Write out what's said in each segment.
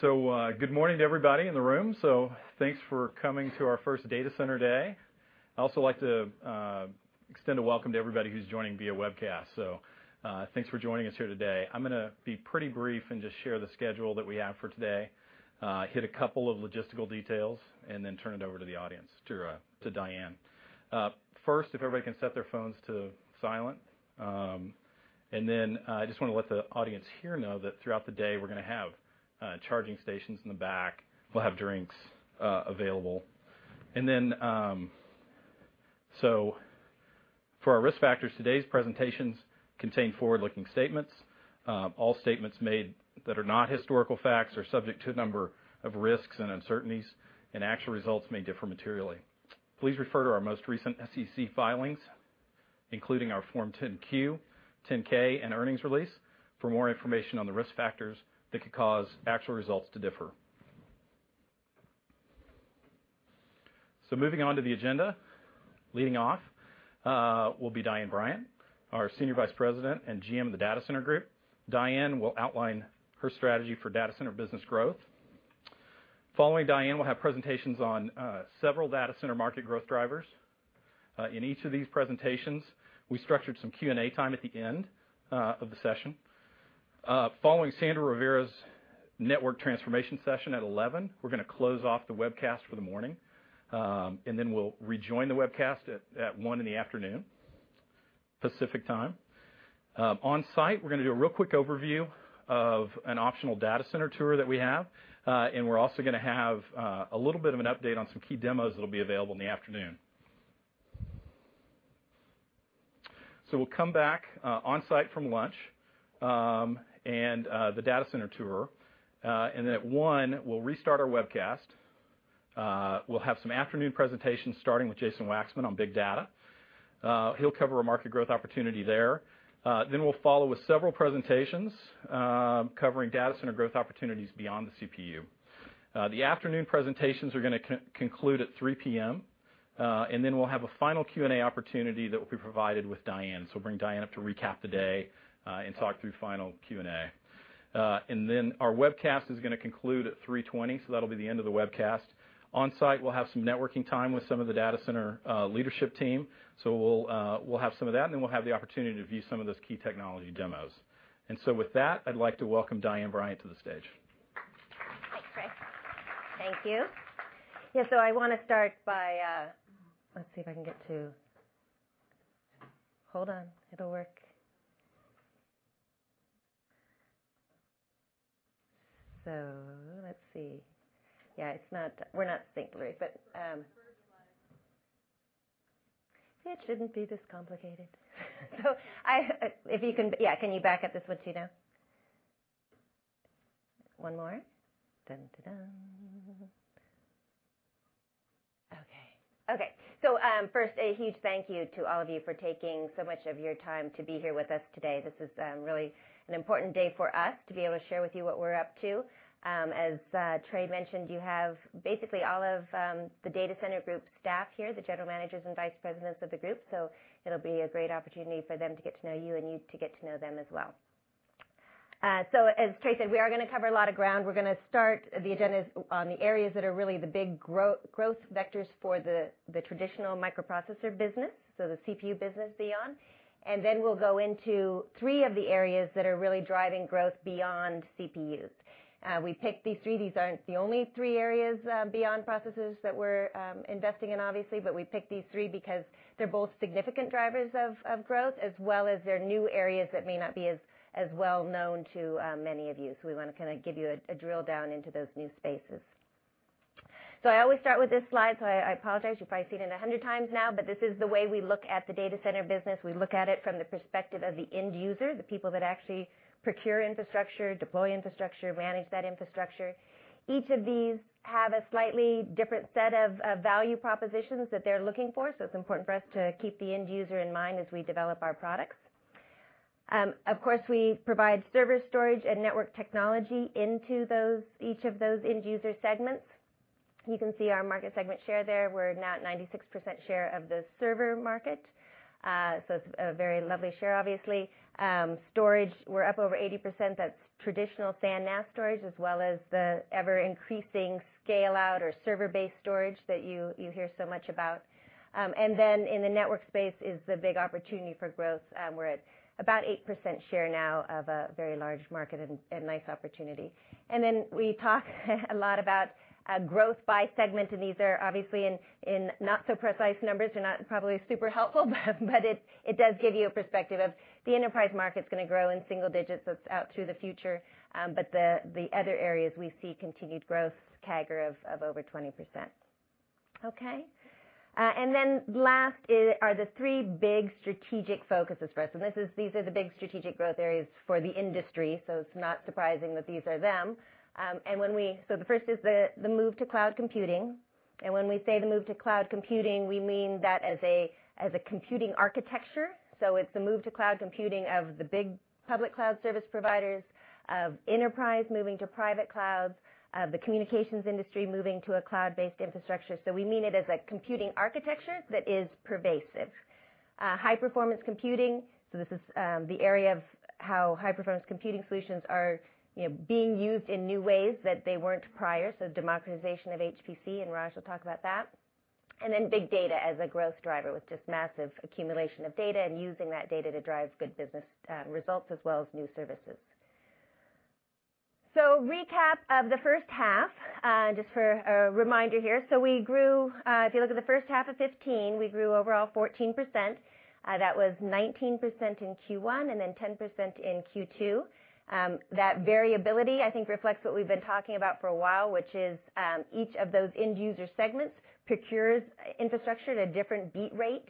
Good morning to everybody in the room. Thanks for coming to our first Data Center Day. I'd also like to extend a welcome to everybody who's joining via webcast. Thanks for joining us here today. I'm going to be pretty brief and just share the schedule that we have for today, hit a couple of logistical details, and then turn it over to the audience, to Diane. First, if everybody can set their phones to silent. I just want to let the audience here know that throughout the day, we're going to have charging stations in the back. We'll have drinks available. For our risk factors, today's presentations contain forward-looking statements. All statements made that are not historical facts are subject to a number of risks and uncertainties, and actual results may differ materially. Please refer to our most recent SEC filings, including our Form 10-Q, 10-K, and earnings release for more information on the risk factors that could cause actual results to differ. Moving on to the agenda. Leading off will be Diane Bryant, our Senior Vice President and GM of the Data Center Group. Diane will outline her strategy for Data Center business growth. Following Diane, we'll have presentations on several Data Center market growth drivers. In each of these presentations, we structured some Q&A time at the end of the session. Following Sandra Rivera's network transformation session at 11:00, we're going to close off the webcast for the morning. We'll rejoin the webcast at 1:00 P.M. Pacific Time. Onsite, we're going to do a real quick overview of an optional Data Center tour that we have. We're also going to have a little bit of an update on some key demos that'll be available in the afternoon. We'll come back onsite from lunch and the Data Center tour. At 1:00 P.M., we'll restart our webcast. We'll have some afternoon presentations starting with Jason Waxman on big data. He'll cover a market growth opportunity there. We'll follow with several presentations covering Data Center growth opportunities beyond the CPU. The afternoon presentations are going to conclude at 3:00 P.M. We'll have a final Q&A opportunity that will be provided with Diane. We'll bring Diane up to recap the day, and talk through final Q&A. Our webcast is going to conclude at 3:20 P.M., that'll be the end of the webcast. Onsite, we'll have some networking time with some of the Data Center leadership team. We'll have some of that. We'll have the opportunity to view some of those key technology demos. With that, I'd like to welcome Diane Bryant to the stage. Thanks, Trey. Thank you. Yeah, I want to start by Let's see if I can get to Hold on. It'll work. Let's see. Yeah, we're not synchronized. First slide. It shouldn't be this complicated. Yeah, can you back up this one, Tina? One more. Okay. First, a huge thank you to all of you for taking so much of your time to be here with us today. This is really an important day for us to be able to share with you what we're up to. As Trey mentioned, you have basically all of the Data Center Group staff here, the general managers and vice presidents of the group. It'll be a great opportunity for them to get to know you and you to get to know them as well. As Trey said, we are going to cover a lot of ground. We're going to start the agendas on the areas that are really the big growth vectors for the traditional microprocessor business, so the CPU business beyond. We'll go into three of the areas that are really driving growth beyond CPUs. We picked these three. These aren't the only three areas beyond processors that we're investing in, obviously, but we picked these three because they're both significant drivers of growth, as well as they're new areas that may not be as well known to many of you. We want to give you a drill down into those new spaces. I always start with this slide, so I apologize. You've probably seen it 100 times now. This is the way we look at the data center business. We look at it from the perspective of the end user, the people that actually procure infrastructure, deploy infrastructure, manage that infrastructure. Each of these have a slightly different set of value propositions that they're looking for. It's important for us to keep the end user in mind as we develop our products. Of course, we provide server storage and network technology into each of those end-user segments. You can see our market segment share there. We're now at 96% share of the server market. It's a very lovely share, obviously. Storage, we're up over 80%. That's traditional SAN/NAS storage, as well as the ever-increasing scale-out or server-based storage that you hear so much about. In the network space is the big opportunity for growth. We're at about 8% share now of a very large market and a nice opportunity. We talk a lot about growth by segment. These are obviously in not so precise numbers. They're not probably super helpful, but it does give you a perspective of the enterprise market's going to grow in single digits. That's out through the future. The other areas we see continued growth, CAGR of over 20%. Okay. Last are the three big strategic focuses for us. These are the big strategic growth areas for the industry, so it's not surprising that these are them. The first is the move to cloud computing, and when we say the move to cloud computing, we mean that as a computing architecture. It's the move to cloud computing of the big public cloud service providers, enterprise moving to private clouds, the communications industry moving to a cloud-based infrastructure. We mean it as a computing architecture that is pervasive. High-performance computing, this is the area of how high-performance computing solutions are being used in new ways that they weren't prior. Democratization of HPC, and Raj will talk about that. Big data as a growth driver, with just massive accumulation of data and using that data to drive good business results as well as new services. Recap of the first half, just for a reminder here. If you look at the first half of 2015, we grew overall 14%. That was 19% in Q1 and 10% in Q2. That variability, I think, reflects what we've been talking about for a while, which is each of those end-user segments procures infrastructure at a different beat rate.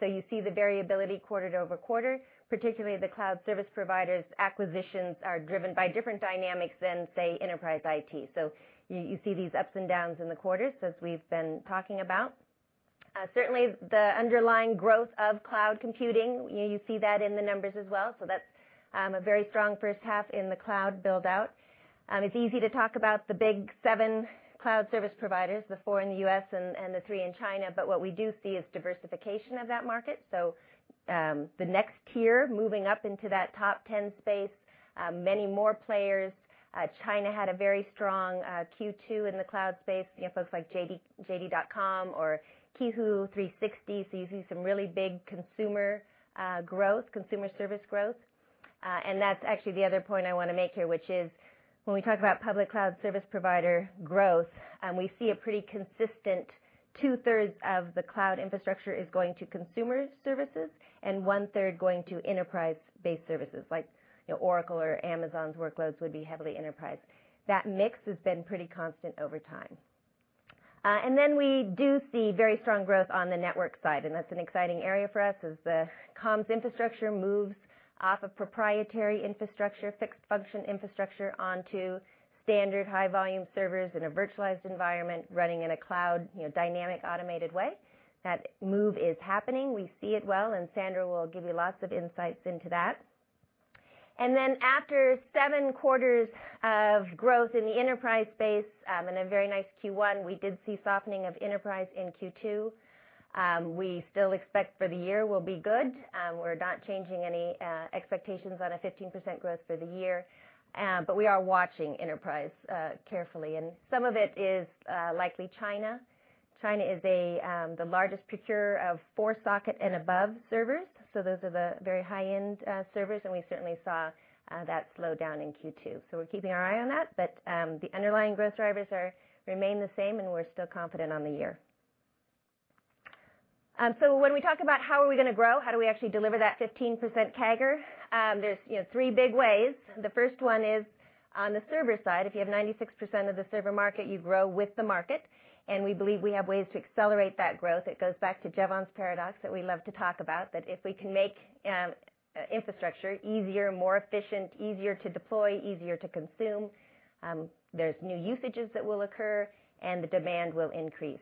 You see the variability quarter-over-quarter, particularly the cloud service providers' acquisitions are driven by different dynamics than, say, enterprise IT. You see these ups and downs in the quarters as we've been talking about. Certainly, the underlying growth of cloud computing, you see that in the numbers as well. That's a very strong first half in the cloud build-out. It's easy to talk about the big seven cloud service providers, the four in the U.S. and the three in China, but what we do see is diversification of that market. The next tier, moving up into that top 10 space, many more players. China had a very strong Q2 in the cloud space, folks like JD.com or Qihoo 360. You see some really big consumer service growth. That's actually the other point I want to make here, which is when we talk about public cloud service provider growth, we see a pretty consistent two-thirds of the cloud infrastructure is going to consumer services and one-third going to enterprise-based services, like Oracle or Amazon's workloads would be heavily enterprise. That mix has been pretty constant over time. We do see very strong growth on the network side, and that's an exciting area for us as the comms infrastructure moves off of proprietary infrastructure, fixed-function infrastructure, onto standard high-volume servers in a virtualized environment running in a cloud dynamic, automated way. That move is happening. We see it well, Sandra Rivera will give you lots of insights into that. After seven quarters of growth in the enterprise space and a very nice Q1, we did see softening of enterprise in Q2. We still expect for the year will be good. We're not changing any expectations on a 15% growth for the year. We are watching enterprise carefully, and some of it is likely China. China is the largest procurer of four-socket and above servers. Those are the very high-end servers, and we certainly saw that slow down in Q2. We're keeping our eye on that. The underlying growth drivers remain the same, and we're still confident on the year. When we talk about how are we going to grow, how do we actually deliver that 15% CAGR? There's three big ways. The first one is on the server side. If you have 96% of the server market, you grow with the market, and we believe we have ways to accelerate that growth. It goes back to Jevons paradox that we love to talk about, that if we can make infrastructure easier, more efficient, easier to deploy, easier to consume, there's new usages that will occur, and the demand will increase.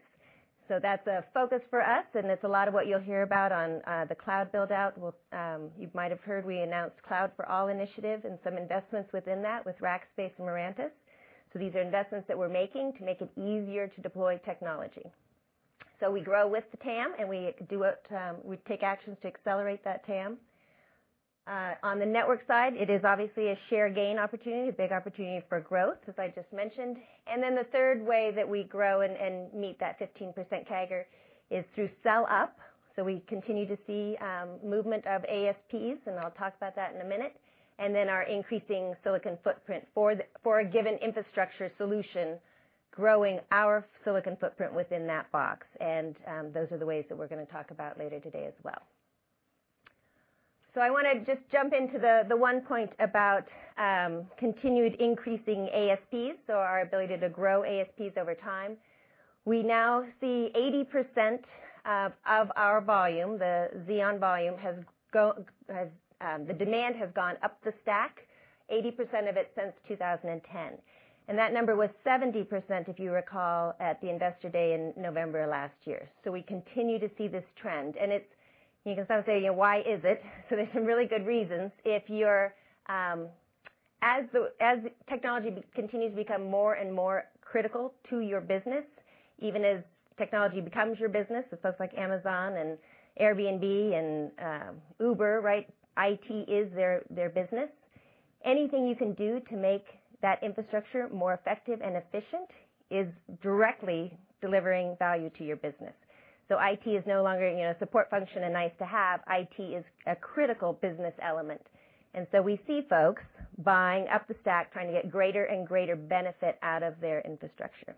That's a focus for us, and it's a lot of what you'll hear about on the cloud build-out. You might have heard we announced Cloud for All initiative and some investments within that with Rackspace and Mirantis. These are investments that we're making to make it easier to deploy technology. We grow with the TAM, and we take actions to accelerate that TAM. On the network side, it is obviously a share gain opportunity, a big opportunity for growth, as I just mentioned. The third way that we grow and meet that 15% CAGR is through sell up. We continue to see movement of ASPs, and I'll talk about that in a minute. Our increasing silicon footprint for a given infrastructure solution, growing our silicon footprint within that box. Those are the ways that we're going to talk about later today as well. I want to just jump into the one point about continued increasing ASPs, our ability to grow ASPs over time. We now see 80% of our volume, the Xeon volume, the demand has gone up the stack, 80% of it since 2010. That number was 70%, if you recall, at the Investor Day in November last year. We continue to see this trend, and you can sort of say, "Why is it?" There's some really good reasons. As technology continues to become more and more critical to your business, even as technology becomes your business, folks like Amazon and Airbnb and Uber, right? IT is their business. Anything you can do to make that infrastructure more effective and efficient is directly delivering value to your business. IT is no longer a support function and nice to have. IT is a critical business element. We see folks buying up the stack, trying to get greater and greater benefit out of their infrastructure.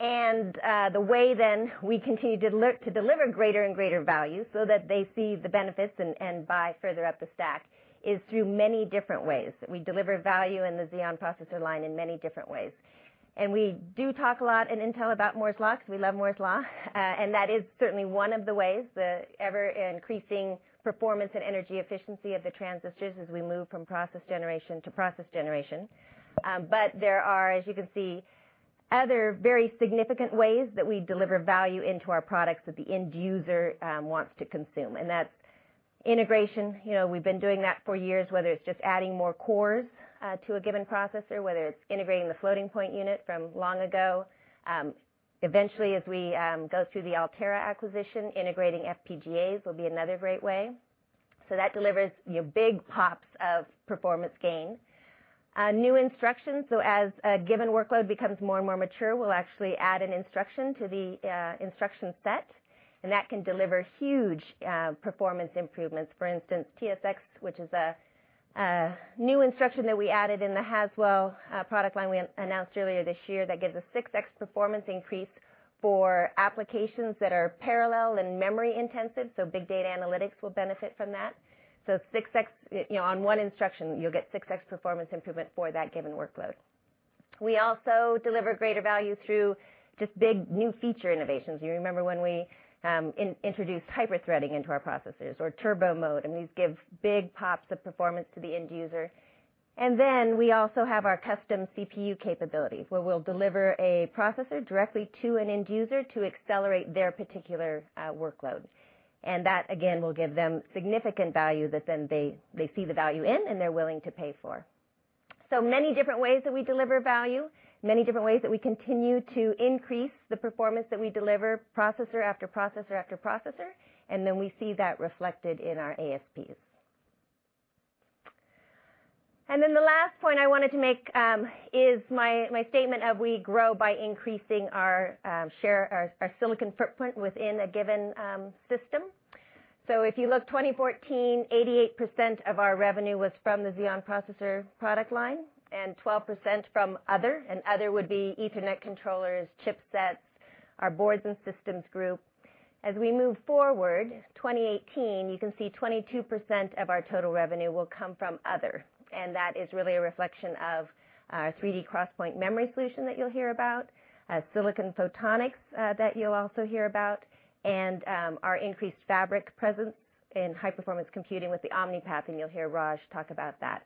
The way then we continue to deliver greater and greater value so that they see the benefits and buy further up the stack is through many different ways. We deliver value in the Xeon processor line in many different ways. We do talk a lot in Intel about Moore's Law, because we love Moore's Law. That is certainly one of the ways, the ever-increasing performance and energy efficiency of the transistors as we move from process generation to process generation. There are other very significant ways that we deliver value into our products that the end user wants to consume, and that's integration. We've been doing that for years, whether it's just adding more cores to a given processor, whether it's integrating the floating point unit from long ago. Eventually, as we go through the Altera acquisition, integrating FPGAs will be another great way. That delivers big pops of performance gain. New instructions, as a given workload becomes more and more mature, we'll actually add an instruction to the instruction set, and that can deliver huge performance improvements. For instance, TSX, which is a new instruction that we added in the Haswell product line we announced earlier this year that gives a 6x performance increase for applications that are parallel and memory-intensive, big data analytics will benefit from that. 6x on one instruction, you'll get 6x performance improvement for that given workload. We also deliver greater value through just big new feature innovations. You remember when we introduced Hyper-Threading into our processors or turbo mode, these give big pops of performance to the end user. We also have our custom CPU capabilities, where we'll deliver a processor directly to an end user to accelerate their particular workload. That, again, will give them significant value that then they see the value in and they're willing to pay for. Many different ways that we deliver value, many different ways that we continue to increase the performance that we deliver processor after processor after processor, then we see that reflected in our ASPs. The last point I wanted to make is my statement of we grow by increasing our share, our silicon footprint within a given system. If you look 2014, 88% of our revenue was from the Xeon processor product line and 12% from other, and other would be Ethernet controllers, chipsets, our boards and systems group. As we move forward, 2018, you can see 22% of our total revenue will come from other, that is really a reflection of our 3D XPoint memory solution that you'll hear about, silicon photonics that you'll also hear about, and our increased fabric presence in high-performance computing with the Omni-Path, and you'll hear Raj talk about that.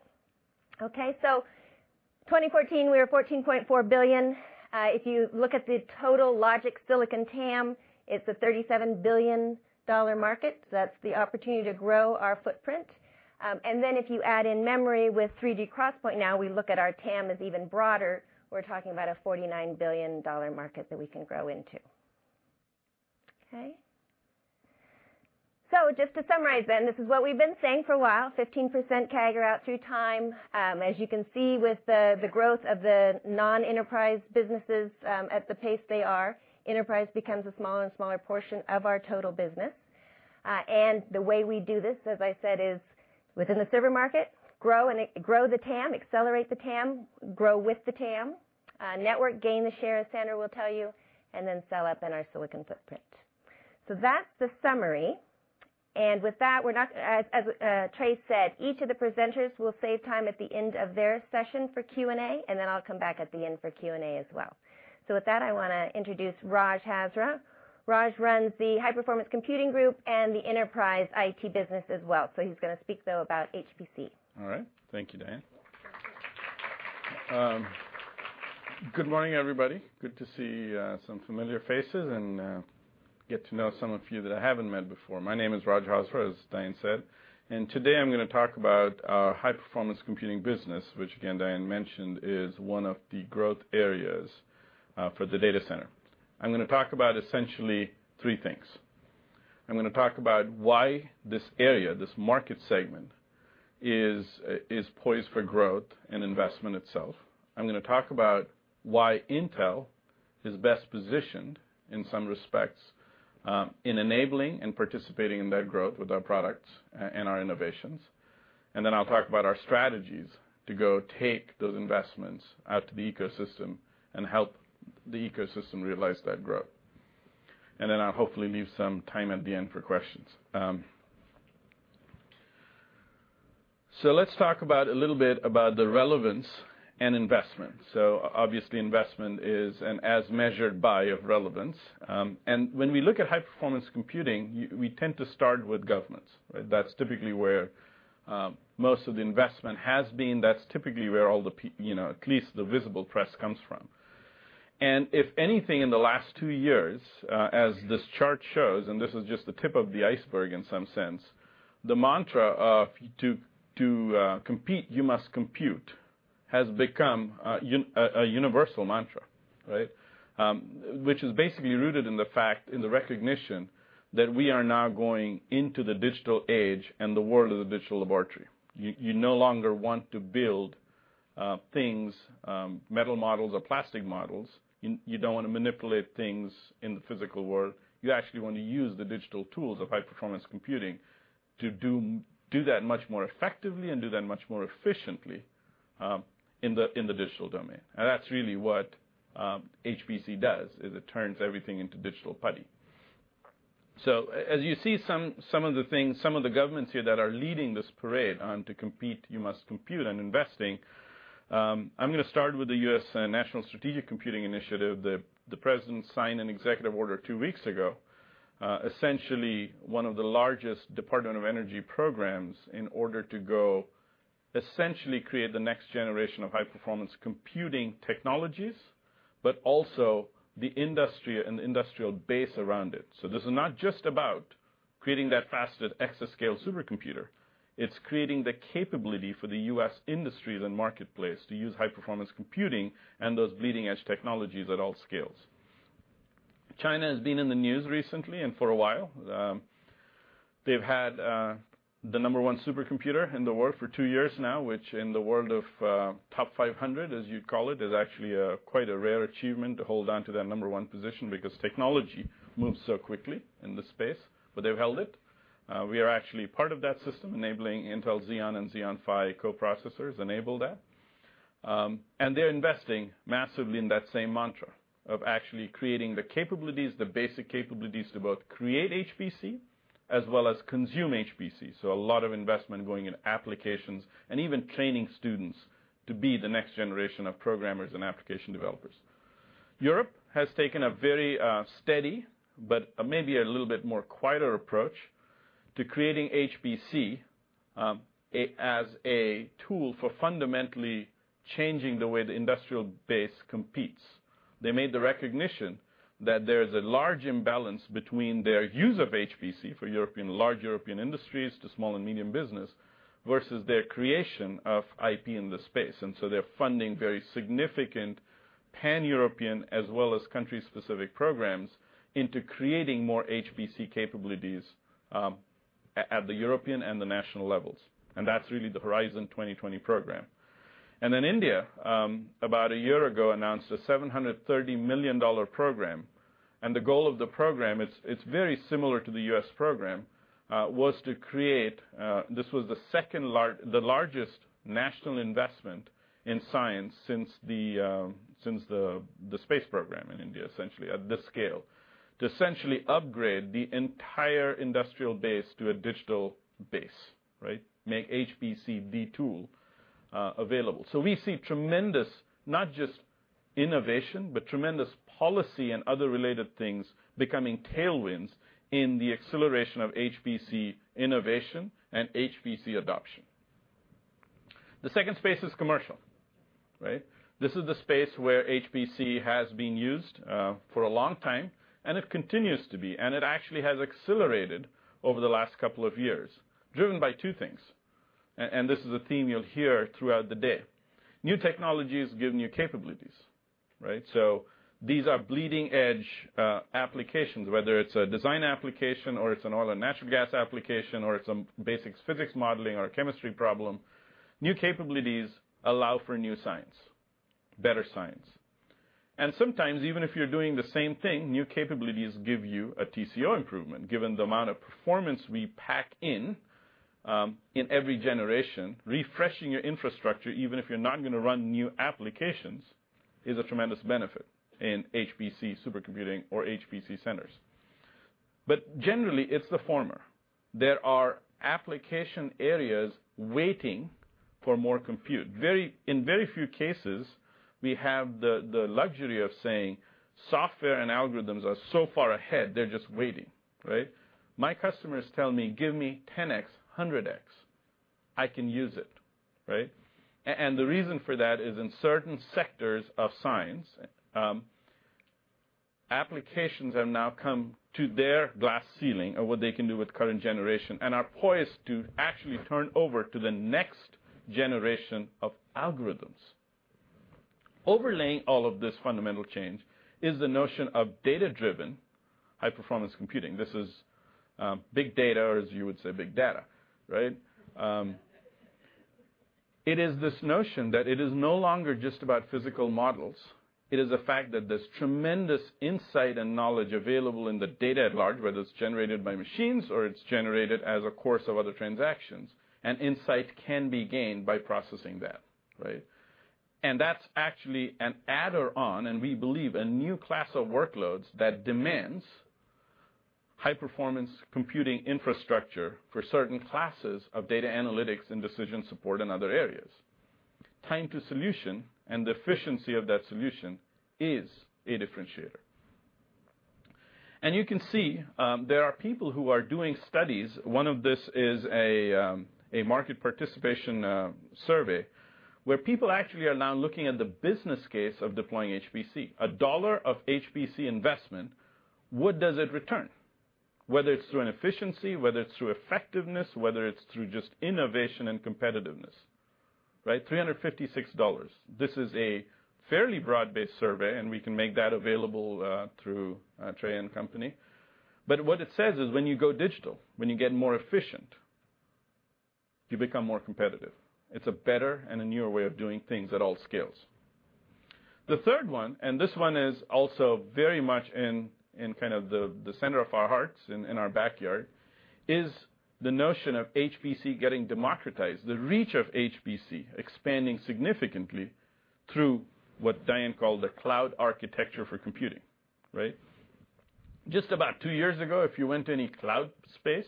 2014, we were $14.4 billion. If you look at the total logic silicon TAM, it's a $37 billion market, that's the opportunity to grow our footprint. If you add in memory with 3D XPoint, now we look at our TAM as even broader. We're talking about a $49 billion market that we can grow into. Okay. Just to summarize, then, this is what we've been saying for a while, 15% CAGR out through time. As you can see with the growth of the non-enterprise businesses at the pace they are, enterprise becomes a smaller and smaller portion of our total business. The way we do this, as I said, is within the server market, grow the TAM, accelerate the TAM, grow with the TAM. Network gain share, as Sandra will tell you, and then sell up in our silicon footprint. That's the summary. With that, as Trey said, each of the presenters will save time at the end of their session for Q&A, and then I'll come back at the end for Q&A as well. With that, I want to introduce Rajeeb Hazra. Rajeeb runs the High Performance Computing Group and the enterprise IT business as well. He's going to speak, though, about HPC. All right. Thank you, Diane. Good morning, everybody. Good to see some familiar faces and get to know some of you that I haven't met before. My name is Rajeeb Hazra, as Diane said, and today I'm going to talk about our high-performance computing business, which again, Diane mentioned, is one of the growth areas for the data center. I'm going to talk about essentially three things. I'm going to talk about why this area, this market segment is poised for growth and investment itself. I'm going to talk about why Intel is best positioned in some respects in enabling and participating in that growth with our products and our innovations. Then I'll talk about our strategies to go take those investments out to the ecosystem and help the ecosystem realize that growth. Then I'll hopefully leave some time at the end for questions. Let's talk about a little bit about the relevance and investment. Obviously, investment is as measured by relevance. When we look at high-performance computing, we tend to start with governments, right? That's typically where most of the investment has been. That's typically where all the people, at least the visible press comes from. If anything in the last two years, as this chart shows, and this is just the tip of the iceberg in some sense, the mantra of to compete, you must compute has become a universal mantra, right? Which is basically rooted in the fact, in the recognition that we are now going into the digital age and the world of the digital laboratory. You no longer want to build things, metal models or plastic models. You don't want to manipulate things in the physical world. You actually want to use the digital tools of high-performance computing to do that much more effectively and do that much more efficiently in the digital domain. That's really what HPC does, is it turns everything into digital putty. As you see some of the things, some of the governments here that are leading this parade on to compete, you must compute and investing. I'm going to start with the U.S. National Strategic Computing Initiative. The president signed an executive order two weeks ago essentially one of the largest Department of Energy programs in order to go essentially create the next generation of high-performance computing technologies, but also the industry and the industrial base around it. This is not just about creating that fastest exascale supercomputer. It's creating the capability for the U.S. industries and marketplace to use high-performance computing and those bleeding-edge technologies at all scales. China has been in the news recently and for a while. They've had the number one supercomputer in the world for two years now, which in the world of TOP500, as you'd call it, is actually quite a rare achievement to hold on to that number one position because technology moves so quickly in this space, but they've held it. We are actually part of that system, enabling Intel Xeon and Xeon Phi coprocessors enable that. They're investing massively in that same mantra of actually creating the capabilities, the basic capabilities to both create HPC as well as consume HPC. A lot of investment going in applications and even training students to be the next generation of programmers and application developers. Europe has taken a very steady, but maybe a little bit more quieter approach to creating HPC as a tool for fundamentally changing the way the industrial base competes. They made the recognition that there is a large imbalance between their use of HPC for European, large European industries to small and medium business, versus their creation of IP in the space. They're funding very significant Pan-European as well as country-specific programs into creating more HPC capabilities at the European and the national levels. That's really the Horizon 2020 program. India, about a year ago, announced a $730 million program. The goal of the program, it's very similar to the U.S. program, was to create. This was the largest national investment in science since the space program in India, essentially, at this scale, to essentially upgrade the entire industrial base to a digital base. Make HPC the tool available. We see tremendous, not just innovation, but tremendous policy and other related things becoming tailwinds in the acceleration of HPC innovation and HPC adoption. The second space is commercial. This is the space where HPC has been used for a long time, and it continues to be, and it actually has accelerated over the last couple of years, driven by two things. This is a theme you'll hear throughout the day. New technologies give new capabilities. These are bleeding-edge applications, whether it's a design application or it's an oil and natural gas application or it's some basic physics modeling or a chemistry problem. New capabilities allow for new science, better science. Sometimes, even if you're doing the same thing, new capabilities give you a TCO improvement, given the amount of performance we pack in in every generation, refreshing your infrastructure, even if you're not going to run new applications is a tremendous benefit in HPC supercomputing or HPC centers. Generally, it's the former. There are application areas waiting for more compute. In very few cases, we have the luxury of saying software and algorithms are so far ahead, they're just waiting. My customers tell me, "Give me 10X, 100X. I can use it." The reason for that is in certain sectors of science, applications have now come to their glass ceiling of what they can do with current generation and are poised to actually turn over to the next generation of algorithms. Overlaying all of this fundamental change is the notion of data-driven high performance computing. This is big data, or as you would say, big data. It is this notion that it is no longer just about physical models. It is a fact that there's tremendous insight and knowledge available in the data at large, whether it's generated by machines or it's generated as a course of other transactions. Insight can be gained by processing that. That's actually an adder on, and we believe a new class of workloads that demands high performance computing infrastructure for certain classes of data analytics and decision support in other areas. Time to solution and the efficiency of that solution is a differentiator. You can see, there are people who are doing studies. One of this is a market participation survey where people actually are now looking at the business case of deploying HPC. A dollar of HPC investment, what does it return? Whether it's through an efficiency, whether it's through effectiveness, whether it's through just innovation and competitiveness. $356. This is a fairly broad-based survey, we can make that available through Trey and company. What it says is when you go digital, when you get more efficient, you become more competitive. It's a better and a newer way of doing things at all scales. The third one, and this one is also very much in the center of our hearts and in our backyard, is the notion of HPC getting democratized, the reach of HPC expanding significantly through what Diane called the cloud architecture for computing. Just about two years ago, if you went to any cloud space,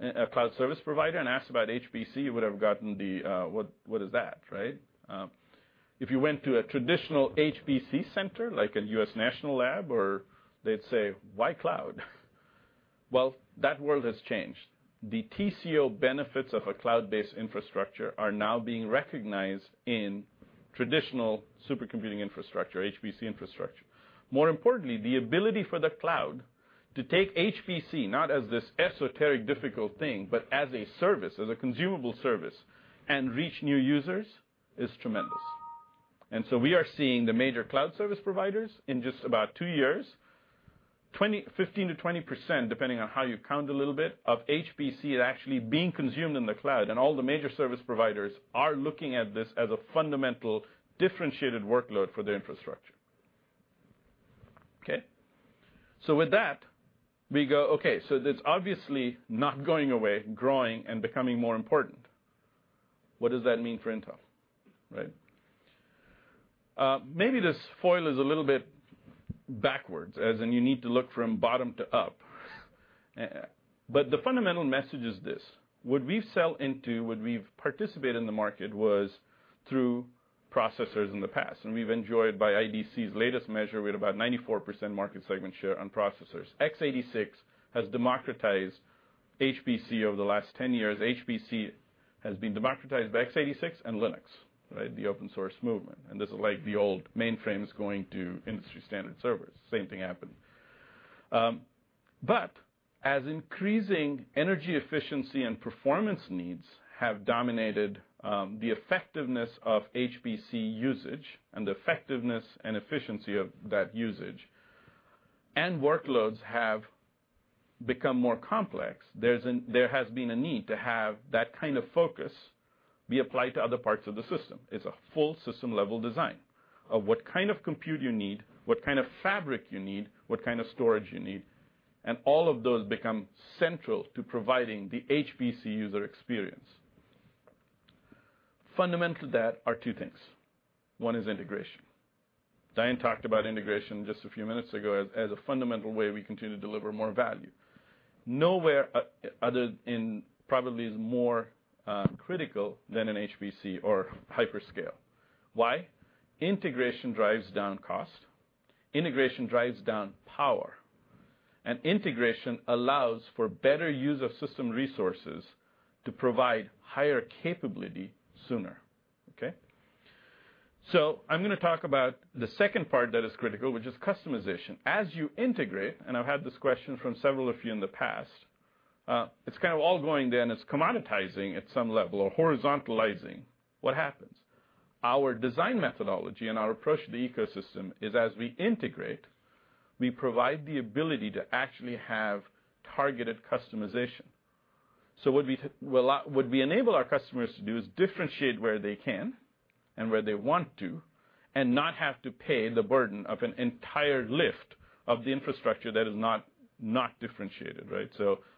a cloud service provider, and asked about HPC, you would have gotten the, "What is that?" If you went to a traditional HPC center, like a U.S. national lab or they'd say, "Why cloud?" That world has changed. The TCO benefits of a cloud-based infrastructure are now being recognized in traditional supercomputing infrastructure, HPC infrastructure. More importantly, the ability for the cloud to take HPC, not as this esoteric, difficult thing, but as a service, as a consumable service, and reach new users, is tremendous. We are seeing the major cloud service providers in just about two years, 15%-20%, depending on how you count a little bit, of HPC is actually being consumed in the cloud. All the major service providers are looking at this as a fundamental, differentiated workload for their infrastructure. It's obviously not going away, growing and becoming more important. What does that mean for Intel? Right. The fundamental message is this: what we sell into, what we've participated in the market was through processors in the past, and we've enjoyed, by IDC's latest measure, we had about 94% market segment share on processors. X86 has democratized HPC over the last 10 years. HPC has been democratized by X86 and Linux, right? The open source movement. This is like the old mainframes going to industry standard servers. Same thing happened. As increasing energy efficiency and performance needs have dominated the effectiveness of HPC usage and the effectiveness and efficiency of that usage and workloads have become more complex, there has been a need to have that kind of focus be applied to other parts of the system. It's a full system level design of what kind of compute you need, what kind of fabric you need, what kind of storage you need, and all of those become central to providing the HPC user experience. Fundamental to that are two things. One is integration. Diane talked about integration just a few minutes ago as a fundamental way we continue to deliver more value. Nowhere other in probably is more critical than in HPC or hyperscale. Why? Integration drives down cost, integration drives down power, and integration allows for better use of system resources to provide higher capability sooner. I'm going to talk about the second part that is critical, which is customization. As you integrate, and I've had this question from several of you in the past, it's kind of all going then it's commoditizing at some level or horizontalizing. What happens? Our design methodology and our approach to the ecosystem is as we integrate, we provide the ability to actually have targeted customization. What we enable our customers to do is differentiate where they can and where they want to, and not have to pay the burden of an entire lift of the infrastructure that is not differentiated, right?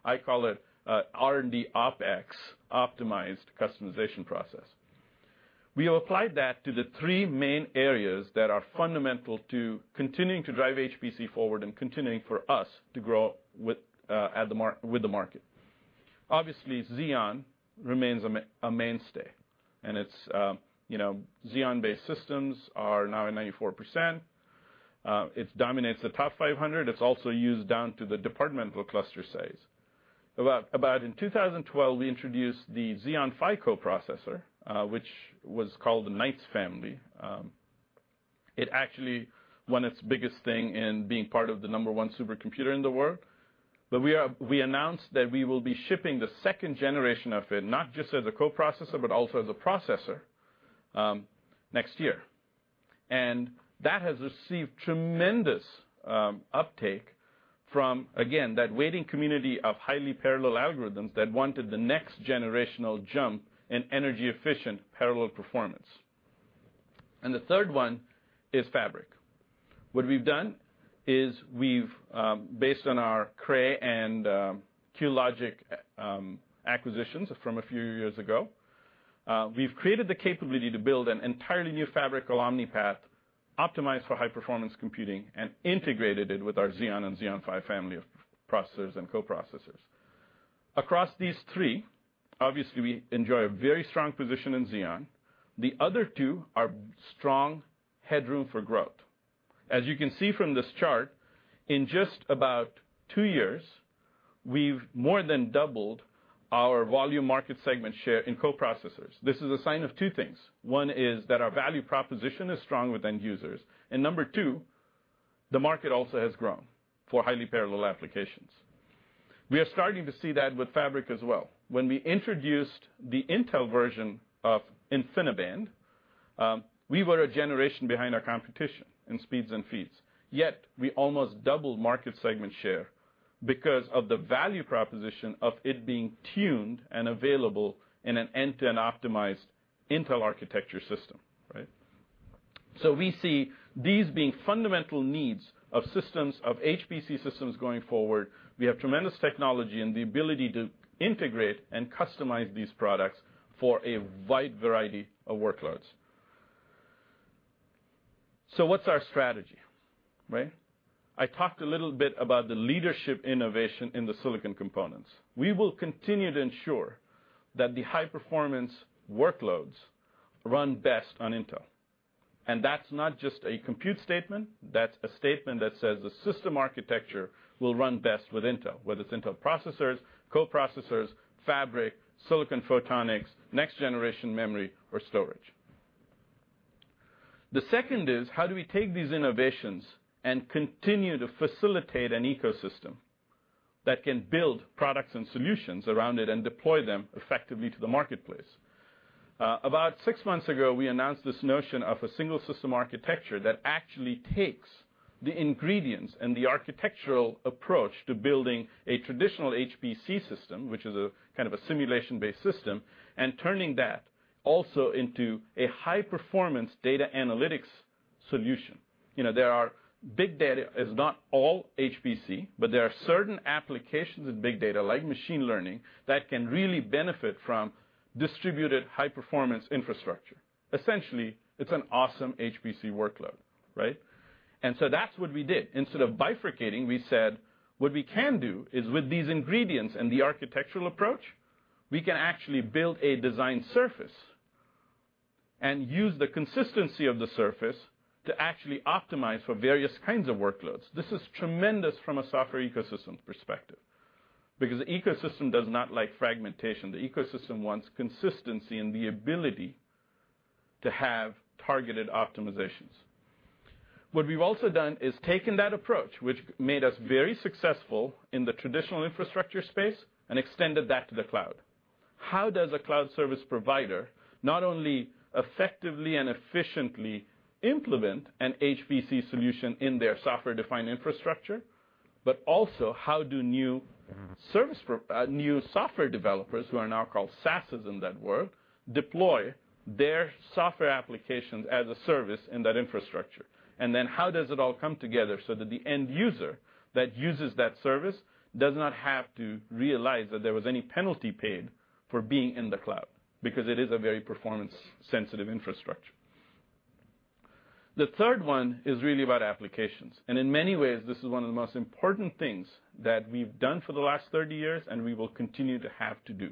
I call it R&D OpEx optimized customization process. We applied that to the three main areas that are fundamental to continuing to drive HPC forward and continuing for us to grow with the market. Obviously, Xeon remains a mainstay, and Xeon-based systems are now at 94%. It dominates the TOP500. It's also used down to the departmental cluster size. About in 2012, we introduced the Xeon Phi co-processor, which was called the Knights family. It actually won its biggest thing in being part of the number one supercomputer in the world. We announced that we will be shipping the second generation of it, not just as a co-processor, but also as a processor, next year. That has received tremendous uptake from, again, that waiting community of highly parallel algorithms that wanted the next generational jump in energy-efficient parallel performance. The third one is fabric. What we've done is we've, based on our Cray and QLogic acquisitions from a few years ago, we've created the capability to build an entirely new fabric, or Omni-Path, optimized for high performance computing and integrated it with our Xeon and Xeon Phi family of processors and co-processors. Across these three, obviously, we enjoy a very strong position in Xeon. The other two are strong headroom for growth. As you can see from this chart, in just about two years, we've more than doubled our volume market segment share in co-processors. This is a sign of two things. One is that our value proposition is strong with end users, and number two, the market also has grown for highly parallel applications. We are starting to see that with fabric as well. When we introduced the Intel version of InfiniBand, we were a generation behind our competition in speeds and feeds. Yet, we almost doubled market segment share because of the value proposition of it being tuned and available in an end-to-end optimized Intel architecture system, right? We see these being fundamental needs of systems, of HPC systems going forward. We have tremendous technology and the ability to integrate and customize these products for a wide variety of workloads. What's our strategy, right? I talked a little bit about the leadership innovation in the silicon components. We will continue to ensure that the high performance workloads run best on Intel. That's not just a compute statement, that's a statement that says the system architecture will run best with Intel, whether it's Intel processors, co-processors, fabric, silicon photonics, next generation memory, or storage. The second is how do we take these innovations and continue to facilitate an ecosystem that can build products and solutions around it and deploy them effectively to the marketplace? About six months ago, we announced this notion of a single system architecture that actually takes the ingredients and the architectural approach to building a traditional HPC system, which is a kind of a simulation-based system, and turning that also into a high-performance data analytics solution. Big data is not all HPC, but there are certain applications in big data, like machine learning, that can really benefit from distributed high-performance infrastructure. Essentially, it's an awesome HPC workload, right? That's what we did. Instead of bifurcating, we said, what we can do is with these ingredients and the architectural approach, we can actually build a design surface and use the consistency of the surface to actually optimize for various kinds of workloads. This is tremendous from a software ecosystem perspective, because the ecosystem does not like fragmentation. The ecosystem wants consistency and the ability to have targeted optimizations. What we've also done is taken that approach, which made us very successful in the traditional infrastructure space, and extended that to the cloud. How does a cloud service provider not only effectively and efficiently implement an HPC solution in their software-defined infrastructure, but also how do new software developers, who are now called SaaS in that world, deploy their software applications as a service in that infrastructure? How does it all come together so that the end user that uses that service does not have to realize that there was any penalty paid for being in the cloud because it is a very performance-sensitive infrastructure? The third one is really about applications, in many ways, this is one of the most important things that we've done for the last 30 years and we will continue to have to do.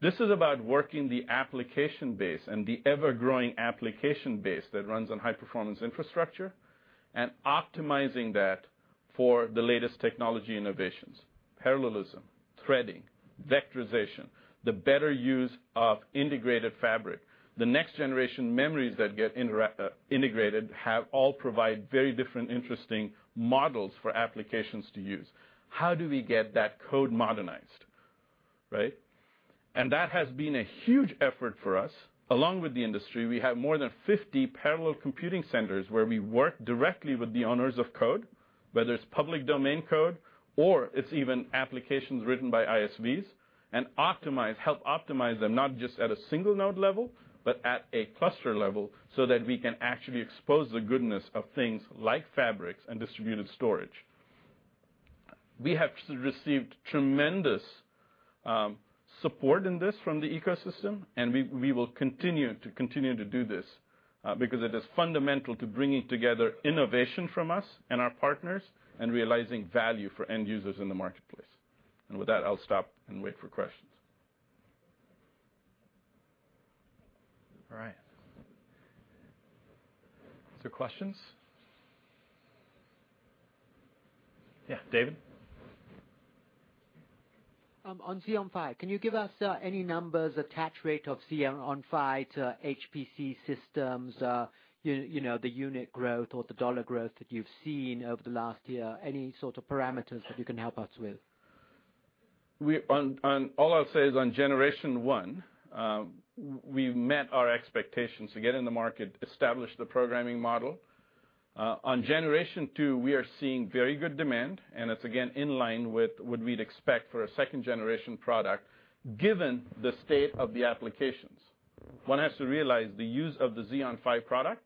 This is about working the application base and the ever-growing application base that runs on high-performance infrastructure and optimizing that for the latest technology innovations. Parallelism, threading, vectorization, the better use of integrated fabric. The next-generation memories that get integrated have all provide very different, interesting models for applications to use. How do we get that code modernized? Right? That has been a huge effort for us. Along with the industry, we have more than 50 parallel computing centers where we work directly with the owners of code, whether it's public domain code or it's even applications written by ISVs, and help optimize them not just at a single node level but at a cluster level so that we can actually expose the goodness of things like fabrics and distributed storage. We have received tremendous support in this from the ecosystem, we will continue to do this because it is fundamental to bringing together innovation from us and our partners and realizing value for end users in the marketplace. With that, I'll stop and wait for questions. All right. Questions? Yeah, David. On Xeon Phi, can you give us any numbers, attach rate of Xeon Phi to HPC systems, the unit growth or the dollar growth that you've seen over the last year? Any sort of parameters that you can help us with? All I'll say is on generation one, we've met our expectations to get in the market, establish the programming model. On generation two, we are seeing very good demand and it's again in line with what we'd expect for a second-generation product given the state of the applications. One has to realize the use of the Xeon Phi product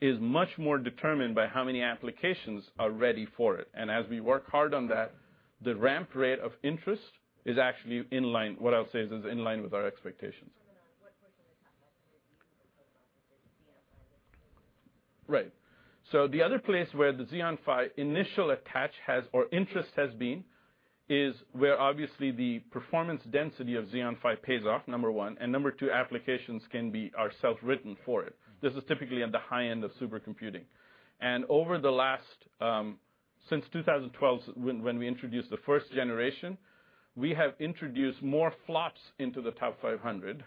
is much more determined by how many applications are ready for it and as we work hard on that, the ramp rate of interest is actually in line. What I'll say is it's in line with our expectations. What portion of the top Xeon Phi? Right. The other place where the Xeon Phi initial attach has or interest has been is where obviously the performance density of Xeon Phi pays off, number 1, and number 2, applications can be are self-written for it. This is typically at the high end of supercomputing. Over the last, since 2012 when we introduced the first generation, we have introduced more flops into the TOP500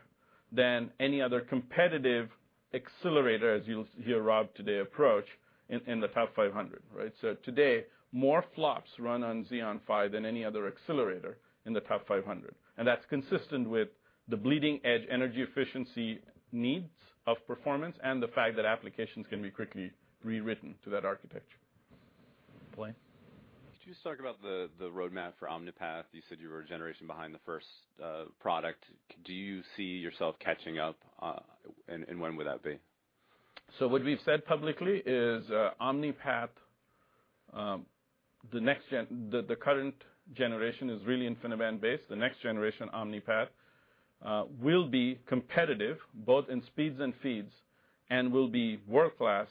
than any other competitive accelerator, as you'll hear Rob today approach, in the TOP500. Right? Today, more flops run on Xeon Phi than any other accelerator in the TOP500. That's consistent with the bleeding edge energy efficiency needs of performance and the fact that applications can be quickly rewritten to that architecture. Blaine. Could you just talk about the roadmap for Omni-Path? You said you were a generation behind the first product. Do you see yourself catching up? When would that be? What we've said publicly is Omni-Path, the current generation is really InfiniBand-based. The next generation Omni-Path will be competitive both in speeds and feeds and will be world-class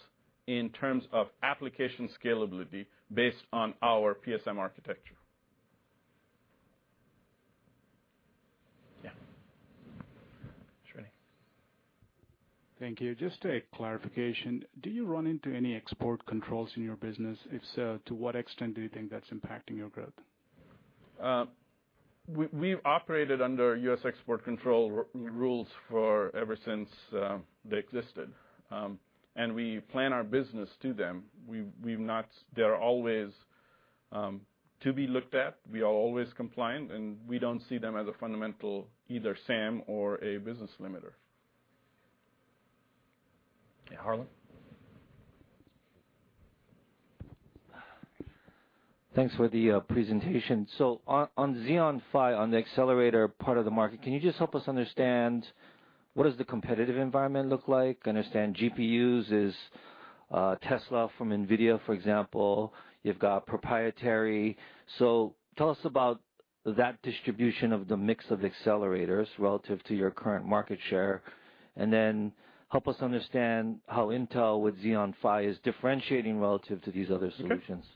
in terms of application scalability based on our PSM architecture Yeah. Srini. Thank you. Just a clarification. Do you run into any export controls in your business? If so, to what extent do you think that's impacting your growth? We've operated under U.S. export control rules for ever since they existed, we plan our business to them. They are always to be looked at. We are always compliant, we don't see them as a fundamental, either SAM or a business limiter. Yeah. Harlan. Thanks for the presentation. On Xeon Phi, on the accelerator part of the market, can you just help us understand what does the competitive environment look like? Understand GPUs is Tesla from Nvidia, for example. You've got proprietary. Tell us about that distribution of the mix of accelerators relative to your current market share, and then help us understand how Intel with Xeon Phi is differentiating relative to these other solutions.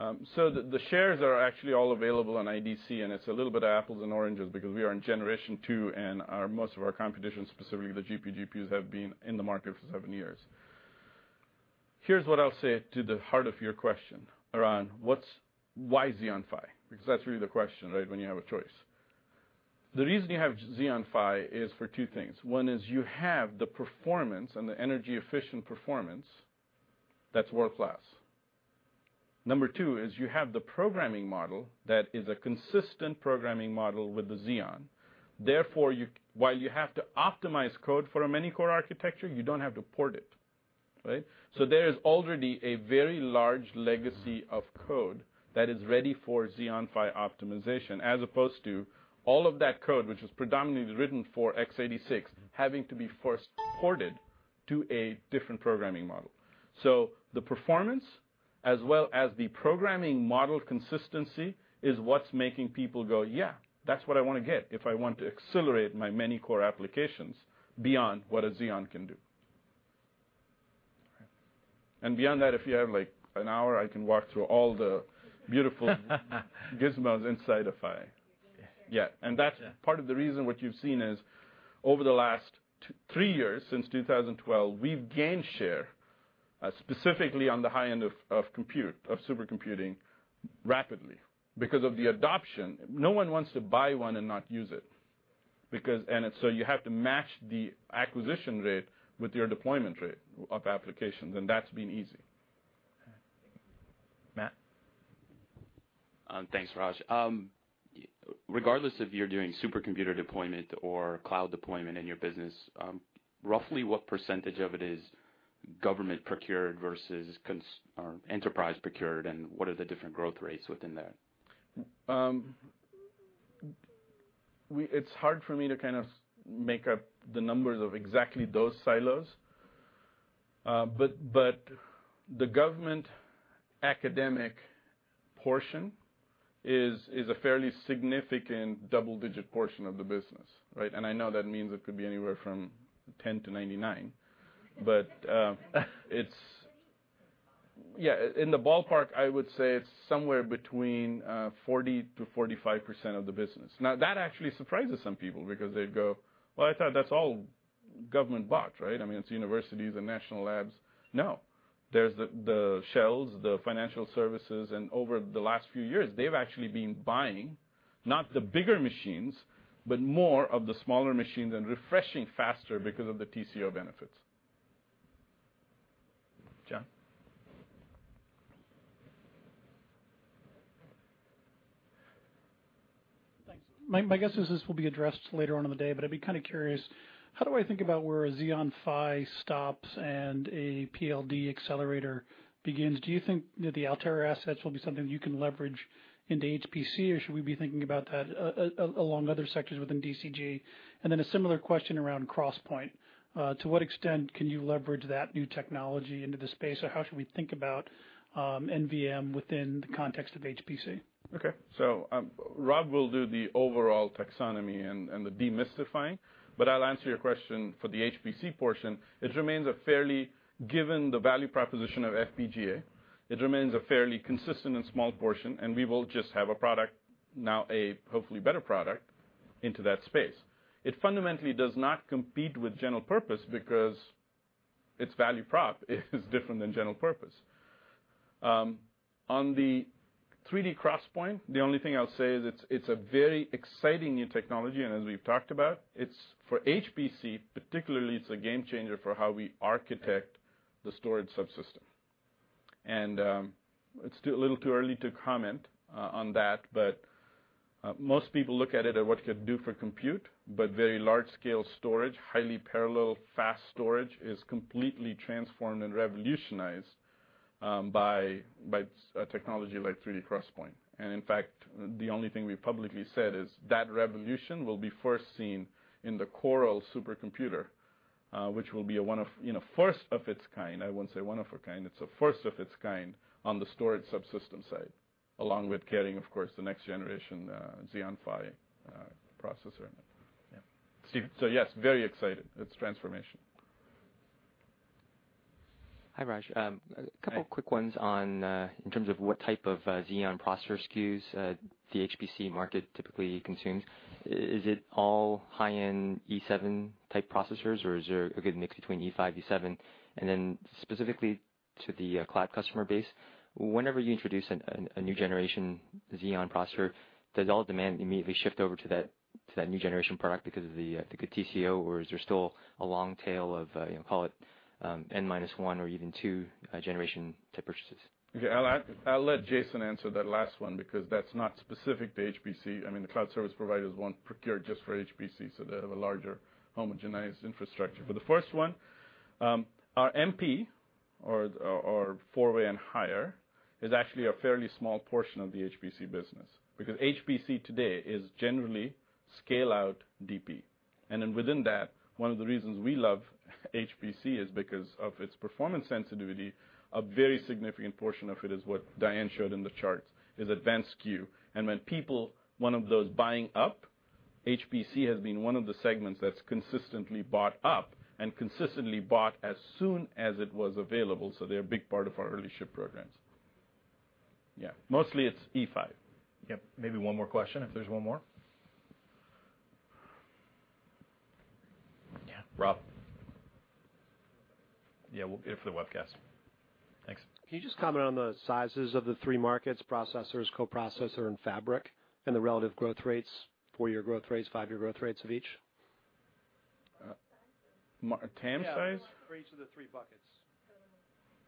Okay. The shares are actually all available on IDC, and it's a little bit of apples and oranges because we are in generation 2 and most of our competition, specifically the GPGPUs, have been in the market for seven years. Here's what I'll say to the heart of your question around why Xeon Phi? Because that's really the question, right, when you have a choice. The reason you have Xeon Phi is for two things. One is you have the performance and the energy-efficient performance that's world-class. Number 2 is you have the programming model that is a consistent programming model with the Xeon. Therefore, while you have to optimize code for a many core architecture, you don't have to port it. Right? There is already a very large legacy of code that is ready for Xeon Phi optimization, as opposed to all of that code, which was predominantly written for x86, having to be first ported to a different programming model. The performance as well as the programming model consistency is what's making people go, "Yeah, that's what I want to get if I want to accelerate my many core applications beyond what a Xeon can do." Beyond that, if you have an hour, I can walk through all the beautiful gizmos inside a Phi. Yeah. That's part of the reason what you've seen is over the last three years, since 2012, we've gained share, specifically on the high end of supercomputing rapidly because of the adoption. No one wants to buy one and not use it. You have to match the acquisition rate with your deployment rate of applications, and that's been easy. Matt. Thanks, Raj. Regardless if you're doing supercomputer deployment or cloud deployment in your business, roughly what % of it is government procured versus enterprise procured, and what are the different growth rates within that? It's hard for me to make up the numbers of exactly those silos. The government academic portion is a fairly significant double-digit portion of the business, right? I know that means it could be anywhere from 10 to 99, but yeah, in the ballpark, I would say it's somewhere between 40%-45% of the business. That actually surprises some people because they'd go, "Well, I thought that's all government bought, right? I mean, it's universities and national labs." No. There's the Shells, the financial services, and over the last few years, they've actually been buying, not the bigger machines, but more of the smaller machines and refreshing faster because of the TCO benefits. John. Thanks. My guess is this will be addressed later on in the day, I'd be kind of curious, how do I think about where a Xeon Phi stops and a PLD accelerator begins? Do you think that the Altera assets will be something you can leverage into HPC, or should we be thinking about that along other sectors within DCG? A similar question around 3D XPoint. To what extent can you leverage that new technology into the space, or how should we think about NVM within the context of HPC? Rob will do the overall taxonomy and the demystifying, but I'll answer your question for the HPC portion. Given the value proposition of FPGA, it remains a fairly consistent and small portion, and we will just have a product now, a hopefully better product, into that space. It fundamentally does not compete with general purpose because its value prop is different than general purpose. On the 3D XPoint, the only thing I'll say is it's a very exciting new technology, and as we've talked about, it's for HPC particularly, it's a game changer for how we architect the storage subsystem. It's a little too early to comment on that, but most people look at it at what it could do for compute, but very large scale storage, highly parallel, fast storage is completely transformed and revolutionized by a technology like 3D XPoint. In fact, the only thing we've publicly said is that revolution will be first seen in the CORAL supercomputer, which will be a first of its kind, I wouldn't say one of a kind, it's a first of its kind on the storage subsystem side, along with carrying, of course, the next generation Xeon Phi processor. Yeah. Yes, very excited. It's transformational. Hi, Raj. A couple quick ones in terms of what type of Xeon processor SKUs the HPC market typically consumes. Is it all high-end E7 type processors, or is there a good mix between E5, E7? Then specifically to the cloud customer base, whenever you introduce a new generation Xeon processor, does all demand immediately shift over to that new generation product because of the good TCO? Or is there still a long tail of, call it, N minus 1 or even 2 generation type purchases? Okay. I'll let Jason answer that last one because that's not specific to HPC. I mean, the cloud service providers won't procure just for HPC, so they have a larger homogenized infrastructure. For the first one, our MP, or our four-way and higher, is actually a fairly small portion of the HPC business, because HPC today is generally scale out DP. Within that, one of the reasons we love HPC is because of its performance sensitivity. A very significant portion of it is what Diane showed in the charts, is advanced SKU. When people, one of those buying up, HPC has been one of the segments that's consistently bought up and consistently bought as soon as it was available, so they're a big part of our early ship programs. Yeah. Mostly it's E5. Yep. Maybe one more question, if there's one more. Yeah, Rob. Yeah, we'll get it for the webcast. Thanks. Can you just comment on the sizes of the three markets, processors, coprocessor, and fabric, and the relative growth rates, four-year growth rates, five-year growth rates of each? TAM size? Yeah. For each of the three buckets.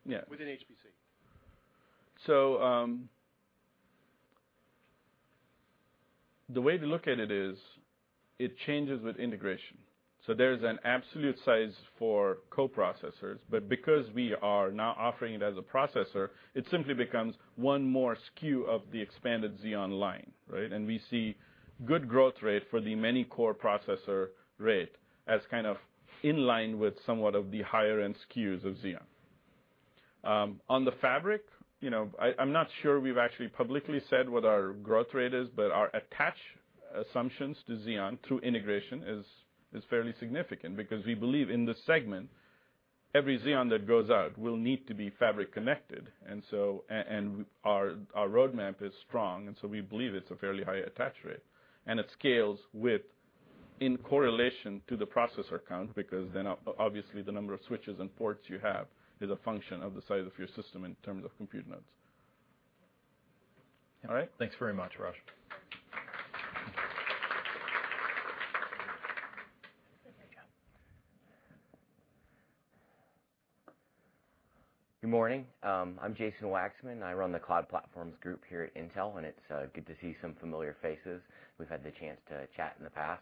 Yeah. Within HPC. The way to look at it is, it changes with integration. There's an absolute size for co-processors, but because we are now offering it as a processor, it simply becomes one more SKU of the expanded Xeon line, right? We see good growth rate for the many core processor rate as kind of in line with somewhat of the higher-end SKUs of Xeon. On the fabric, I'm not sure we've actually publicly said what our growth rate is, but our attach assumptions to Xeon through integration is fairly significant because we believe in this segment, every Xeon that goes out will need to be fabric connected. Our roadmap is strong, and we believe it's a fairly high attach rate. It scales in correlation to the processor count because then obviously the number of switches and ports you have is a function of the size of your system in terms of compute nodes. All right? Thanks very much, Raj. Good job. Good morning. I'm Jason Waxman. I run the Cloud Platforms Group here at Intel, and it's good to see some familiar faces. We've had the chance to chat in the past.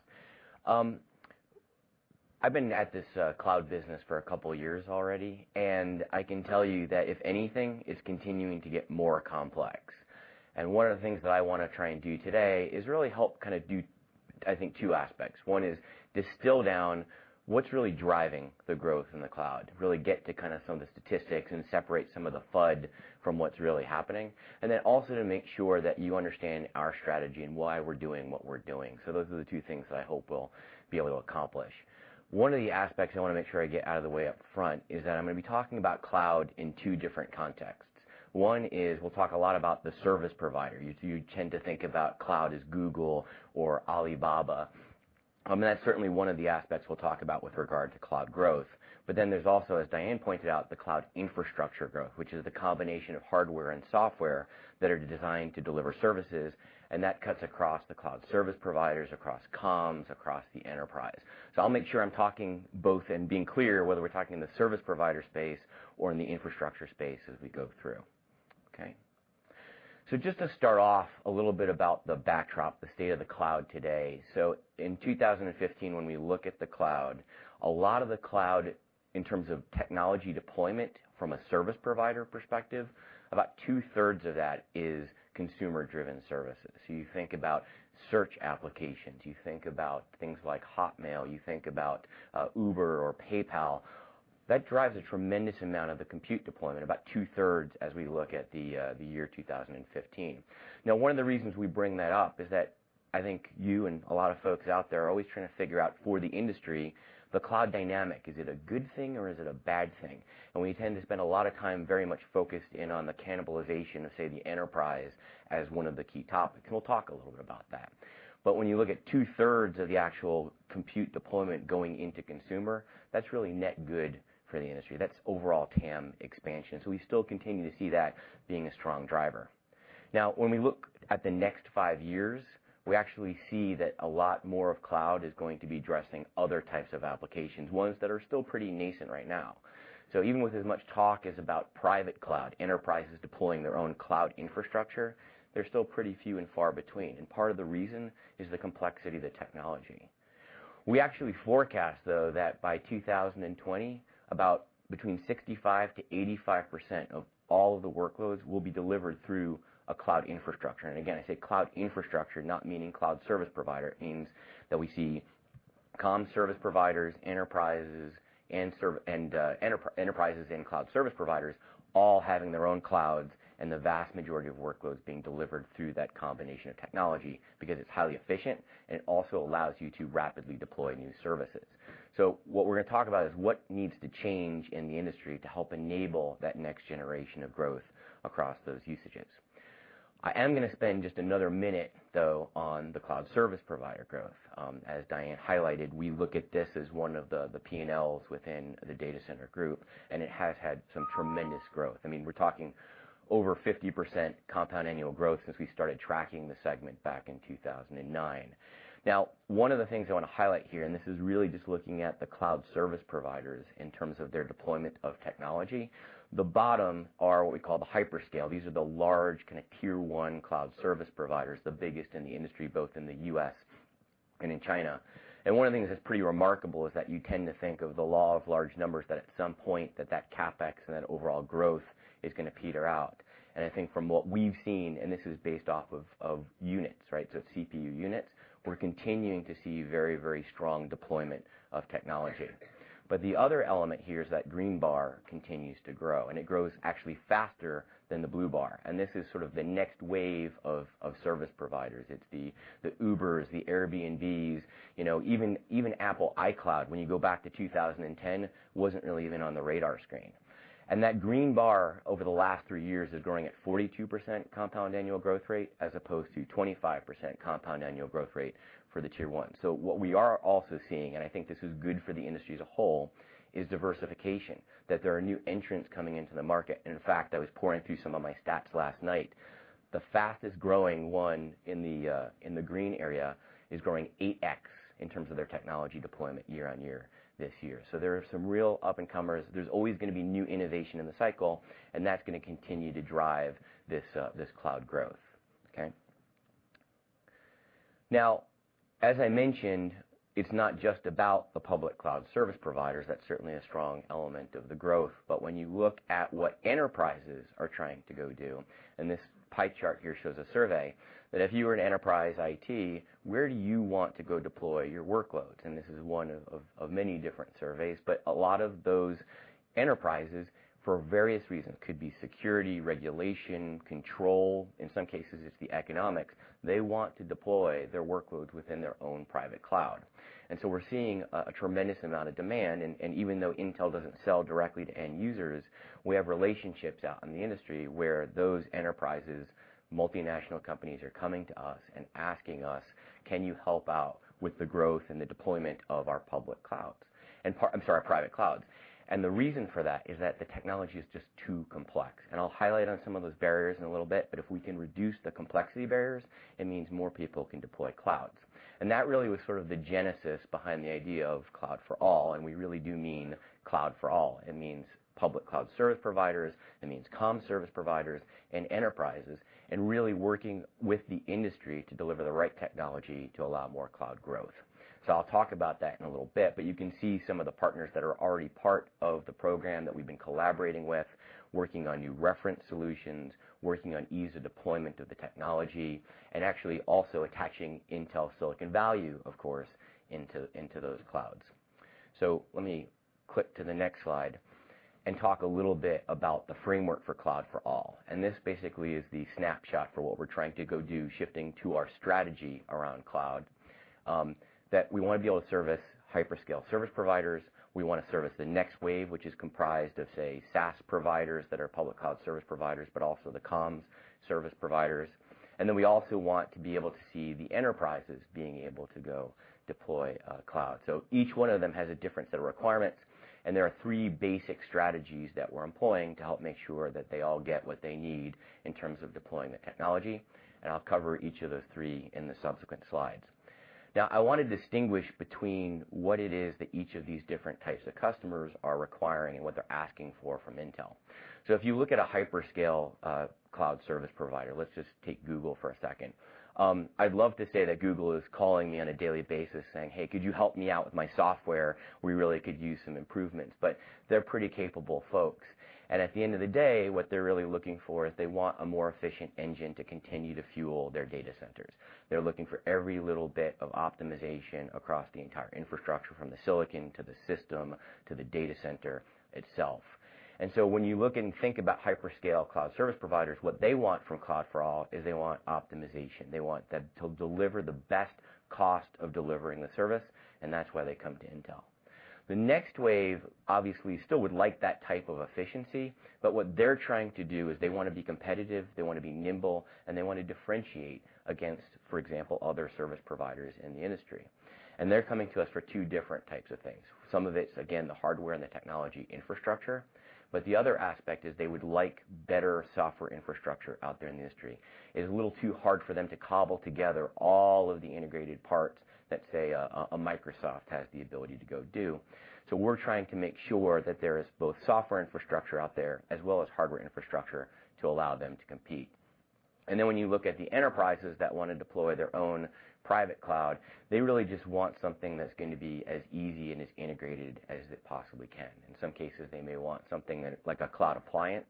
I've been at this cloud business for a couple of years already, and I can tell you that if anything, it's continuing to get more complex. One of the things that I want to try and do today is really help kind of do, I think, two aspects. One is to distill down what's really driving the growth in the cloud, really get to kind of some of the statistics and separate some of the FUD from what's really happening, also to make sure that you understand our strategy and why we're doing what we're doing. Those are the two things that I hope we'll be able to accomplish. One of the aspects I want to make sure I get out of the way up front is that I'm going to be talking about cloud in two different contexts. One is we'll talk a lot about the service provider. You tend to think about cloud as Google or Alibaba. That's certainly one of the aspects we'll talk about with regard to cloud growth. There's also, as Diane pointed out, the cloud infrastructure growth, which is the combination of hardware and software that are designed to deliver services, and that cuts across the cloud service providers, across comms, across the enterprise. I'll make sure I'm talking both and being clear whether we're talking in the service provider space or in the infrastructure space as we go through. Okay. Just to start off a little bit about the backdrop, the state of the cloud today. In 2015, when we look at the cloud, a lot of the cloud in terms of technology deployment from a service provider perspective, about two-thirds of that is consumer-driven services. You think about search applications, you think about things like Hotmail, you think about Uber or PayPal. That drives a tremendous amount of the compute deployment, about two-thirds as we look at the year 2015. One of the reasons we bring that up is that I think you and a lot of folks out there are always trying to figure out for the industry, the cloud dynamic. Is it a good thing or is it a bad thing? We tend to spend a lot of time very much focused in on the cannibalization of, say, the enterprise as one of the key topics, and we'll talk a little bit about that. When you look at two-thirds of the actual compute deployment going into consumer, that's really net good for the industry. That's overall TAM expansion. We still continue to see that being a strong driver. When we look at the next five years, we actually see that a lot more of cloud is going to be addressing other types of applications, ones that are still pretty nascent right now. Even with as much talk as about private cloud, enterprises deploying their own cloud infrastructure, they're still pretty few and far between. Part of the reason is the complexity of the technology. We actually forecast, though, that by 2020, about between 65%-85% of all of the workloads will be delivered through a cloud infrastructure. Again, I say cloud infrastructure, not meaning cloud service provider. It means that we see comm service providers, enterprises, and cloud service providers all having their own clouds and the vast majority of workloads being delivered through that combination of technology because it's highly efficient and it also allows you to rapidly deploy new services. What we're going to talk about is what needs to change in the industry to help enable that next generation of growth across those usages. I am going to spend just another minute, though, on the cloud service provider growth. As Diane highlighted, we look at this as one of the P&Ls within the Data Center Group, and it has had some tremendous growth. We're talking over 50% compound annual growth since we started tracking the segment back in 2009. One of the things I want to highlight here, and this is really just looking at the cloud service providers in terms of their deployment of technology. The bottom are what we call the hyperscale. These are the large kind of tier 1 cloud service providers, the biggest in the industry, both in the U.S. and in China. One of the things that's pretty remarkable is that you tend to think of the law of large numbers, that at some point that CapEx and that overall growth is going to peter out. I think from what we've seen, and this is based off of units. CPU units, we're continuing to see very strong deployment of technology. The other element here is that the green bar continues to grow, and it grows actually faster than the blue bar. This is sort of the next wave of service providers. It's the Uber, the Airbnb, even Apple iCloud, when you go back to 2010, wasn't really even on the radar screen. That green bar over the last 3 years is growing at 42% compound annual growth rate as opposed to 25% compound annual growth rate for the tier 1. What we are also seeing, and I think this is good for the industry as a whole, is diversification, that there are new entrants coming into the market. In fact, I was poring through some of my stats last night. The fastest-growing one in the green area is growing 8x in terms of their technology deployment year-over-year this year. There are some real up-and-comers. There's always going to be new innovation in the cycle, and that's going to continue to drive this cloud growth. As I mentioned, it's not just about the public cloud service providers. That's certainly a strong element of the growth. When you look at what enterprises are trying to go do, this pie chart here shows a survey, that if you were an enterprise IT, where do you want to go deploy your workloads? This is one of many different surveys, but a lot of those enterprises, for various reasons, could be security, regulation, control. In some cases, it's the economics. They want to deploy their workloads within their own private cloud. We're seeing a tremendous amount of demand, and even though Intel doesn't sell directly to end users, we have relationships out in the industry where those enterprises, multinational companies, are coming to us and asking us, "Can you help out with the growth and the deployment of our private clouds?" The reason for that is that the technology is just too complex. I'll highlight on some of those barriers in a little bit. If we can reduce the complexity barriers, it means more people can deploy clouds. That really was sort of the genesis behind the idea of Cloud for All, and we really do mean Cloud for All. It means public cloud service providers. It means comm service providers and enterprises, and really working with the industry to deliver the right technology to allow more cloud growth. I'll talk about that in a little bit, but you can see some of the partners that are already part of the program that we've been collaborating with, working on new reference solutions, working on ease of deployment of the technology, and actually also attaching Intel Silicon Value, of course, into those clouds. Let me click to the next slide and talk a little bit about the framework for Cloud for All. This basically is the snapshot for what we're trying to go do, shifting to our strategy around cloud, that we want to be able to service hyperscale service providers. We want to service the next wave, which is comprised of, say, SaaS providers that are public cloud service providers, but also the comm service providers. We also want to be able to see the enterprises being able to go deploy a cloud. Each one of them has a different set of requirements, there are three basic strategies that we're employing to help make sure that they all get what they need in terms of deploying the technology. I'll cover each of the three in the subsequent slides. I want to distinguish between what it is that each of these different types of customers are requiring and what they're asking for from Intel. If you look at a hyperscale cloud service provider, let's just take Google for a second. I'd love to say that Google is calling me on a daily basis saying, "Hey, could you help me out with my software? We really could use some improvements." They're pretty capable folks. At the end of the day, what they're really looking for is they want a more efficient engine to continue to fuel their data centers. They're looking for every little bit of optimization across the entire infrastructure, from the silicon to the system to the data center itself. When you look and think about hyperscale cloud service providers, what they want from Cloud for All is they want optimization. They want to deliver the best cost of delivering the service, and that's why they come to Intel. The next wave, obviously, still would like that type of efficiency, what they're trying to do is they want to be competitive, they want to be nimble, and they want to differentiate against, for example, other service providers in the industry. They're coming to us for two different types of things. Some of it's, again, the hardware and the technology infrastructure, the other aspect is they would like better software infrastructure out there in the industry. It is a little too hard for them to cobble together all of the integrated parts that, say, a Microsoft has the ability to go do. We're trying to make sure that there is both software infrastructure out there as well as hardware infrastructure to allow them to compete. When you look at the enterprises that want to deploy their own private cloud, they really just want something that's going to be as easy and as integrated as it possibly can. In some cases, they may want something like a cloud appliance.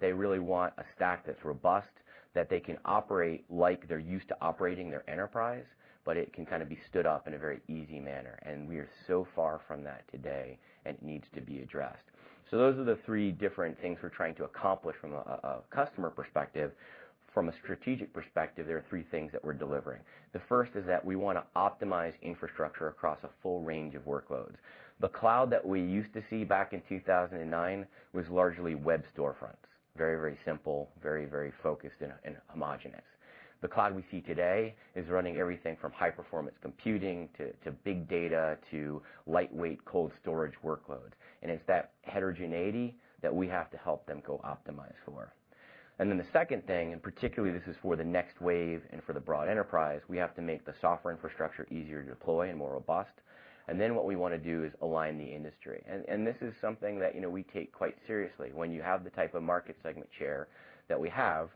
They really want a stack that's robust, that they can operate like they're used to operating their enterprise, it can kind of be stood up in a very easy manner. We are so far from that today, it needs to be addressed. Those are the three different things we're trying to accomplish from a customer perspective. From a strategic perspective, there are three things that we're delivering. The first is that we want to optimize infrastructure across a full range of workloads. The cloud that we used to see back in 2009 was largely web storefronts, very simple, very focused and homogenous. The cloud we see today is running everything from high-performance computing to big data, to lightweight cold storage workloads, and it's that heterogeneity that we have to help them go optimize for. The second thing, and particularly this is for the next wave and for the broad enterprise, we have to make the software infrastructure easier to deploy and more robust. What we want to do is align the industry. This is something that we take quite seriously. When you have the type of market segment share that we have,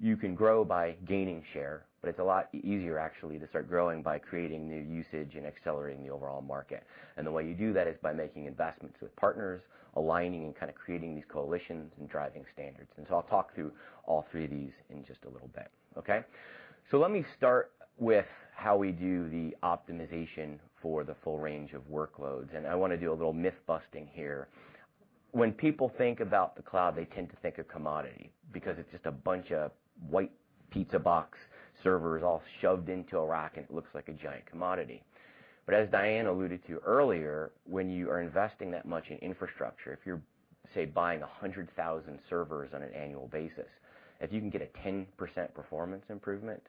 you can grow by gaining share, but it's a lot easier actually to start growing by creating new usage and accelerating the overall market. The way you do that is by making investments with partners, aligning, and kind of creating these coalitions and driving standards. I'll talk through all three of these in just a little bit. Okay. Let me start with how we do the optimization for the full range of workloads, and I want to do a little myth-busting here. When people think about the cloud, they tend to think of commodity because it's just a bunch of white pizza box servers all shoved into a rack, and it looks like a giant commodity. As Diane alluded to earlier, when you are investing that much in infrastructure, if you're, say, buying 100,000 servers on an annual basis, if you can get a 10% performance improvement,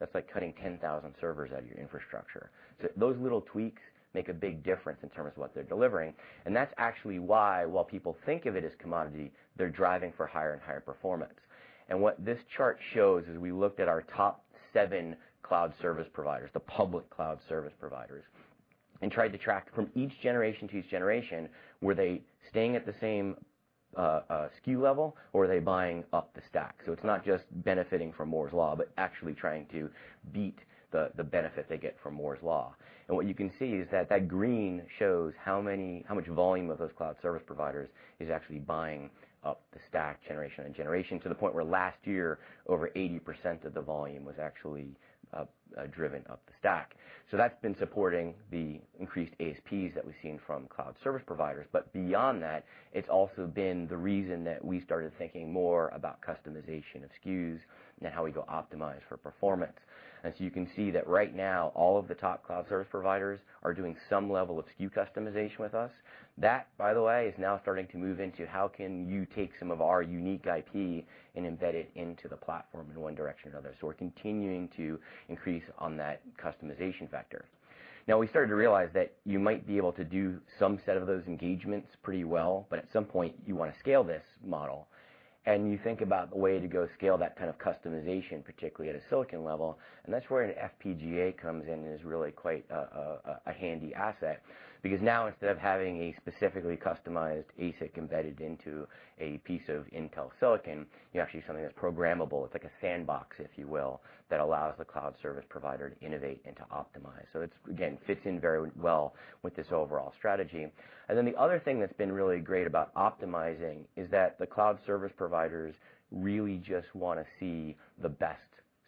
that's like cutting 10,000 servers out of your infrastructure. Those little tweaks make a big difference in terms of what they're delivering, and that's actually why, while people think of it as commodity, they're driving for higher and higher performance. What this chart shows is we looked at our top seven cloud service providers, the public cloud service providers, and tried to track from each generation to each generation, were they staying at the same SKU level or were they buying up the stack? It's not just benefiting from Moore's Law, but actually trying to beat the benefit they get from Moore's Law. What you can see is that that green shows how much volume of those cloud service providers is actually buying up the stack generation on generation, to the point where last year, over 80% of the volume was actually driven up the stack. That's been supporting the increased ASPs that we've seen from cloud service providers. Beyond that, it's also been the reason that we started thinking more about customization of SKUs and how we go optimize for performance. You can see that right now, all of the top cloud service providers are doing some level of SKU customization with us. That, by the way, is now starting to move into how can you take some of our unique IP and embed it into the platform in one direction or another. We're continuing to increase on that customization factor. We started to realize that you might be able to do some set of those engagements pretty well, but at some point, you want to scale this model. You think about the way to go scale that kind of customization, particularly at a silicon level, and that's where an FPGA comes in and is really quite a handy asset because now instead of having a specifically customized ASIC embedded into a piece of Intel silicon, you have actually something that's programmable. It's like a sandbox, if you will, that allows the cloud service provider to innovate and to optimize. It, again, fits in very well with this overall strategy. The other thing that's been really great about optimizing is that the cloud service providers really just want to see the best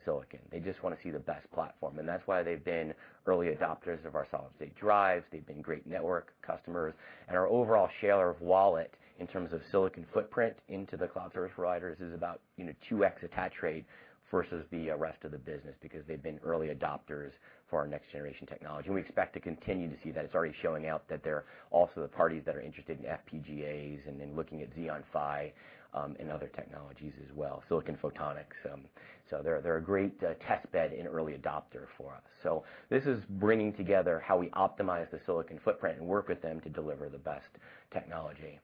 silicon. They just want to see the best platform. That's why they've been early adopters of our solid-state drives. They've been great network customers, and our overall share of wallet in terms of silicon footprint into the cloud service providers is about 2x attach rate versus the rest of the business because they've been early adopters for our next-generation technology. We expect to continue to see that. It's already showing out that they're also the parties that are interested in FPGAs and in looking at Xeon Phi, and other technologies as well, silicon photonics. They're a great test bed and early adopter for us. This is bringing together how we optimize the silicon footprint and work with them to deliver the best technology.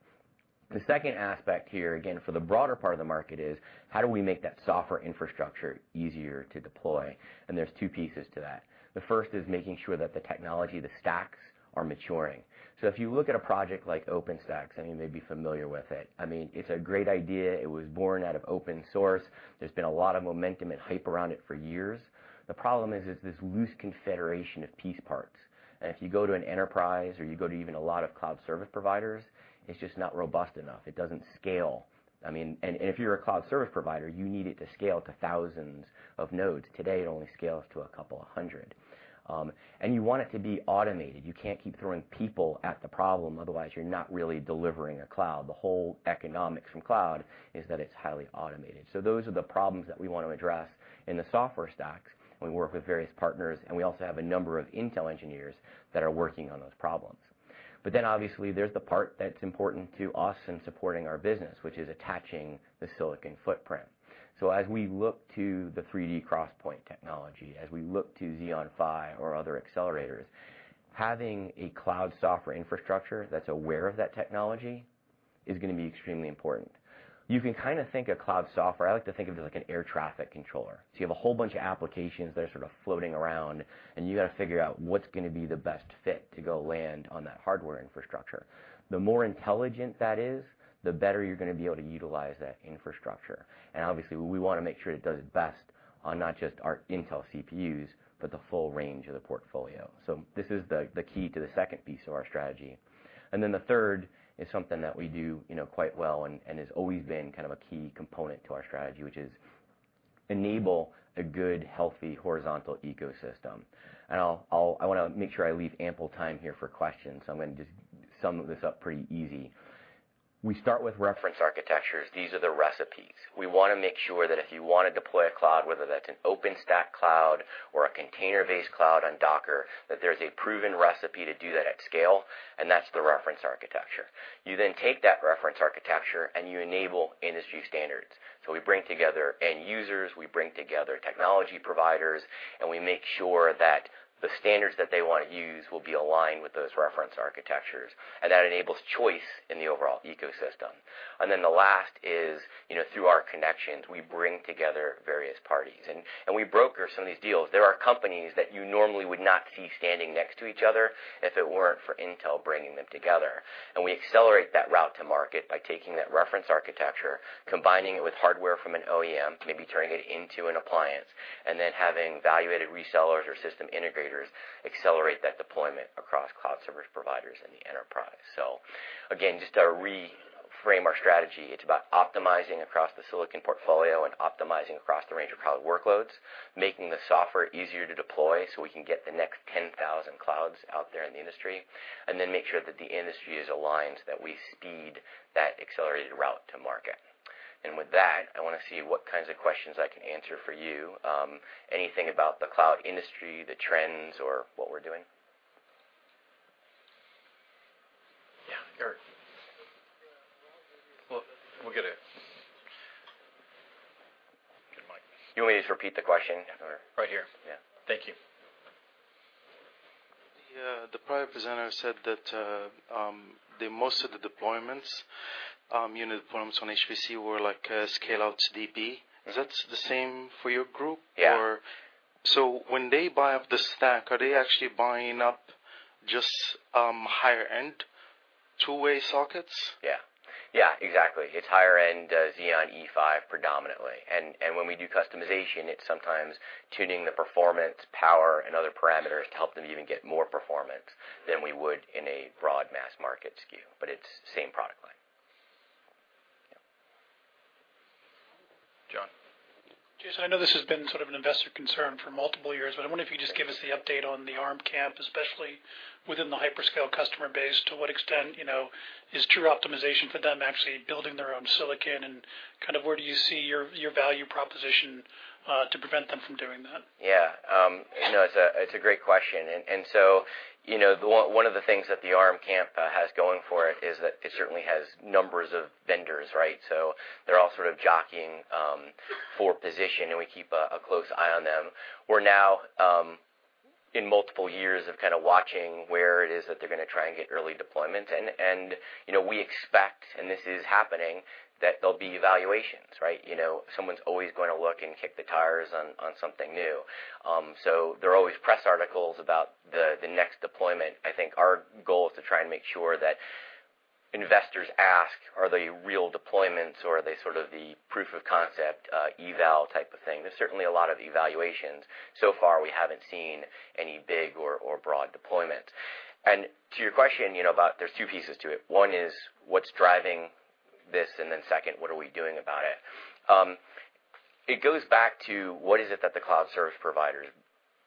The second aspect here, again, for the broader part of the market, is how do we make that software infrastructure easier to deploy? There's two pieces to that. The first is making sure that the technology, the stacks, are maturing. If you look at a project like OpenStack, some of you may be familiar with it. It's a great idea. It was born out of open source. There's been a lot of momentum and hype around it for years. The problem is, it's this loose confederation of piece parts. If you go to an enterprise or you go to even a lot of cloud service providers, it's just not robust enough. It doesn't scale. If you're a cloud service provider, you need it to scale to thousands of nodes. Today, it only scales to a couple of hundred. You want it to be automated. You can't keep throwing people at the problem, otherwise you're not really delivering a cloud. The whole economics from cloud is that it's highly automated. Those are the problems that we want to address in the software stacks, and we work with various partners, and we also have a number of Intel engineers that are working on those problems. Obviously, there's the part that's important to us in supporting our business, which is attaching the silicon footprint. As we look to the 3D XPoint technology, as we look to Xeon Phi or other accelerators Having a cloud software infrastructure that's aware of that technology is going to be extremely important. You can think of cloud software, I like to think of it like an air traffic controller. You have a whole bunch of applications that are sort of floating around, and you got to figure out what's going to be the best fit to go land on that hardware infrastructure. The more intelligent that is, the better you're going to be able to utilize that infrastructure. Obviously, we want to make sure it does best on not just our Intel CPUs, but the full range of the portfolio. This is the key to the second piece of our strategy. The third is something that we do quite well and has always been kind of a key component to our strategy, which is enable a good, healthy, horizontal ecosystem. I want to make sure I leave ample time here for questions, I'm going to just sum this up pretty easy. We start with reference architectures. These are the recipes. We want to make sure that if you want to deploy a cloud, whether that's an OpenStack cloud or a container-based cloud on Docker, that there's a proven recipe to do that at scale, and that's the reference architecture. You take that reference architecture and you enable industry standards. We bring together end users, we bring together technology providers, and we make sure that the standards that they want to use will be aligned with those reference architectures, and that enables choice in the overall ecosystem. The last is, through our connections, we bring together various parties, and we broker some of these deals. There are companies that you normally would not see standing next to each other if it weren't for Intel bringing them together. We accelerate that route to market by taking that reference architecture, combining it with hardware from an OEM, maybe turning it into an appliance, and then having evaluated resellers or system integrators accelerate that deployment across cloud service providers in the enterprise. Again, just to reframe our strategy, it's about optimizing across the silicon portfolio and optimizing across the range of cloud workloads, making the software easier to deploy so we can get the next 10,000 clouds out there in the industry, and then make sure that the industry is aligned, that we speed that accelerated route to market. With that, I want to see what kinds of questions I can answer for you. Anything about the cloud industry, the trends, or what we're doing? Yeah, Eric. We'll get a mic. You want me to just repeat the question or? Right here. Yeah. Thank you. The prior presenter said that most of the deployments on HPC were like scale-out DP. Is that the same for your group? Yeah. When they buy up the stack, are they actually buying up just higher-end 2-way sockets? Yeah, exactly. It's higher end Xeon E5 predominantly. When we do customization, it's sometimes tuning the performance, power, and other parameters to help them even get more performance than we would in a broad mass market SKU. It's same product line. Yeah. John. Jason, I know this has been sort of an investor concern for multiple years, but I wonder if you just give us the update on the Arm camp, especially within the hyperscale customer base. To what extent is true optimization for them actually building their own silicon? Where do you see your value proposition to prevent them from doing that? Yeah. It's a great question. One of the things that the Arm camp has going for it is that it certainly has numbers of vendors, right? They're all sort of jockeying for position, and we keep a close eye on them. We're now in multiple years of kind of watching where it is that they're going to try and get early deployment. We expect, and this is happening, that there'll be evaluations, right? Someone's always going to look and kick the tires on something new. There are always press articles about the next deployment. I think our goal is to try and make sure that investors ask, are they real deployments or are they sort of the proof of concept eval type of thing? There's certainly a lot of evaluations. So far, we haven't seen any big or broad deployment. To your question, there's two pieces to it. One is, what's driving this? Second, what are we doing about it? It goes back to what is it that the cloud service providers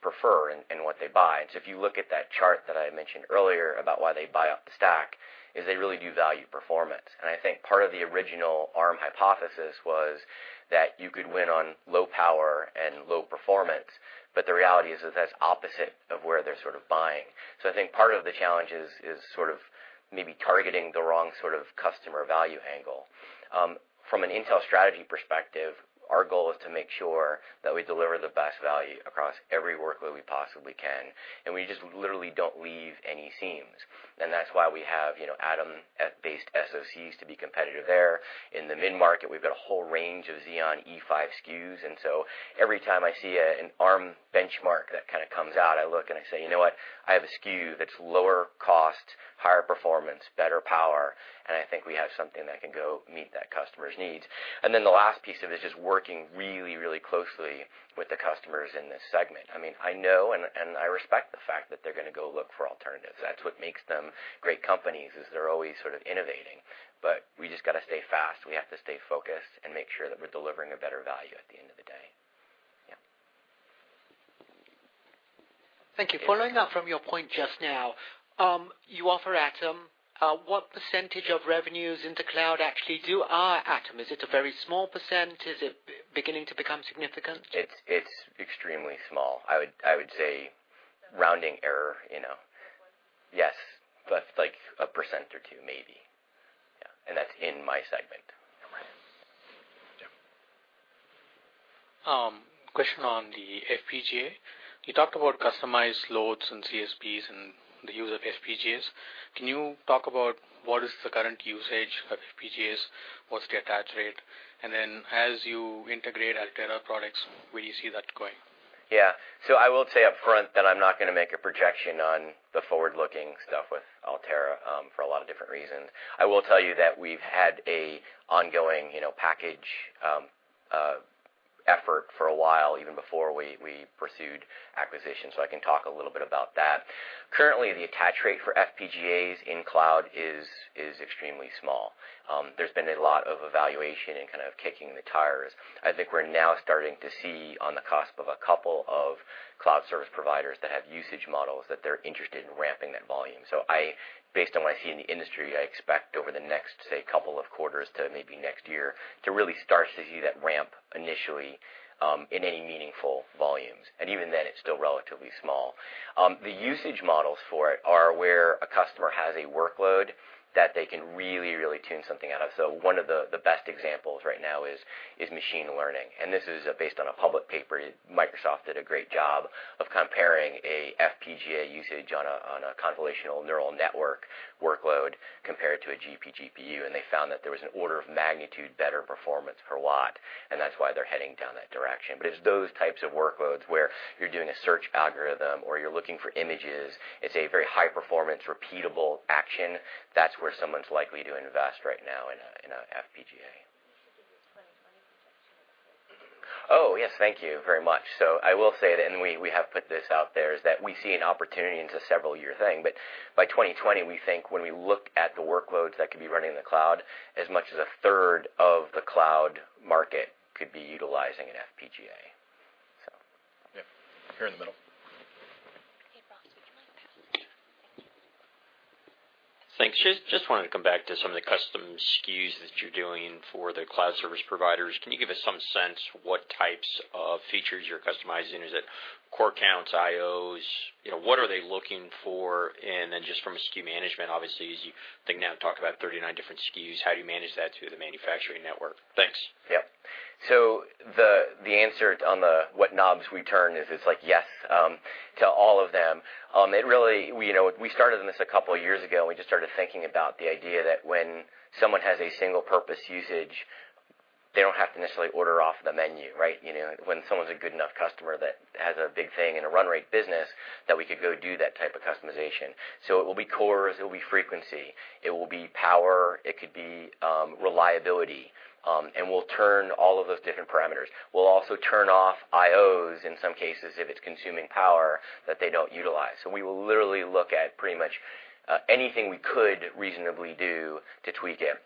prefer and what they buy. If you look at that chart that I mentioned earlier about why they buy up the stack, is they really do value performance. I think part of the original Arm hypothesis was that you could win on low power and low performance. The reality is that's opposite of where they're sort of buying. I think part of the challenge is sort of maybe targeting the wrong sort of customer value angle. From an Intel strategy perspective, our goal is to make sure that we deliver the best value across every workload we possibly can, and we just literally don't leave any seams. That's why we have Atom-based SoCs to be competitive there. In the mid-market, we've got a whole range of Xeon E5 SKUs. Every time I see an Arm benchmark that kind of comes out, I look and I say, "You know what? I have a SKU that's lower cost, higher performance, better power, and I think we have something that can go meet that customer's needs." The last piece of it is just working really, really closely with the customers in this segment. I know and I respect the fact that they're going to go look for alternatives. That's what makes them great companies, is they're always sort of innovating. We just got to stay fast. We have to stay focused and make sure that we're delivering a better value at the end of the day. Yeah. Thank you. Following up from your point just now. You offer Atom. What % of revenues in the cloud actually are Atom? Is it a very small %? Is it beginning to become significant? It's extremely small. I would say rounding error. One? Yes. Like 1% or 2% maybe. Yeah. That's in my segment. Question on the FPGA. You talked about customized loads and CSPs and the use of FPGAs. Can you talk about what is the current usage of FPGAs, what's the attach rate? Then as you integrate Altera products, where do you see that going? Yeah. I will say up front that I'm not going to make a projection on the forward-looking stuff with Altera, for a lot of different reasons. I will tell you that we've had an ongoing package effort for a while, even before we pursued acquisition. I can talk a little bit about that. Currently, the attach rate for FPGAs in cloud is extremely small. There's been a lot of evaluation and kind of kicking the tires. I think we're now starting to see on the cusp of a couple of cloud service providers that have usage models that they're interested in ramping that volume. Based on what I see in the industry, I expect over the next, say, couple of quarters to maybe next year to really start to see that ramp initially in any meaningful volumes. Even then, it's still relatively small. The usage models for it are where a customer has a workload that they can really, really tune something out of. One of the best examples right now is machine learning, and this is based on a public paper. Microsoft did a great job of comparing an FPGA usage on a convolutional neural network workload compared to a GPGPU, and they found that there was an order of magnitude better performance per watt, and that's why they're heading down that direction. It's those types of workloads where you're doing a search algorithm or you're looking for images. It's a very high-performance, repeatable action. That's where someone's likely to invest right now in an FPGA. You should give us quite a money projection on that. Oh, yes. Thank you very much. I will say that, and we have put this out there, is that we see an opportunity and it's a several-year thing. By 2020, we think when we look at the workloads that could be running in the cloud, as much as a third of the cloud market could be utilizing an FPGA. Yeah. Here in the middle. Hey, Ross, would you mind passing it? Thank you. Thanks. Just wanted to come back to some of the custom SKUs that you're doing for the cloud service providers. Can you give us some sense what types of features you're customizing? Is it core counts, IOs? What are they looking for? Just from a SKU management, obviously, as you, I think, now talked about 39 different SKUs, how do you manage that through the manufacturing network? Thanks. Yep. The answer on the what knobs we turn is, it's like yes to all of them. We started on this a couple of years ago, we just started thinking about the idea that when someone has a single-purpose usage, they don't have to necessarily order off the menu, right? When someone's a good enough customer that has a big thing and a run-rate business, that we could go do that type of customization. It will be cores, it will be frequency, it will be power, it could be reliability. We'll turn all of those different parameters. We'll also turn off IOs in some cases if it's consuming power that they don't utilize. We will literally look at pretty much anything we could reasonably do to tweak it.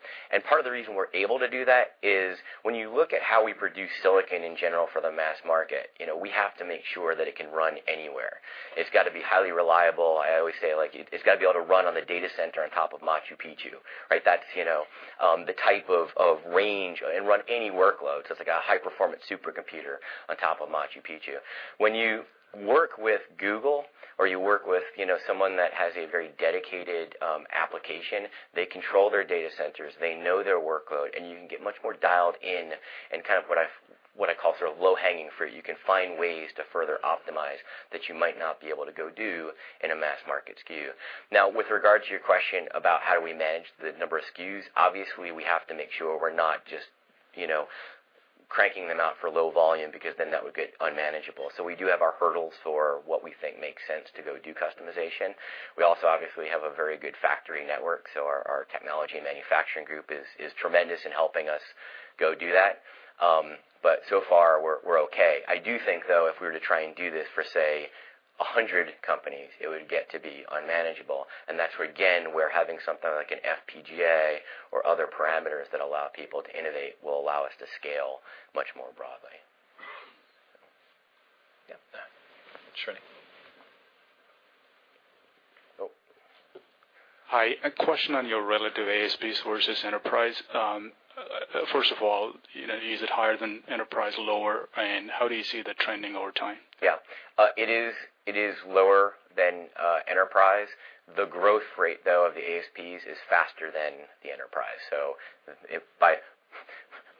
Part of the reason we're able to do that is when you look at how we produce silicon in general for the mass market, we have to make sure that it can run anywhere. It's got to be highly reliable. I always say, it's got to be able to run on the data center on top of Machu Picchu. That's the type of range, and run any workload, so it's like a high-performance supercomputer on top of Machu Picchu. When you work with Google or you work with someone that has a very dedicated application, they control their data centers, they know their workload, and you can get much more dialed in kind of what I call sort of low-hanging fruit. You can find ways to further optimize that you might not be able to go do in a mass-market SKU. With regard to your question about how do we manage the number of SKUs, obviously, we have to make sure we're not just cranking them out for low volume, because that would get unmanageable. We do have our hurdles for what we think makes sense to go do customization. We also obviously have a very good factory network, our technology and manufacturing group is tremendous in helping us go do that. So far, we're okay. I do think, though, if we were to try and do this for, say, 100 companies, it would get to be unmanageable. That's where, again, where having something like an FPGA or other parameters that allow people to innovate will allow us to scale much more broadly. Yeah. Srini. Hi. A question on your relative ASPs versus enterprise. First of all, is it higher than enterprise, lower, and how do you see that trending over time? Yeah. It is lower than enterprise. The growth rate, though, of the ASPs is faster than the enterprise.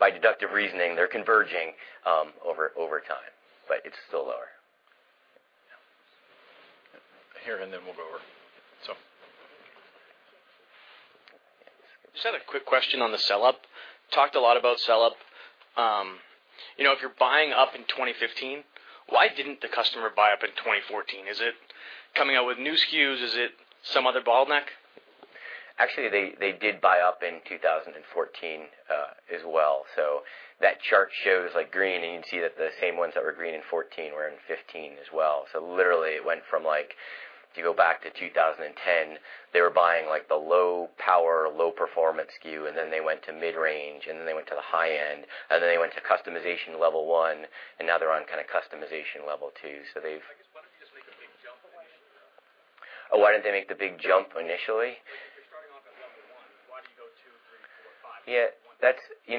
By deductive reasoning, they're converging over time, but it's still lower. Here, then we'll go over. Just had a quick question on the sell-up. Talked a lot about sell-up. If you're buying up in 2015, why didn't the customer buy up in 2014? Is it coming out with new SKUs? Is it some other bottleneck? Actually, they did buy up in 2014 as well. That chart shows green, and you can see that the same ones that were green in 2014 were in 2015 as well. Literally, it went from, if you go back to 2010, they were buying the low power, low performance SKU, then they went to mid-range, then they went to the high end, then they went to customization level 1, and now they're on kind of customization level 2. They've- I guess, why don't they just make a big jump initially? Why didn't they make the big jump initially? If you're starting off at level 1, why do you go 2, 3, 4, 5? Yeah.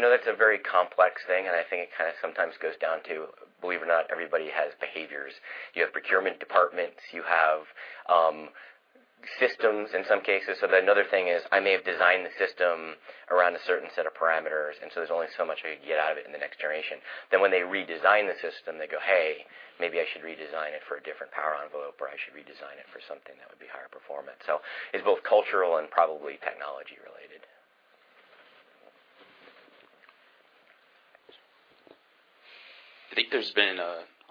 That's a very complex thing, I think it kind of sometimes goes down to, believe it or not, everybody has behaviors. You have procurement departments, you have systems in some cases. Another thing is I may have designed the system around a certain set of parameters, there's only so much I could get out of it in the next generation. When they redesign the system, they go, "Hey, maybe I should redesign it for a different power envelope, or I should redesign it for something that would be higher performance." It's both cultural and probably technology related. I think there's been,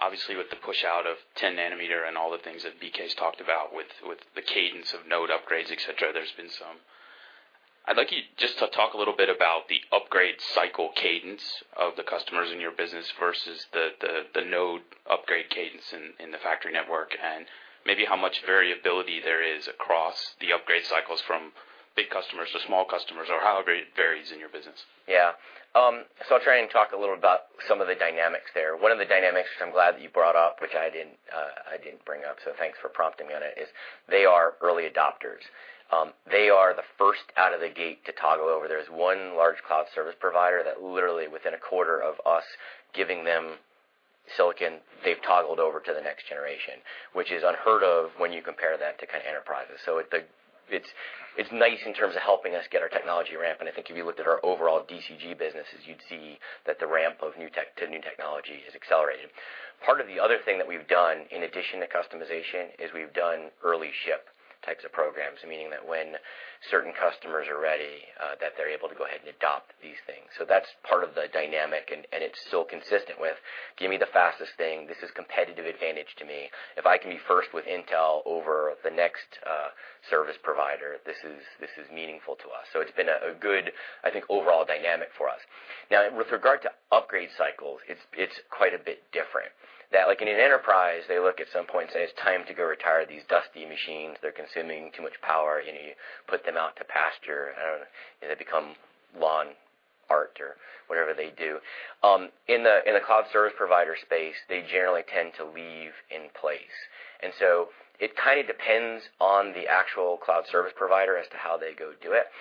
obviously with the push out of 10 nanometer and all the things that BK's talked about with the cadence of node upgrades, et cetera, there's been some. I'd like you just to talk a little bit about the upgrade cycle cadence of the customers in your business versus the node upgrade cadence in the factory network, and maybe how much variability there is across the upgrade cycles from big customers to small customers, or how it varies in your business. Yeah. I'll try and talk a little about some of the dynamics there. One of the dynamics, which I'm glad that you brought up, which I didn't bring up, thanks for prompting me on it, is they are early adopters. They are the first out of the gate to toggle over. There's one large cloud service provider that literally within a quarter of us giving them silicon, they've toggled over to the next generation, which is unheard of when you compare that to enterprises. It's nice in terms of helping us get our technology ramp, and I think if you looked at our overall DCG businesses, you'd see that the ramp to new technology has accelerated. Part of the other thing that we've done in addition to customization is we've done early ship types of programs, meaning that when certain customers are ready, that they're able to go ahead and adopt these things. That's part of the dynamic, and it's still consistent with give me the fastest thing. This is competitive advantage to me. If I can be first with Intel over the next service provider, this is meaningful to us. It's been a good overall dynamic for us. Now, with regard to upgrade cycles, it's quite a bit different. That in an enterprise, they look at some point and say, "It's time to go retire these dusty machines. They're consuming too much power." You put them out to pasture, they become lawn art or whatever they do. In the cloud service provider space, they generally tend to leave in place. It kind of depends on the actual cloud service provider as to how they go do it.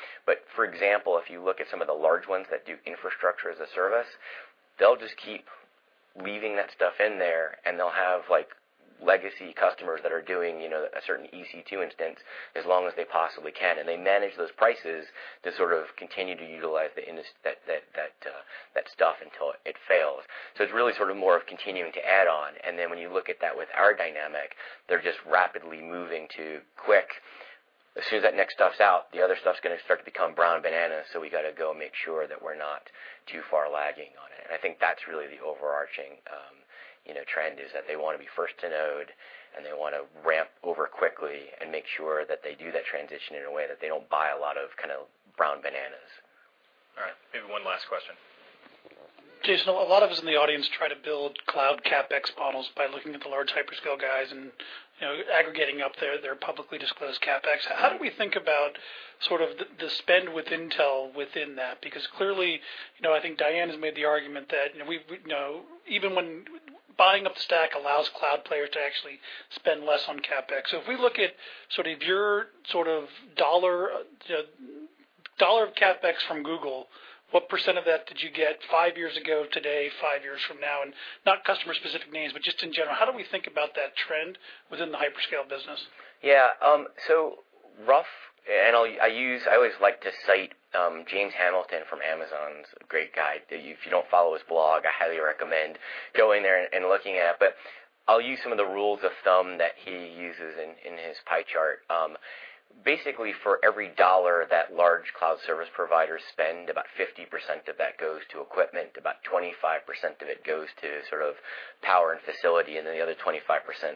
For example, if you look at some of the large ones that do infrastructure as a service, they'll just keep leaving that stuff in there, and they'll have legacy customers that are doing a certain EC2 instance as long as they possibly can. They manage those prices to sort of continue to utilize that stuff until it fails. It's really sort of more of continuing to add on. When you look at that with our dynamic, they're just rapidly moving to quick, as soon as that next stuff's out, the other stuff's going to start to become brown bananas, so we got to go make sure that we're not too far lagging on it. I think that's really the overarching trend, is that they want to be first to node, and they want to ramp over quickly and make sure that they do that transition in a way that they don't buy a lot of brown bananas. All right. Maybe one last question. Jason, a lot of us in the audience try to build cloud CapEx models by looking at the large hyperscale guys and aggregating up their publicly disclosed CapEx. How do we think about sort of the spend with Intel within that? Clearly, I think Diane has made the argument that even when buying up the stack allows cloud player to actually spend less on CapEx. If we look at sort of your dollar of CapEx from Google, what percent of that did you get five years ago today, five years from now? Not customer specific names, but just in general, how do we think about that trend within the hyperscale business? Yeah. Rough, I always like to cite James Hamilton from Amazon's. A great guy. If you don't follow his blog, I highly recommend going there and looking at it. I'll use some of the rules of thumb that he uses in his pie chart. Basically, for every dollar that large cloud service providers spend, about 50% of that goes to equipment, about 25% of it goes to sort of power and facility, the other 25%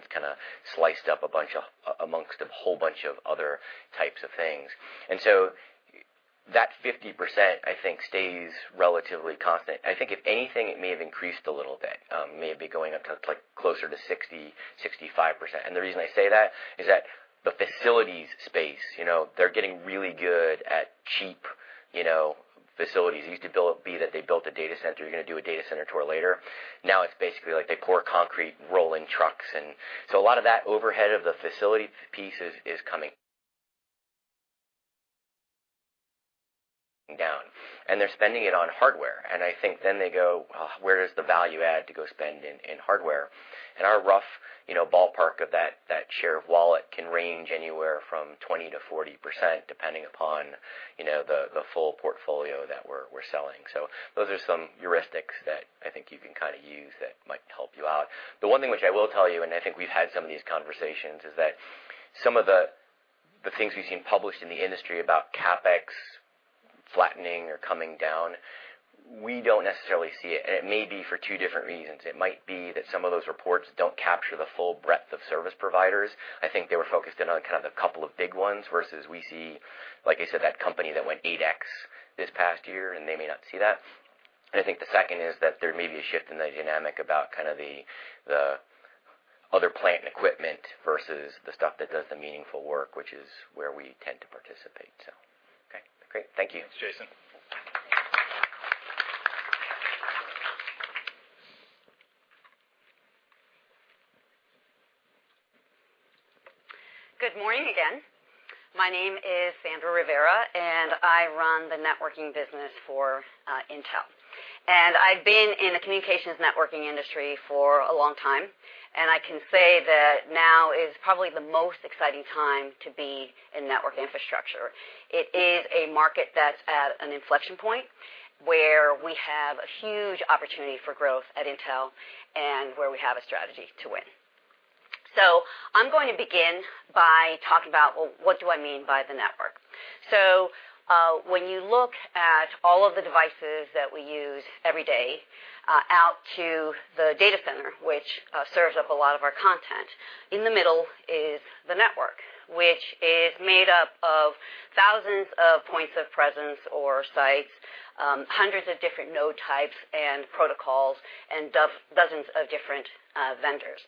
is kind of sliced up amongst a whole bunch of other types of things. That 50%, I think, stays relatively constant. I think if anything, it may have increased a little bit. May be going up to closer to 60%, 65%. The reason I say that is that the facilities space, they're getting really good at cheap facilities. It used to be that they built a data center. You're going to do a data center tour later. Now it's basically like they pour concrete, roll in trucks in. A lot of that overhead of the facilities piece is coming down, and they're spending it on hardware. I think then they go, "Well, where is the value add to go spend in hardware?" Our rough ballpark of that share of wallet can range anywhere from 20%-40%, depending upon the full portfolio that we're selling. Those are some heuristics that I think you can use that might help you out. The one thing which I will tell you, I think we've had some of these conversations, is that some of the things we've seen published in the industry about CapEx flattening or coming down, we don't necessarily see it may be for two different reasons. It might be that some of those reports don't capture the full breadth of service providers. I think they were focused in on kind of the couple of big ones, versus we see, like I said, that company that went 8X this past year, they may not see that. I think the second is that there may be a shift in the dynamic about kind of the other plant and equipment versus the stuff that does the meaningful work, which is where we tend to participate. Okay, great. Thank you. Thanks, Jason. Good morning again. My name is Sandra Rivera, and I run the networking business for Intel. I've been in the communications networking industry for a long time, and I can say that now is probably the most exciting time to be in network infrastructure. It is a market that's at an inflection point, where we have a huge opportunity for growth at Intel, and where we have a strategy to win. I'm going to begin by talking about, well, what do I mean by the network? When you look at all of the devices that we use every day, out to the data center, which serves up a lot of our content, in the middle is the network, which is made up of thousands of points of presence or sites, hundreds of different node types and protocols, and dozens of different vendors.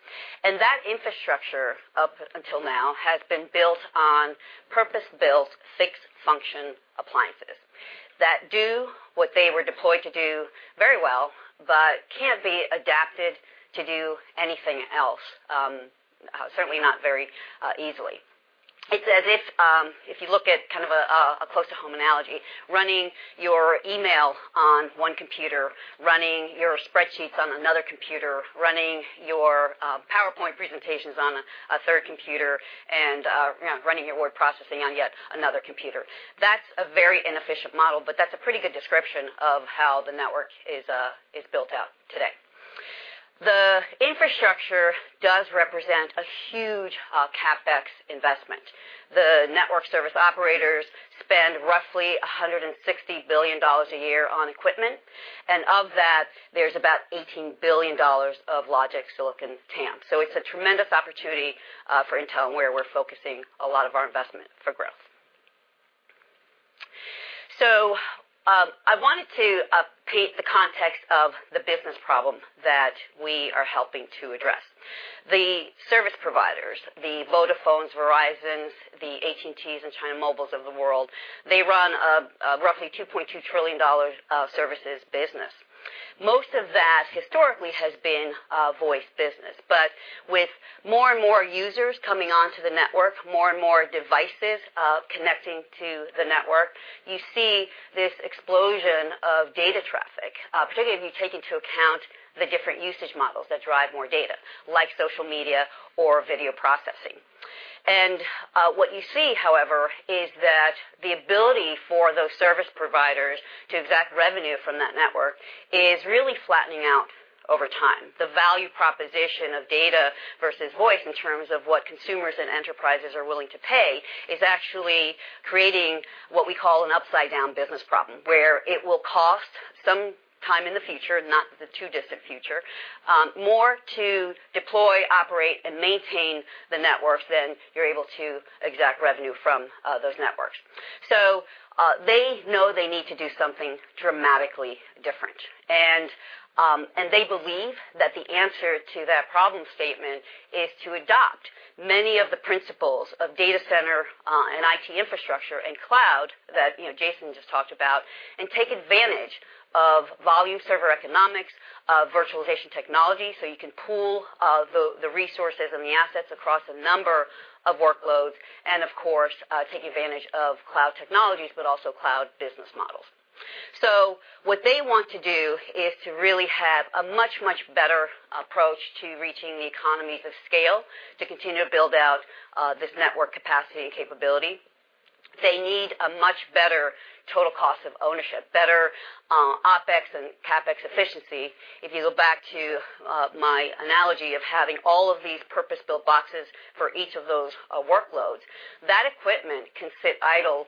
That infrastructure, up until now, has been built on purpose-built, fixed function appliances that do what they were deployed to do very well, but can't be adapted to do anything else. Certainly not very easily. It's as if you look at kind of a close to home analogy, running your email on one computer, running your spreadsheets on another computer, running your PowerPoint presentations on a third computer, and running your word processing on yet another computer. That's a very inefficient model, but that's a pretty good description of how the network is built out today. The infrastructure does represent a huge CapEx investment. The network service operators spend roughly $160 billion a year on equipment, and of that, there's about $18 billion of logic silicon TAM. It's a tremendous opportunity for Intel, and where we're focusing a lot of our investment for growth. I wanted to paint the context of the business problem that we are helping to address. The service providers, the Vodafones, Verizons, the AT&T's, and China Mobiles of the world, they run a roughly $2.2 trillion services business. Most of that historically has been voice business. With more and more users coming onto the network, more and more devices connecting to the network, you see this explosion of data traffic, particularly if you take into account the different usage models that drive more data, like social media or video processing. What you see, however, is that the ability for those service providers to exact revenue from that network is really flattening out over time. The value proposition of data versus voice in terms of what consumers and enterprises are willing to pay is actually creating what we call an upside-down business problem, where it will cost, some time in the future, not the too distant future, more to deploy, operate, and maintain the networks than you're able to exact revenue from those networks. They know they need to do something dramatically different. They believe that the answer to that problem statement is to adopt many of the principles of data center and IT infrastructure and cloud that Jason just talked about, and take advantage of volume server economics, virtualization technology, you can pool the resources and the assets across a number of workloads, and of course, take advantage of cloud technologies, but also cloud business models. What they want to do is to really have a much, much better approach to reaching the economies of scale to continue to build out this network capacity and capability. They need a much better total cost of ownership, better OpEx and CapEx efficiency. If you go back to my analogy of having all of these purpose-built boxes for each of those workloads, that equipment can sit idle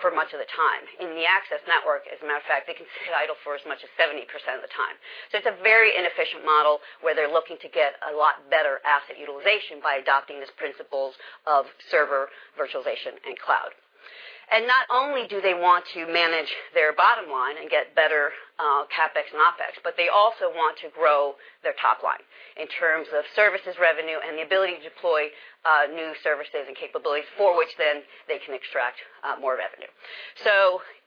for much of the time. In the access network, as a matter of fact, they can sit idle for as much as 70% of the time. It's a very inefficient model where they're looking to get a lot better asset utilization by adopting these principles of server virtualization and cloud. Not only do they want to manage their bottom line and get better CapEx and OpEx, but they also want to grow their top line in terms of services revenue and the ability to deploy new services and capabilities for which then they can extract more revenue.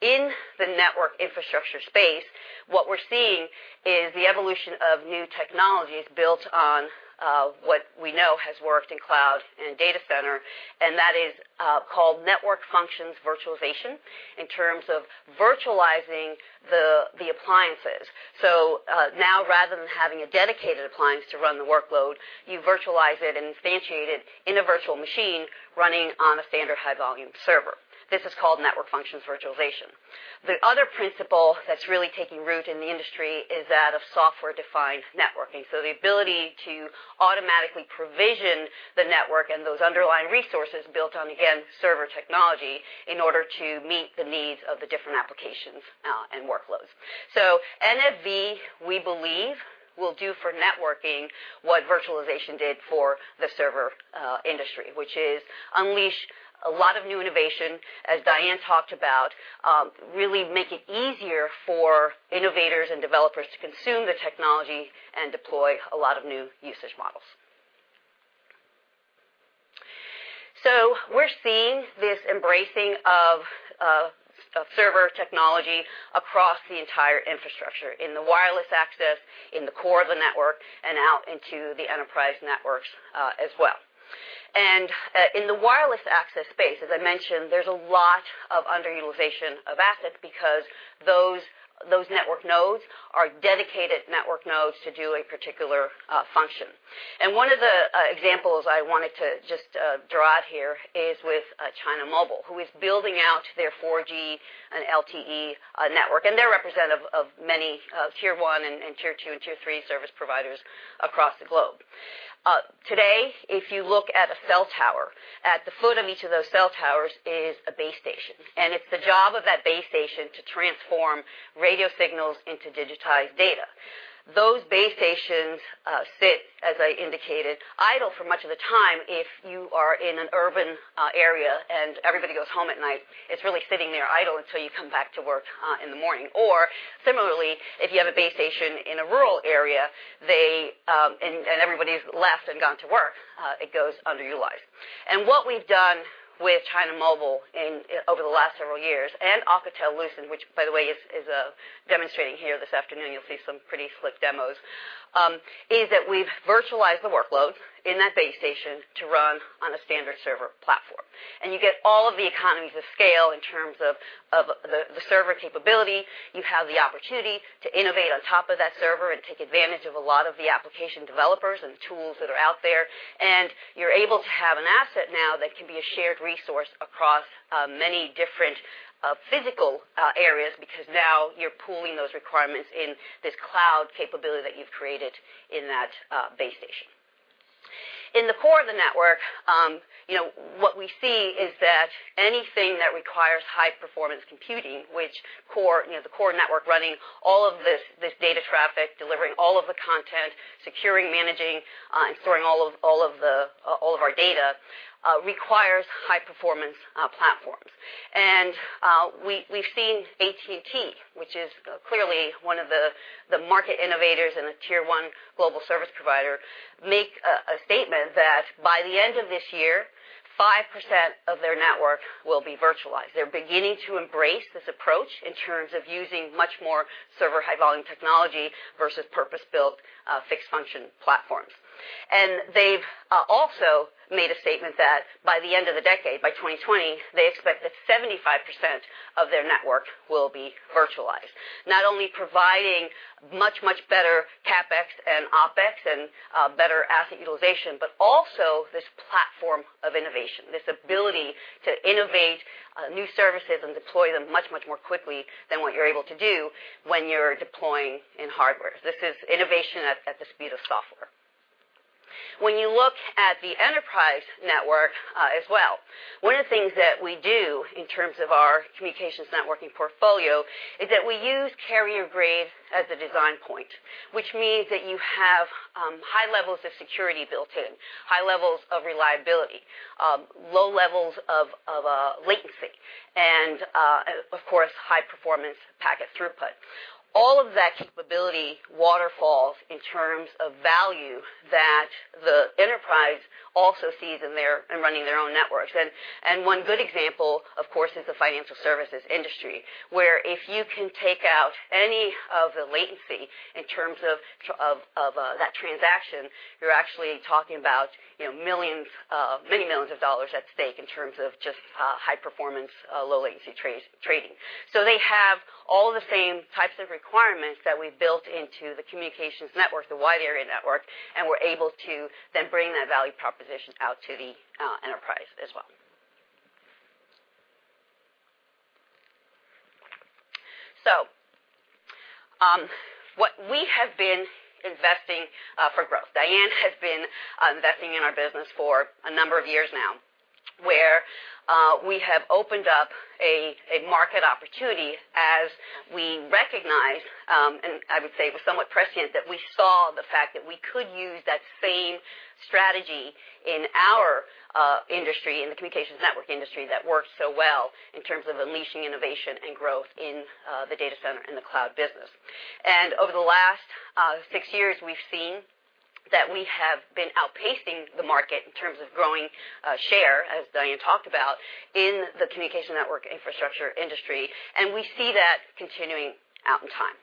In the network infrastructure space, what we're seeing is the evolution of new technologies built on what we know has worked in cloud and data center, and that is called network functions virtualization in terms of virtualizing the appliances. Now rather than having a dedicated appliance to run the workload, you virtualize it and instantiate it in a virtual machine running on a standard high-volume server. This is called network functions virtualization. The other principle that's really taking root in the industry is that of software-defined networking. The ability to automatically provision the network and those underlying resources built on, again, server technology in order to meet the needs of the different applications and workloads. NFV, we believe, will do for networking what virtualization did for the server industry, which is unleash a lot of new innovation, as Diane talked about, really make it easier for innovators and developers to consume the technology and deploy a lot of new usage models. We're seeing this embracing of server technology across the entire infrastructure, in the wireless access, in the core of the network, and out into the enterprise networks as well. In the wireless access space, as I mentioned, there's a lot of underutilization of assets because those network nodes are dedicated network nodes to do a particular function. One of the examples I wanted to just draw out here is with China Mobile, who is building out their 4G and LTE network, and they're representative of many tier 1 and tier 2 and tier 3 service providers across the globe. Today, if you look at a cell tower, at the foot of each of those cell towers is a base station, and it's the job of that base station to transform radio signals into digitized data. Those base stations sit, as I indicated, idle for much of the time if you are in an urban area, and everybody goes home at night, it's really sitting there idle until you come back to work in the morning. Similarly, if you have a base station in a rural area, and everybody's left and gone to work, it goes underutilized. What we've done with China Mobile over the last several years, and Alcatel-Lucent, which by the way, is demonstrating here this afternoon, you'll see some pretty slick demos, is that we've virtualized the workload in that base station to run on a standard server platform. You get all of the economies of scale in terms of the server capability. You have the opportunity to innovate on top of that server and take advantage of a lot of the application developers and tools that are out there. You're able to have an asset now that can be a shared resource across many different physical areas because now you're pooling those requirements in this cloud capability that you've created in that base station. In the core of the network, what we see is that anything that requires high performance computing, which the core network running all of this data traffic, delivering all of the content, securing, managing, and storing all of our data, requires high performance platforms. We've seen AT&T, which is clearly one of the market innovators and a tier 1 global service provider, make a statement that by the end of this year, 5% of their network will be virtualized. They're beginning to embrace this approach in terms of using much more server high volume technology versus purpose-built fixed function platforms. They've also made a statement that by the end of the decade, by 2020, they expect that 75% of their network will be virtualized. Not only providing much, much better CapEx and OpEx and better asset utilization, but also this platform of innovation, this ability to innovate new services and deploy them much, much more quickly than what you're able to do when you're deploying in hardware. This is innovation at the speed of software. When you look at the enterprise network as well, one of the things that we do in terms of our communications networking portfolio is that we use carrier grade as a design point, which means that you have high levels of security built in, high levels of reliability, low levels of latency, and of course, high performance packet throughput. All of that capability waterfalls in terms of value that the enterprise also sees in running their own networks. One good example, of course, is the financial services industry, where if you can take out any of the latency in terms of that transaction, you're actually talking about many millions of dollars at stake in terms of just high performance, low latency trading. They have all the same types of requirements that we've built into the communications network, the wide area network, and we're able to then bring that value proposition out to the enterprise as well. What we have been investing for growth, Diane has been investing in our business for a number of years now, where we have opened up a market opportunity as we recognize, and I would say it was somewhat prescient, that we saw the fact that we could use that same strategy in our industry, in the communications network industry that worked so well in terms of unleashing innovation and growth in the data center and the cloud business. Over the last 6 years, we've seen that we have been outpacing the market in terms of growing share, as Diane talked about, in the communication network infrastructure industry, and we see that continuing out in time.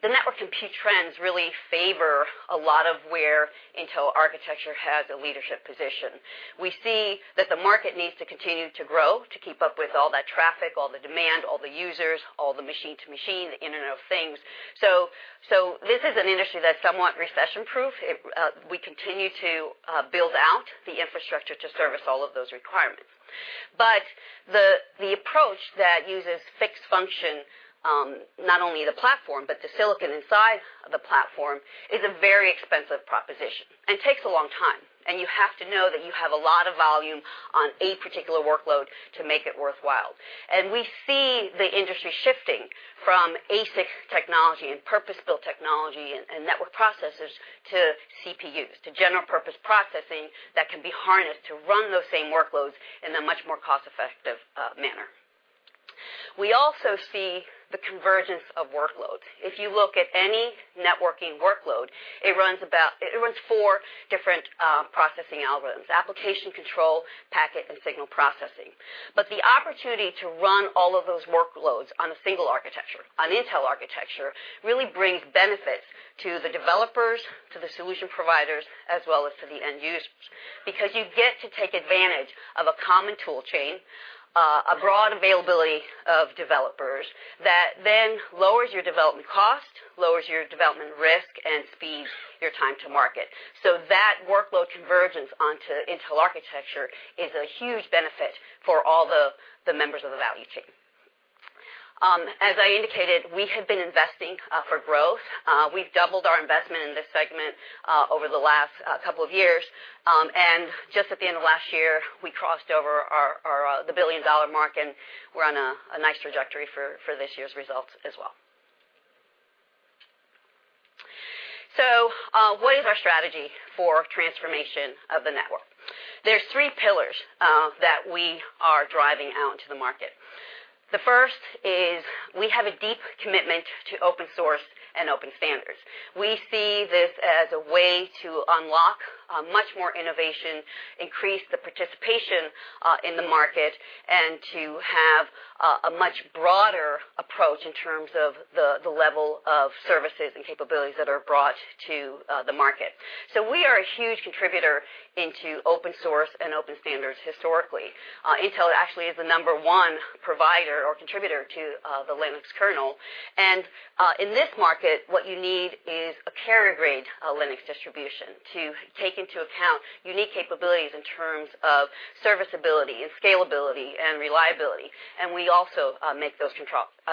The network compute trends really favor a lot of where Intel architecture has a leadership position. We see that the market needs to continue to grow to keep up with all that traffic, all the demand, all the users, all the machine to machine, the Internet of Things. This is an industry that's somewhat recession proof. We continue to build out the infrastructure to service all of those requirements. The approach that uses fixed function, not only the platform, but the silicon inside the platform, is a very expensive proposition and takes a long time, and you have to know that you have a lot of volume on a particular workload to make it worthwhile. We see the industry shifting from ASIC technology and purpose-built technology and network processors to CPUs, to general purpose processing that can be harnessed to run those same workloads in a much more cost-effective manner. We also see the convergence of workloads. If you look at any networking workload, it runs four different processing algorithms: application control, packet, and signal processing. The opportunity to run all of those workloads on a single architecture, on Intel architecture, really brings benefit to the developers, to the solution providers, as well as to the end users. You get to take advantage of a common tool chain, a broad availability of developers that then lowers your development cost, lowers your development risk, and speeds your time to market. That workload convergence onto Intel architecture is a huge benefit for all the members of the value chain. As I indicated, we have been investing for growth. We've doubled our investment in this segment over the last couple of years, just at the end of last year, we crossed over the billion-dollar mark, and we're on a nice trajectory for this year's results as well. What is our strategy for transformation of the network? There's three pillars that we are driving out into the market. The first is we have a deep commitment to open source and open standards. We see this as a way to unlock much more innovation, increase the participation in the market, and to have a much broader approach in terms of the level of services and capabilities that are brought to the market. We are a huge contributor into open source and open standards historically. Intel actually is the number one provider or contributor to the Linux kernel. In this market, what you need is a carrier-grade Linux distribution to take into account unique capabilities in terms of serviceability and scalability and reliability. We also make those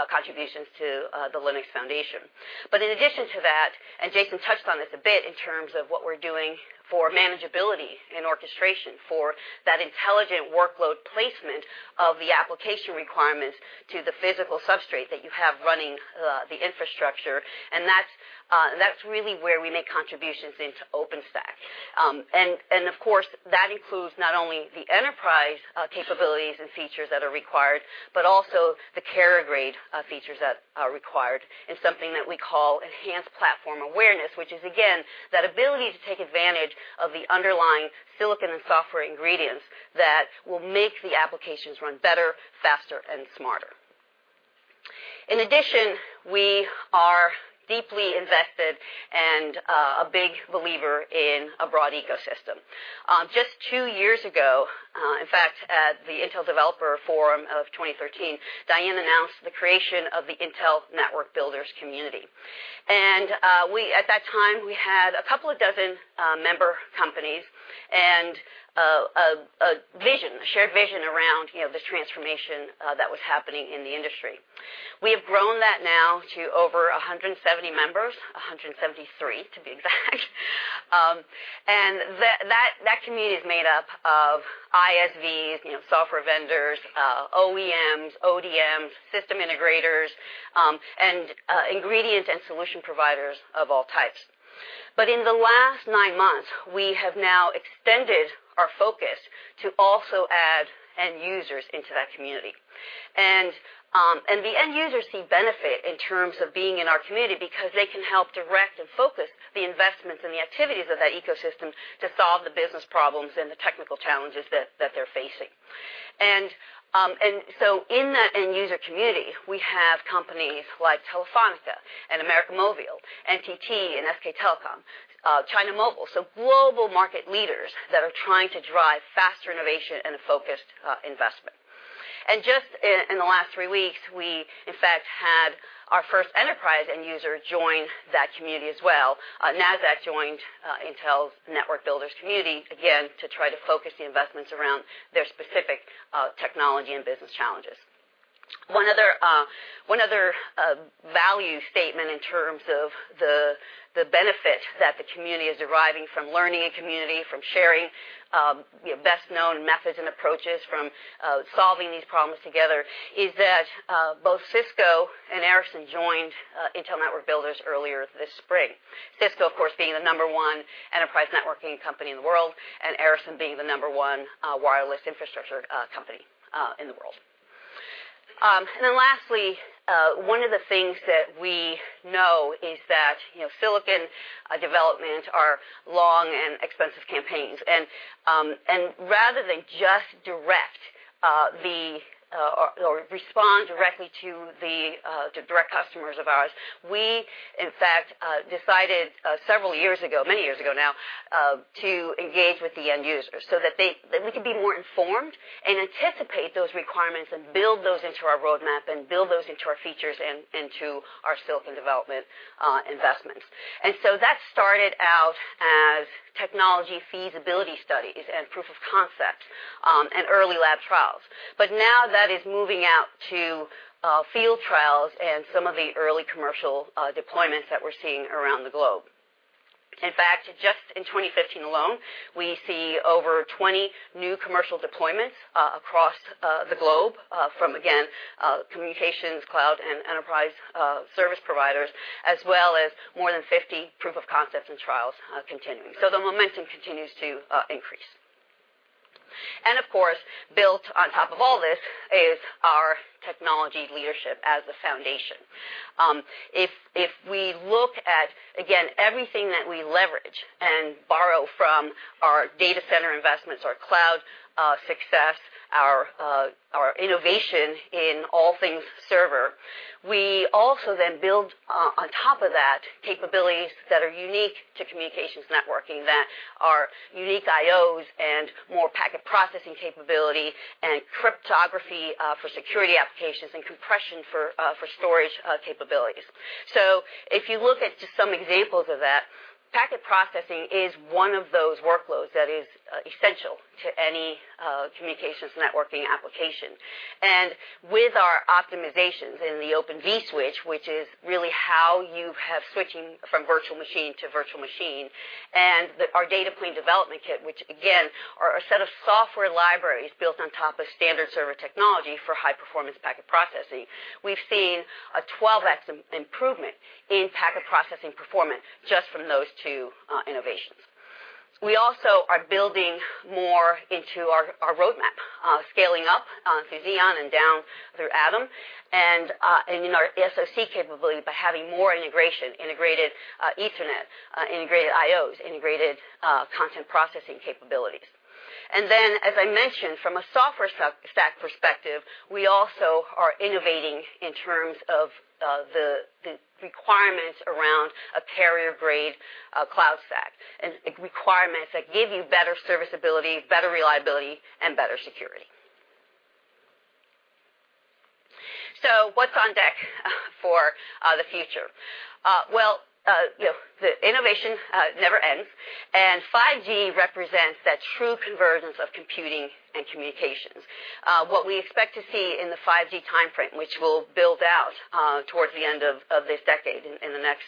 contributions to the Linux Foundation. In addition to that, Jason touched on this a bit in terms of what we're doing for manageability and orchestration for that intelligent workload placement of the application requirements to the physical substrate that you have running the infrastructure, that's really where we make contributions into OpenStack. Of course, that includes not only the enterprise capabilities and features that are required, but also the carrier-grade features that are required in something that we call Enhanced Platform Awareness, which is again, that ability to take advantage of the underlying silicon and software ingredients that will make the applications run better, faster, and smarter. In addition, we are deeply invested and a big believer in a broad ecosystem. Just two years ago, in fact, at the Intel Developer Forum of 2013, Diane announced the creation of the Intel Network Builders community. At that time, we had a couple of dozen member companies and a shared vision around the transformation that was happening in the industry. We have grown that now to over 170 members, 173 to be exact. That community is made up of ISVs, software vendors, OEMs, ODMs, system integrators, and ingredient and solution providers of all types. In the last nine months, we have now extended our focus to also add end users into that community. The end users see benefit in terms of being in our community because they can help direct and focus the investments and the activities of that ecosystem to solve the business problems and the technical challenges that they're facing. In that end user community, we have companies like Telefónica and América Móvil, NTT, SK Telecom, China Mobile. Global market leaders that are trying to drive faster innovation and a focused investment. Just in the last three weeks, we in fact, had our first enterprise end user join that community as well. Nasdaq joined Intel Network Builders community, again, to try to focus the investments around their specific technology and business challenges. One other value statement in terms of the benefit that the community is deriving from learning in community, from sharing best known methods and approaches, from solving these problems together is that both Cisco and Ericsson joined Intel Network Builders earlier this spring. Cisco, of course, being the number 1 enterprise networking company in the world, Ericsson being the number 1 wireless infrastructure company in the world. Lastly, one of the things that we know is that silicon development are long and expensive campaigns. Rather than just respond directly to direct customers of ours, we in fact decided several years ago, many years ago now, to engage with the end users so that we could be more informed and anticipate those requirements and build those into our roadmap and build those into our features and into our silicon development investments. That started out as technology feasibility studies and proof of concept, and early lab trials. Now that is moving out to field trials and some of the early commercial deployments that we're seeing around the globe. In fact, just in 2015 alone, we see over 20 new commercial deployments across the globe from, again, communications, cloud, and enterprise service providers, as well as more than 50 proof of concepts and trials continuing. The momentum continues to increase. Of course, built on top of all this is our technology leadership as the foundation. If we look at, again, everything that we leverage and borrow from our Data Center investments, our cloud success, our innovation in all things server, we also then build on top of that capabilities that are unique to communications networking, that are unique I/Os and more packet processing capability and cryptography for security applications and compression for storage capabilities. If you look at just some examples of that, packet processing is one of those workloads that is essential to any communications networking application. With our optimizations in the Open vSwitch, which is really how you have switching from virtual machine to virtual machine, and our Data Plane Development Kit, which again, are a set of software libraries built on top of standard server technology for high performance packet processing. We've seen a 12X improvement in packet processing performance just from those two innovations. We also are building more into our roadmap, scaling up through Xeon and down through Atom, and in our SoC capability by having more integration, integrated Ethernet, integrated IOs, integrated content processing capabilities. Then, as I mentioned, from a software stack perspective, we also are innovating in terms of the requirements around a carrier-grade cloud stack, requirements that give you better serviceability, better reliability, and better security. What's on deck for the future? The innovation never ends, 5G represents that true convergence of computing and communications. What we expect to see in the 5G timeframe, which will build out towards the end of this decade, in the next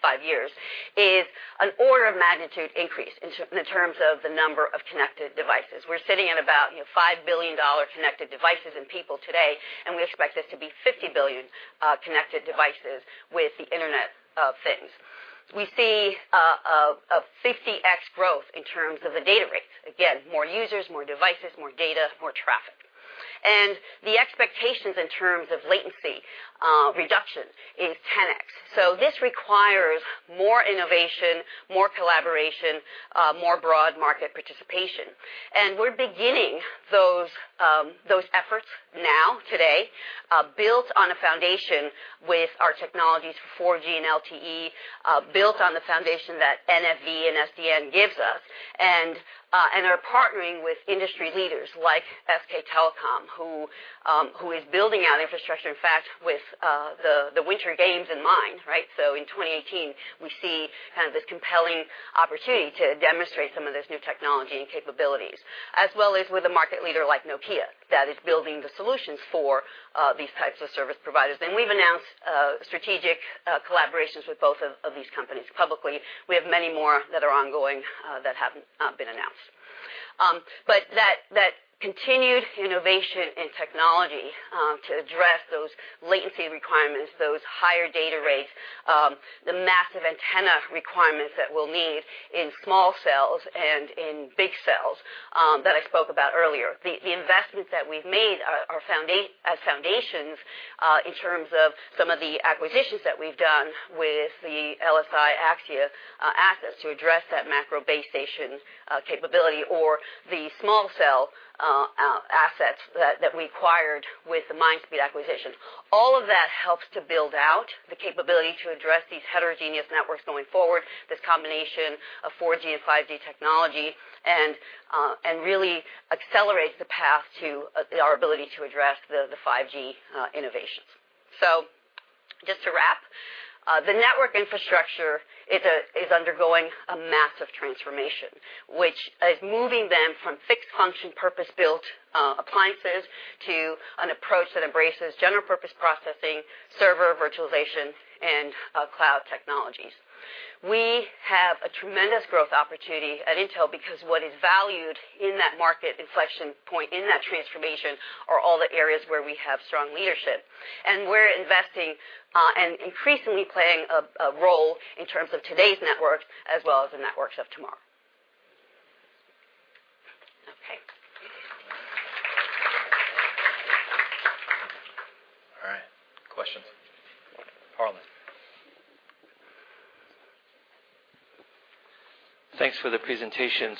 five years, is an order of magnitude increase in terms of the number of connected devices. We're sitting at about $5 billion connected devices and people today, we expect this to be 50 billion connected devices with the Internet of Things. We see a 50x growth in terms of the data rates. Again, more users, more devices, more data, more traffic. The expectations in terms of latency reduction is 10x. This requires more innovation, more collaboration, more broad market participation. We're beginning those efforts now today, built on a foundation with our technologies for 4G and LTE, built on the foundation that NFV and SDN gives us, and are partnering with industry leaders like SK Telecom, who is building out infrastructure, in fact, with the Winter Games in mind, right? In 2018, we see this compelling opportunity to demonstrate some of this new technology and capabilities, as well as with a market leader like Nokia, that is building the solutions for these types of service providers. We've announced strategic collaborations with both of these companies publicly. We have many more that are ongoing that have not been announced. That continued innovation in technology to address those latency requirements, those higher data rates, the massive antenna requirements that we'll need in small cells and in big cells that I spoke about earlier. The investments that we've made are foundations in terms of some of the acquisitions that we've done with the LSI Axxia assets to address that macro base station capability or the small cell assets that we acquired with the Mindspeed acquisition. All of that helps to build out the capability to address these heterogeneous networks going forward, this combination of 4G and 5G technology, really accelerates the path to our ability to address the 5G innovations. Just to wrap, the network infrastructure is undergoing a massive transformation, which is moving them from fixed function, purpose-built appliances to an approach that embraces general purpose processing, server virtualization, and cloud technologies. We have a tremendous growth opportunity at Intel because what is valued in that market inflection point, in that transformation, are all the areas where we have strong leadership. We're investing and increasingly playing a role in terms of today's networks, as well as the networks of tomorrow. Okay. All right. Questions? Harlan. Thanks for the presentation.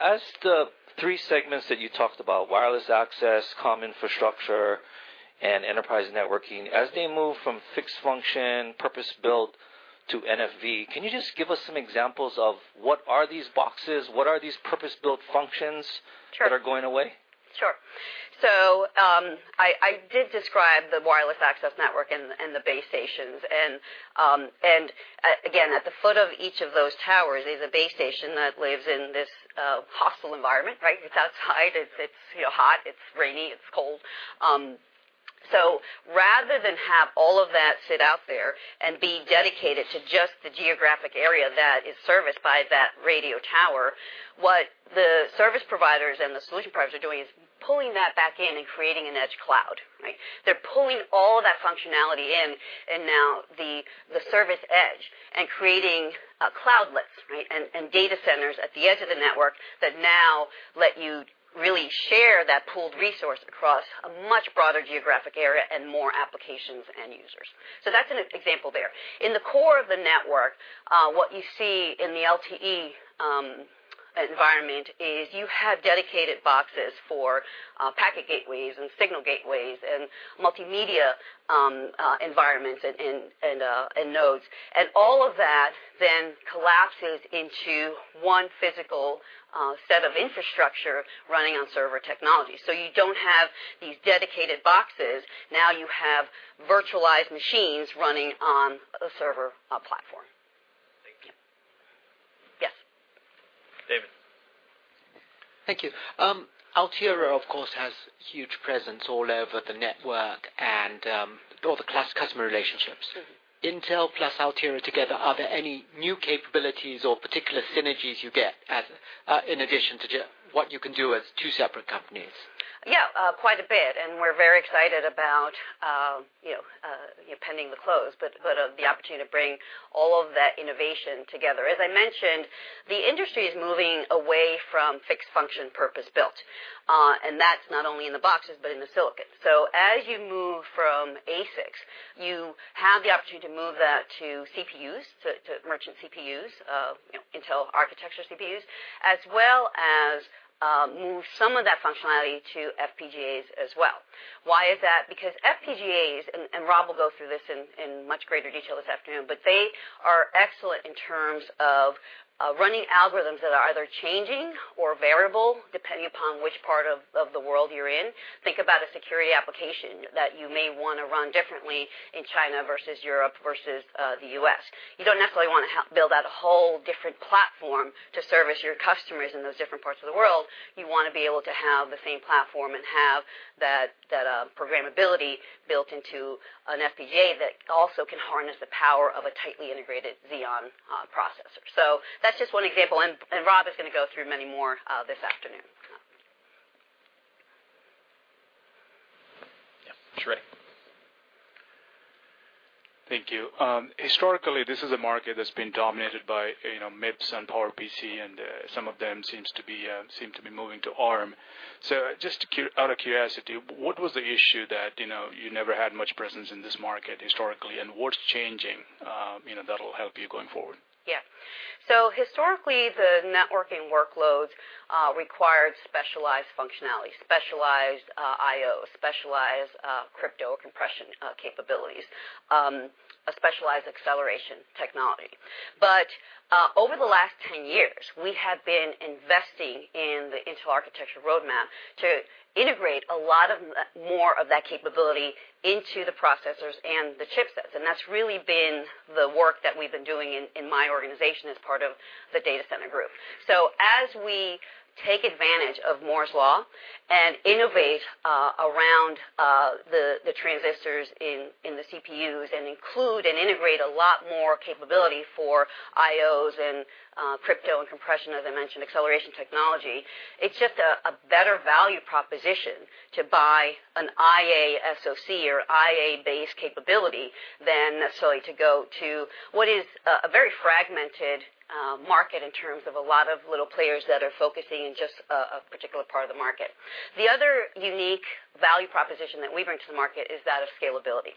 As the three segments that you talked about, wireless access, comm infrastructure, and enterprise networking, as they move from fixed function, purpose-built to NFV, can you just give us some examples of what are these boxes? What are these purpose-built functions- Sure. that are going away? Sure. I did describe the wireless access network and the base stations. Again, at the foot of each of those towers is a base station that lives in this hostile environment, right? It's outside, it's hot, it's rainy, it's cold. Yeah. Rather than have all of that sit out there and be dedicated to just the geographic area that is serviced by that radio tower, what the service providers and the solution providers are doing is pulling that back in and creating an edge cloud, right? They're pulling all that functionality in, and now the service edge and creating a cloudlets, and data centers at the edge of the network that now let you really share that pooled resource across a much broader geographic area and more applications and users. That's an example there. In the core of the network, what you see in the LTE environment is you have dedicated boxes for packet gateways and signal gateways and multimedia environments and nodes. All of that collapses into one physical set of infrastructure running on server technology. You don't have these dedicated boxes, now you have virtualized machines running on a server platform. Thank you. Yes. David. Thank you. Altera, of course, has huge presence all over the network and all the class customer relationships. Sure. Intel plus Altera together, are there any new capabilities or particular synergies you get in addition to what you can do as two separate companies? Yeah, quite a bit, and we're very excited about pending the close, but the opportunity to bring all of that innovation together. As I mentioned, the industry is moving away from fixed function purpose-built, and that's not only in the boxes but in the silicon. As you move from ASICs, you have the opportunity to move that to CPUs, to merchant CPUs, Intel architecture CPUs, as well as move some of that functionality to FPGAs as well. Why is that? FPGAs, and Rob will go through this in much greater detail this afternoon, but they are excellent in terms of running algorithms that are either changing or variable, depending upon which part of the world you're in. Think about a security application that you may want to run differently in China versus Europe versus the U.S. You don't necessarily want to build out a whole different platform to service your customers in those different parts of the world. You want to be able to have the same platform and have that programmability built into an FPGA that also can harness the power of a tightly integrated Xeon processor. That's just one example, and Rob is going to go through many more this afternoon. Yeah. Srini. Thank you. Historically, this is a market that's been dominated by MIPS and PowerPC, and some of them seem to be moving to Arm. Just out of curiosity, what was the issue that you never had much presence in this market historically, and what's changing that'll help you going forward? Yeah. Historically, the networking workloads required specialized functionality, specialized IOs, specialized crypto compression capabilities, a specialized acceleration technology. Over the last 10 years, we have been investing in the Intel architecture roadmap to integrate a lot more of that capability into the processors and the chipsets, and that's really been the work that we've been doing in my organization as part of the Data Center Group. As we take advantage of Moore's Law and innovate around the transistors in the CPUs and include and integrate a lot more capability for IOs and crypto and compression, as I mentioned, acceleration technology, it's just a better value proposition to buy an IA SoC or IA-based capability than necessarily to go to what is a very fragmented market in terms of a lot of little players that are focusing in just a particular part of the market. The other unique value proposition that we bring to the market is that of scalability.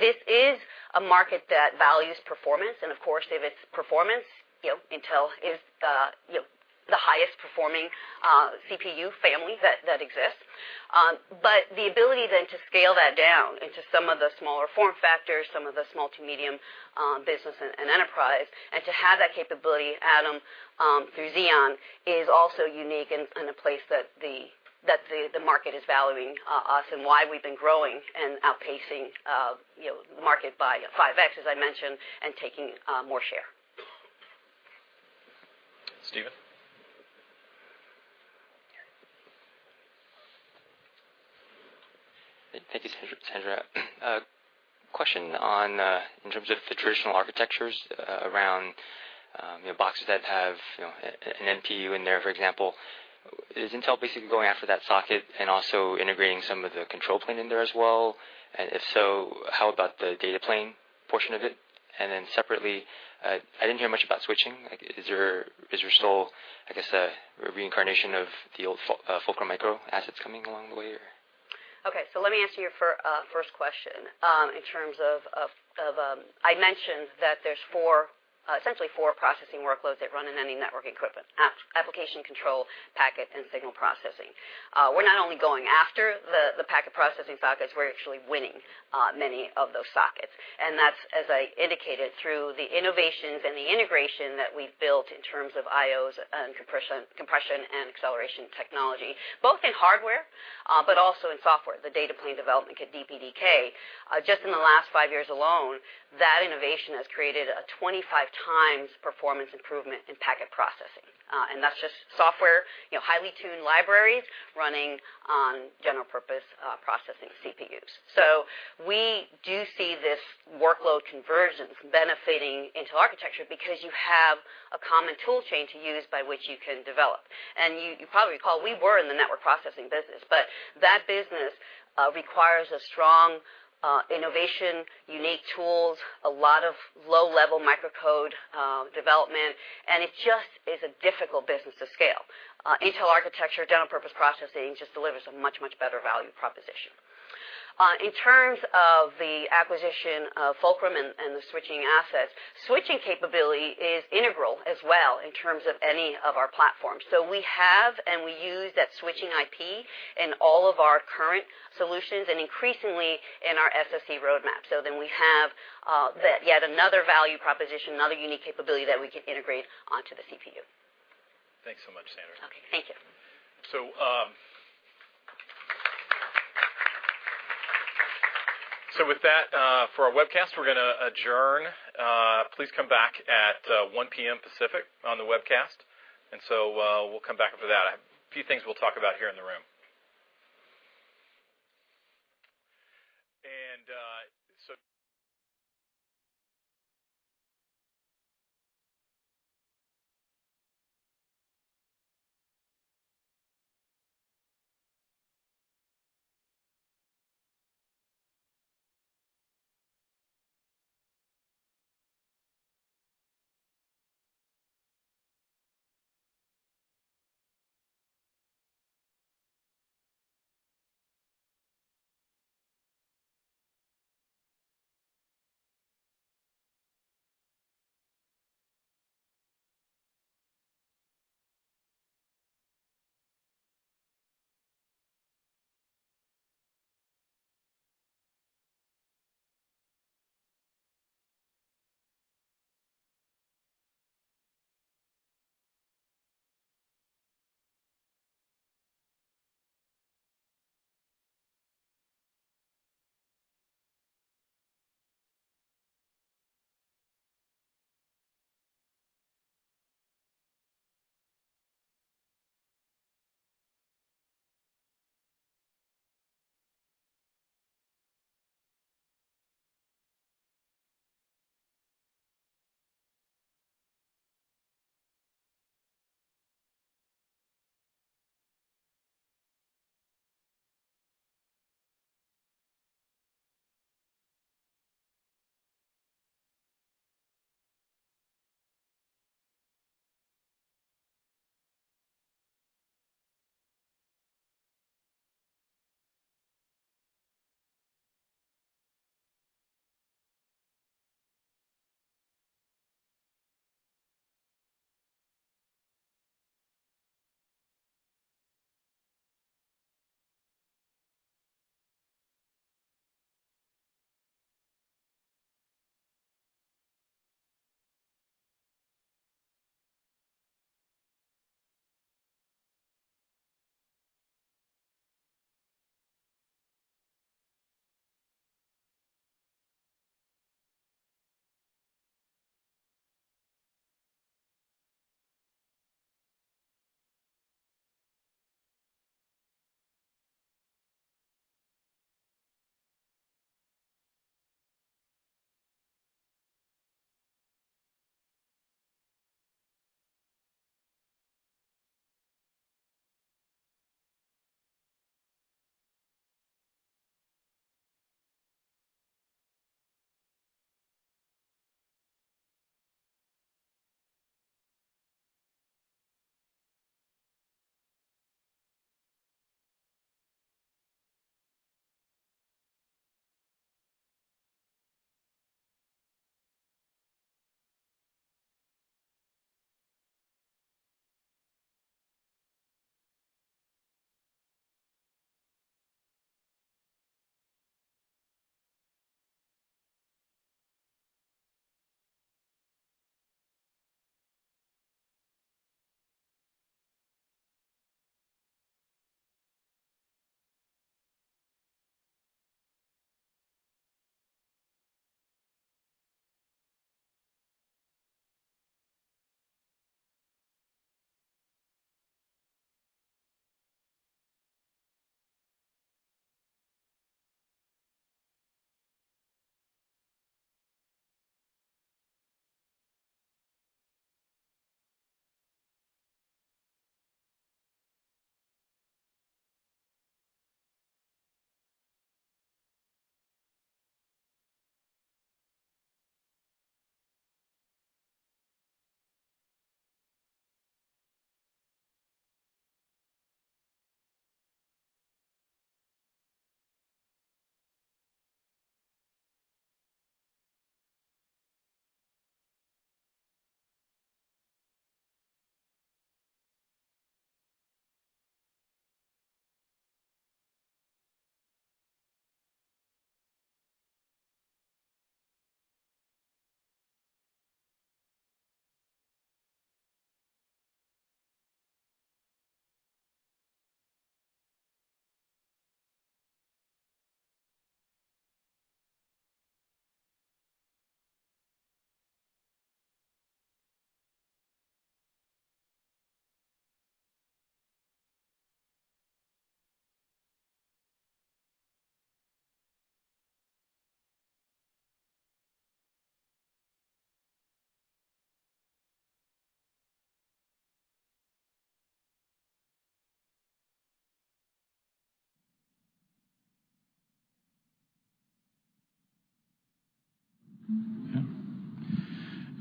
This is a market that values performance, and of course, if it's performance, Intel is the highest performing CPU family that exists. The ability to scale that down into some of the smaller form factors, some of the small to medium business and enterprise, and to have that capability, Atom, through Xeon, is also unique and a place that the market is valuing us and why we've been growing and outpacing market by 5X, as I mentioned, and taking more share. Stephen. Thank you, Sandra. A question on in terms of the traditional architectures around boxes that have an NPU in there, for example. Is Intel basically going after that socket and also integrating some of the control plane in there as well? If so, how about the Data Plane portion of it? Separately, I didn't hear much about switching. Is there still a reincarnation of the old Fulcrum Micro assets coming along the way or? Okay, let me answer your first question. In terms of, I mentioned that there's essentially four processing workloads that run in any network equipment: application control, packet, and signal processing. We're not only going after the packet processing sockets, we're actually winning many of those sockets, and that's, as I indicated, through the innovations and the integration that we've built in terms of IOs and compression and acceleration technology, both in hardware but also in software, the Data Plane Development Kit, DPDK. Just in the last five years alone, that innovation has created a 25 times performance improvement in packet processing. That's just software, highly tuned libraries running on general purpose processing CPUs. We do see this workload convergence benefiting Intel architecture because you have a common tool chain to use by which you can develop, and you probably recall we were in the network processing business, but that business requires a strong innovation, unique tools, a lot of low-level microcode development, and it just is a difficult business to scale. Intel architecture, general purpose processing just delivers a much, much better value proposition. In terms of the acquisition of Fulcrum and the switching assets, switching capability is integral as well in terms of any of our platforms. We have and we use that switching IP in all of our current solutions and increasingly in our SoC roadmap. We have yet another value proposition, another unique capability that we can integrate onto the CPU. Thanks so much, Sandra. Okay. Thank you. With that, for our webcast, we're going to adjourn. Please come back at 1:00 P.M. Pacific on the webcast, we'll come back for that. A few things we'll talk about here in the room. Yeah.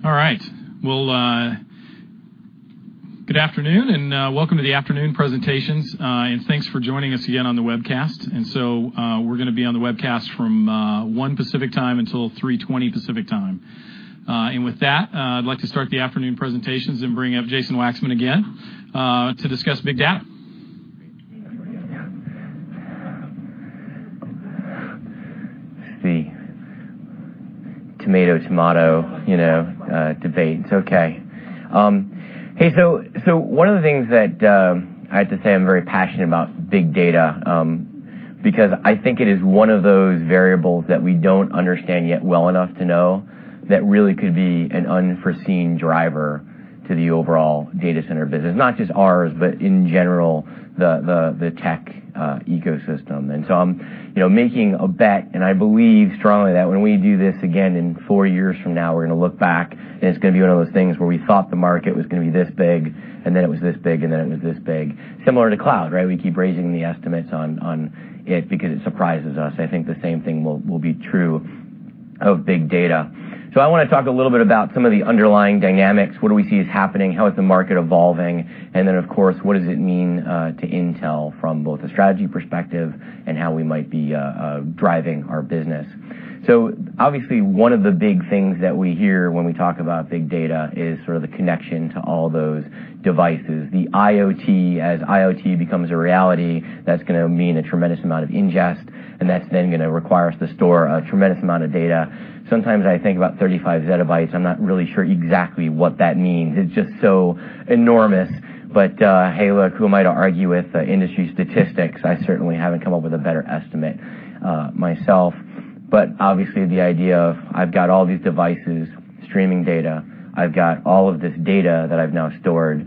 All right. Well, good afternoon, welcome to the afternoon presentations, thanks for joining us again on the webcast. We're going to be on the webcast from 1:00 P.M. Pacific Time until 3:20 P.M. Pacific Time. With that, I'd like to start the afternoon presentations and bring up Jason Waxman again to discuss big data. Let's see. Tomato, tomato debate. It's okay. Hey, one of the things that I have to say I'm very passionate about is big data, because I think it is one of those variables that we don't understand yet well enough to know that really could be an unforeseen driver to the overall data center business, not just ours, but in general, the tech ecosystem. I'm making a bet, and I believe strongly that when we do this again in four years from now, we're going to look back, and it's going to be one of those things where we thought the market was going to be this big, and then it was this big, and then it was this big. Similar to cloud, right? We keep raising the estimates on it because it surprises us. I think the same thing will be true of big data. I want to talk a little bit about some of the underlying dynamics, what do we see is happening, how is the market evolving, of course, what does it mean to Intel from both a strategy perspective and how we might be driving our business. Obviously, one of the big things that we hear when we talk about big data is sort of the connection to all those devices, the IoT. As IoT becomes a reality, that's going to mean a tremendous amount of ingest, and that's then going to require us to store a tremendous amount of data. Sometimes I think about 35 zettabytes. I'm not really sure exactly what that means. It's just so enormous, but hey, look, who am I to argue with industry statistics? I certainly haven't come up with a better estimate myself. The idea of I've got all these devices streaming data, I've got all of this data that I've now stored,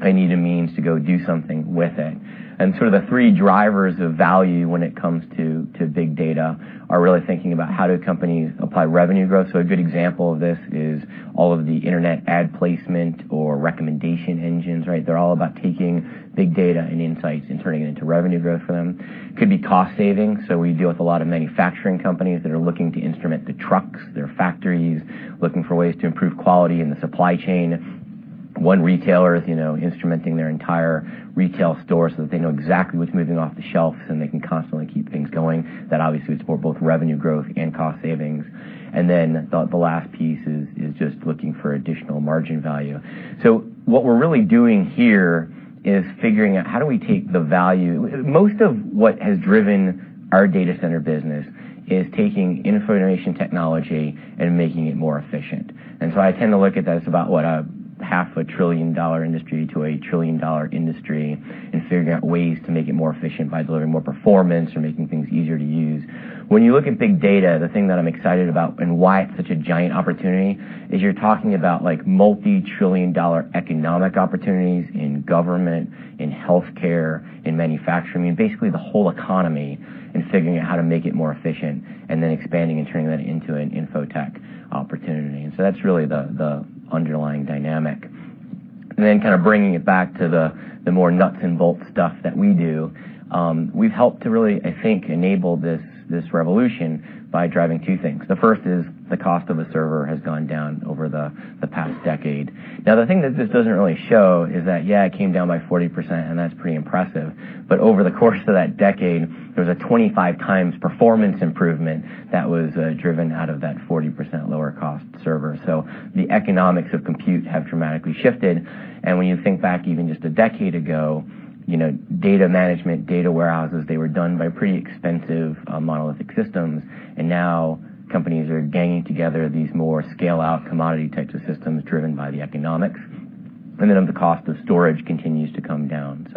I need a means to go do something with it. Sort of the three drivers of value when it comes to big data are really thinking about how do companies apply revenue growth. A good example of this is all of the internet ad placement or recommendation engines, right? They're all about taking big data and insights and turning it into revenue growth for them. Could be cost-saving, we deal with a lot of manufacturing companies that are looking to instrument the trucks, their factories, looking for ways to improve quality in the supply chain. One retailer is instrumenting their entire retail store so that they know exactly what's moving off the shelves, and they can constantly keep things going. That obviously would support both revenue growth and cost savings. The last piece is just looking for additional margin value. What we're really doing here is figuring out how do we take the value. Most of what has driven our data center business is taking information technology and making it more efficient. I tend to look at that as about what a half a trillion-dollar industry to a trillion-dollar industry and figuring out ways to make it more efficient by delivering more performance or making things easier to use. When you look at big data, the thing that I'm excited about and why it's such a giant opportunity is you're talking about multi-trillion-dollar economic opportunities in government, in healthcare, in manufacturing. I mean, basically the whole economy and figuring out how to make it more efficient then expanding and turning that into an info tech opportunity. That's really the underlying dynamic. Then kind of bringing it back to the more nuts-and-bolts stuff that we do. We've helped to really, I think, enable this revolution by driving two things. The first is the cost of a server has gone down over the past decade. The thing that this doesn't really show is that, yeah, it came down by 40%, and that's pretty impressive. Over the course of that decade, there was a 25 times performance improvement that was driven out of that 40% lower cost server. The economics of compute have dramatically shifted, when you think back even just a decade ago, data management, data warehouses, they were done by pretty expensive monolithic systems, and now companies are ganging together these more scale-out commodity types of systems driven by the economics. The cost of storage continues to come down.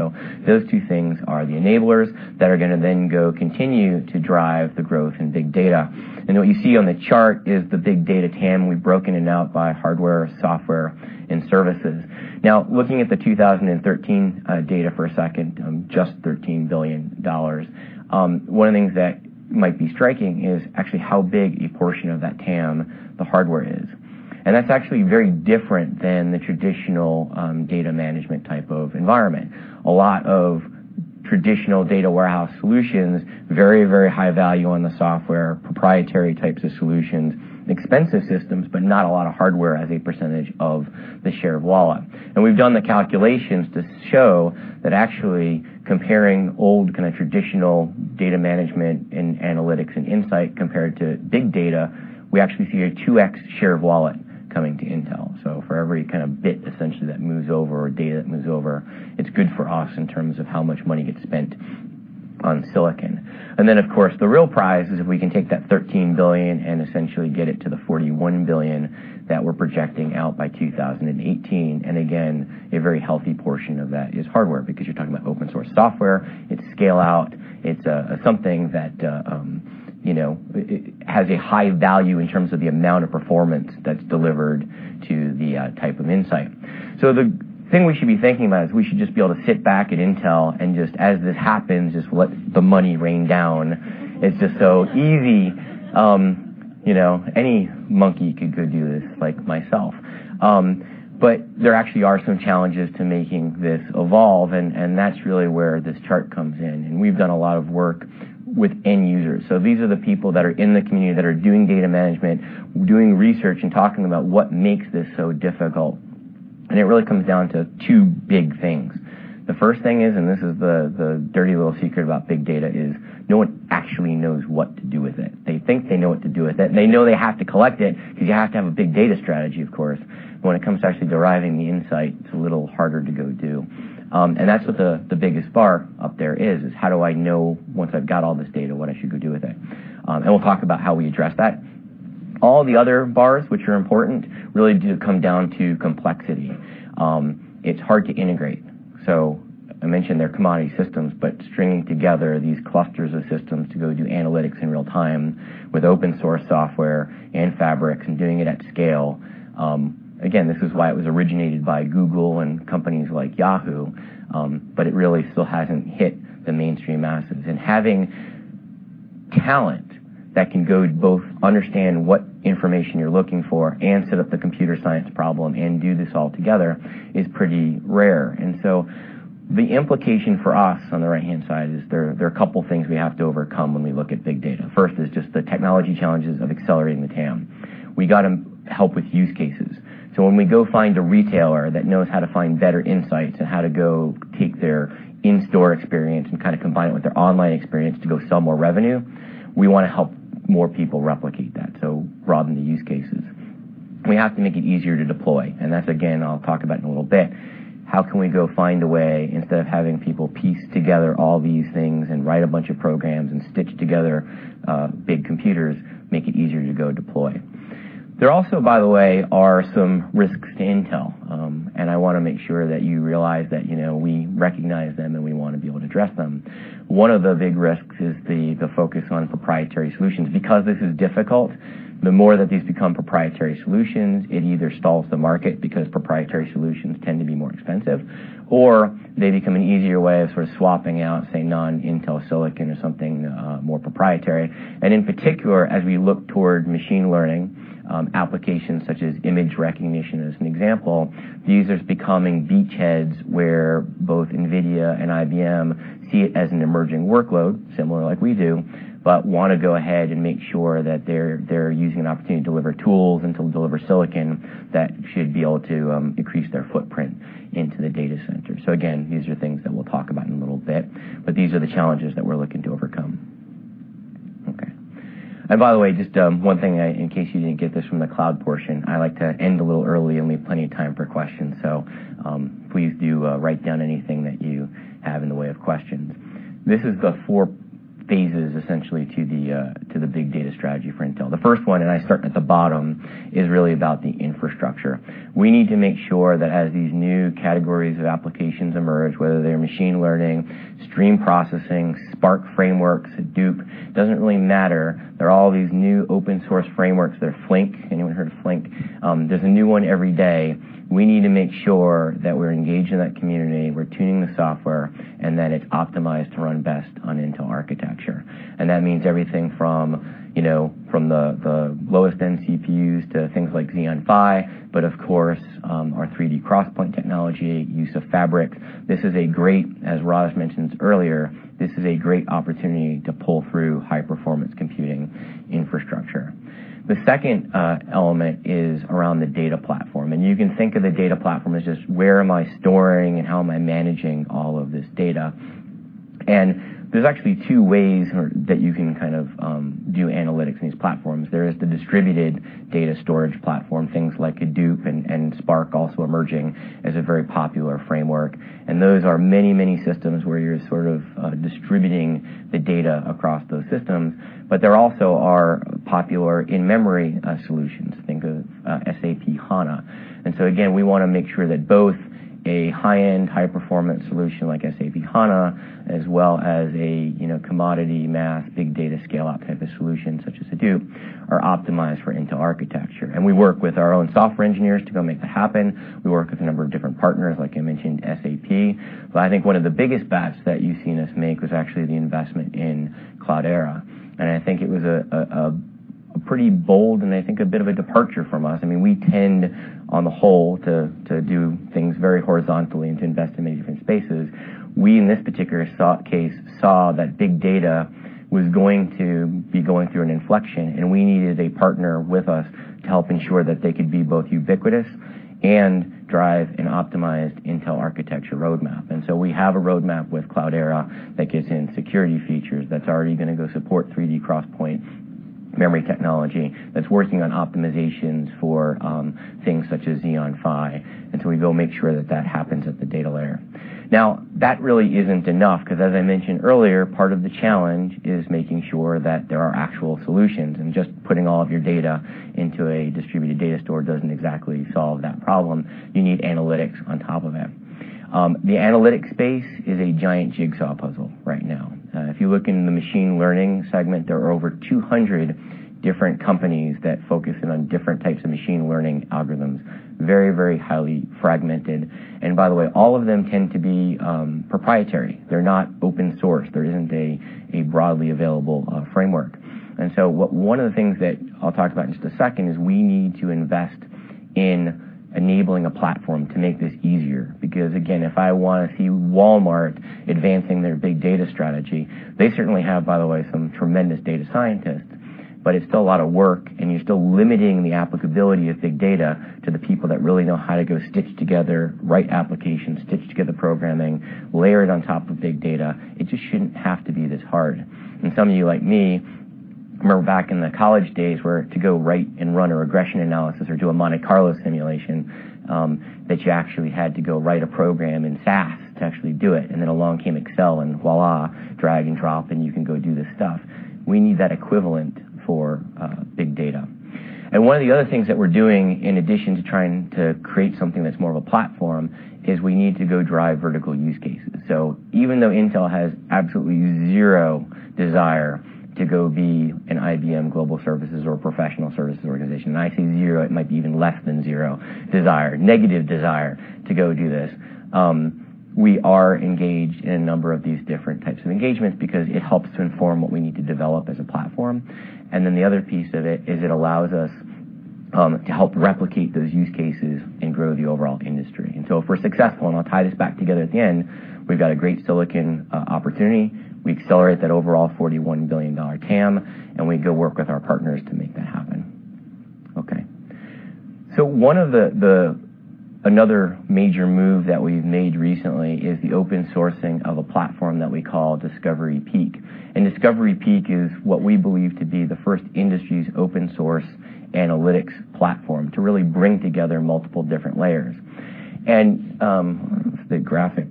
Those two things are the enablers that are going to then go continue to drive the growth in big data. What you see on the chart is the big data TAM. We've broken it out by hardware, software, and services. Looking at the 2013 data for a second, just $13 billion, one of the things that might be striking is actually how big a portion of that TAM the hardware is. That's actually very different than the traditional data management type of environment. A lot of traditional data warehouse solutions, very, very high value on the software, proprietary types of solutions, expensive systems, but not a lot of hardware as a percentage of the share of wallet. We've done the calculations to show that actually comparing old kind of traditional data management and analytics and insight compared to big data, we actually see a 2X share of wallet coming to Intel. For every kind of bit essentially that moves over or data that moves over, it's good for us in terms of how much money gets spent on silicon. Of course, the real prize is if we can take that $13 billion and essentially get it to the $41 billion that we're projecting out by 2018. Again, a very healthy portion of that is hardware because you're talking about open-source software, it's scale out, it's something that has a high value in terms of the amount of performance that's delivered to the type of insight. The thing we should be thinking about is we should just be able to sit back at Intel and just as this happens, just let the money rain down. It's just so easy. Any monkey could go do this, like myself. There actually are some challenges to making this evolve, and that's really where this chart comes in. We've done a lot of work with end users. These are the people that are in the community that are doing data management, doing research, and talking about what makes this so difficult. It really comes down to two big things. The first thing is, this is the dirty little secret about big data, is no one actually knows what to do with it. They think they know what to do with it, they know they have to collect it because you have to have a big data strategy, of course. When it comes to actually deriving the insight, it's a little harder to go do. That's what the biggest bar up there is: How do I know, once I've got all this data, what I should go do with it? We'll talk about how we address that. All the other bars, which are important, really do come down to complexity. It's hard to integrate. I mentioned they're commodity systems, stringing together these clusters of systems to go do analytics in real time with open source software and fabrics and doing it at scale. Again, this is why it was originated by Google and companies like Yahoo, it really still hasn't hit the mainstream masses. Having talent that can go both understand what information you're looking for and set up the computer science problem and do this all together is pretty rare. The implication for us on the right-hand side is there are a couple of things we have to overcome when we look at big data. First is just the technology challenges of accelerating the TAM. We got to help with use cases. When we go find a retailer that knows how to find better insights and how to go take their in-store experience and combine it with their online experience to go sell more revenue, we want to help more people replicate that, so broaden the use cases. We have to make it easier to deploy. That, again, I'll talk about in a little bit. How can we go find a way, instead of having people piece together all these things and write a bunch of programs and stitch together big computers, make it easier to go deploy? There also, by the way, are some risks to Intel. I want to make sure that you realize that we recognize them and we want to be able to address them. One of the big risks is the focus on proprietary solutions. Because this is difficult, the more that these become proprietary solutions, it either stalls the market because proprietary solutions tend to be more expensive, or they become an easier way of swapping out, say, non-Intel silicon or something more proprietary. In particular, as we look toward machine learning applications, such as image recognition as an example, these are becoming beachheads where both Nvidia and IBM see it as an emerging workload, similar like we do, but want to go ahead and make sure that they're using an opportunity to deliver tools and to deliver silicon that should be able to increase their footprint into the data center. Again, these are things that we'll talk about in a little bit, but these are the challenges that we're looking to overcome. Okay. By the way, just one thing, in case you didn't get this from the cloud portion, I like to end a little early and leave plenty of time for questions. Please do write down anything that you have in the way of questions. This is the four phases, essentially, to the big data strategy for Intel. The first one, I start at the bottom, is really about the infrastructure. We need to make sure that as these new categories of applications emerge, whether they're machine learning, stream processing, Spark frameworks, Hadoop, it doesn't really matter. There are all these new open source frameworks. There's Flink. Anyone heard of Flink? There's a new one every day. We need to make sure that we're engaged in that community, we're tuning the software, and that it's optimized to run best on Intel architecture. That means everything from the lowest-end CPUs to things like Xeon Phi, but of course, our 3D XPoint technology, use of fabric. This is a great, as Raj mentioned earlier, this is a great opportunity to pull through high-performance computing infrastructure. The second element is around the data platform, you can think of the data platform as just where am I storing and how am I managing all of this data. There's actually two ways that you can do analytics in these platforms. There is the distributed data storage platform, things like Hadoop, and Spark also emerging as a very popular framework. Those are many systems where you're sort of distributing the data across those systems. But there also are popular in-memory solutions. Think of SAP HANA. Again, we want to make sure that both a high-end, high-performance solution like SAP HANA as well as a commodity math big data scale-out type of solution such as Hadoop are optimized for Intel architecture. We work with our own software engineers to go make that happen. We work with a number of different partners, like I mentioned, SAP. I think one of the biggest bets that you've seen us make was actually the investment in Cloudera. I think it was a pretty bold and I think a bit of a departure from us. We tend, on the whole, to do things very horizontally and to invest in many different spaces. We, in this particular case, saw that big data was going to be going through an inflection, and we needed a partner with us to help ensure that they could be both ubiquitous and drive an optimized Intel architecture roadmap. We have a roadmap with Cloudera that gets in security features, that's already going to go support 3D XPoint memory technology, that's working on optimizations for things such as Xeon Phi, we go make sure that that happens at the data layer. That really isn't enough, because as I mentioned earlier, part of the challenge is making sure that there are actual solutions and just putting all of your data into a distributed data store doesn't exactly solve that problem. You need analytics on top of it. The analytics space is a giant jigsaw puzzle right now. If you look in the machine learning segment, there are over 200 different companies that focus in on different types of machine learning algorithms, very highly fragmented. By the way, all of them tend to be proprietary. They're not open source. There isn't a broadly available framework. One of the things that I'll talk about in just a second is we need to invest in enabling a platform to make this easier. Because again, if I want to see Walmart advancing their big data strategy, they certainly have, by the way, some tremendous data scientists. It's still a lot of work, and you're still limiting the applicability of big data to the people that really know how to go stitch together, write applications, stitch together programming, layer it on top of big data. It just shouldn't have to be this hard. Some of you, like me, remember back in the college days, where to go write and run a regression analysis or do a Monte Carlo simulation, that you actually had to go write a program in SAS to actually do it. Along came Excel and voila, drag and drop, you can go do this stuff. We need that equivalent for big data. One of the other things that we're doing, in addition to trying to create something that's more of a platform, is we need to go drive vertical use cases. Even though Intel has absolutely zero desire to go be an IBM Global Services or professional services organization, I say zero, it might be even less than zero desire, negative desire to go do this. We are engaged in a number of these different types of engagements because it helps to inform what we need to develop as a platform. The other piece of it is it allows us to help replicate those use cases and grow the overall industry. If we're successful, I'll tie this back together at the end, we've got a great silicon opportunity. We accelerate that overall $41 billion TAM, we go work with our partners to make that happen. One of the another major move that we've made recently is the open sourcing of a platform that we call Discovery Peak. Discovery Peak is what we believe to be the first industry's open-source analytics platform to really bring together multiple different layers. The graphic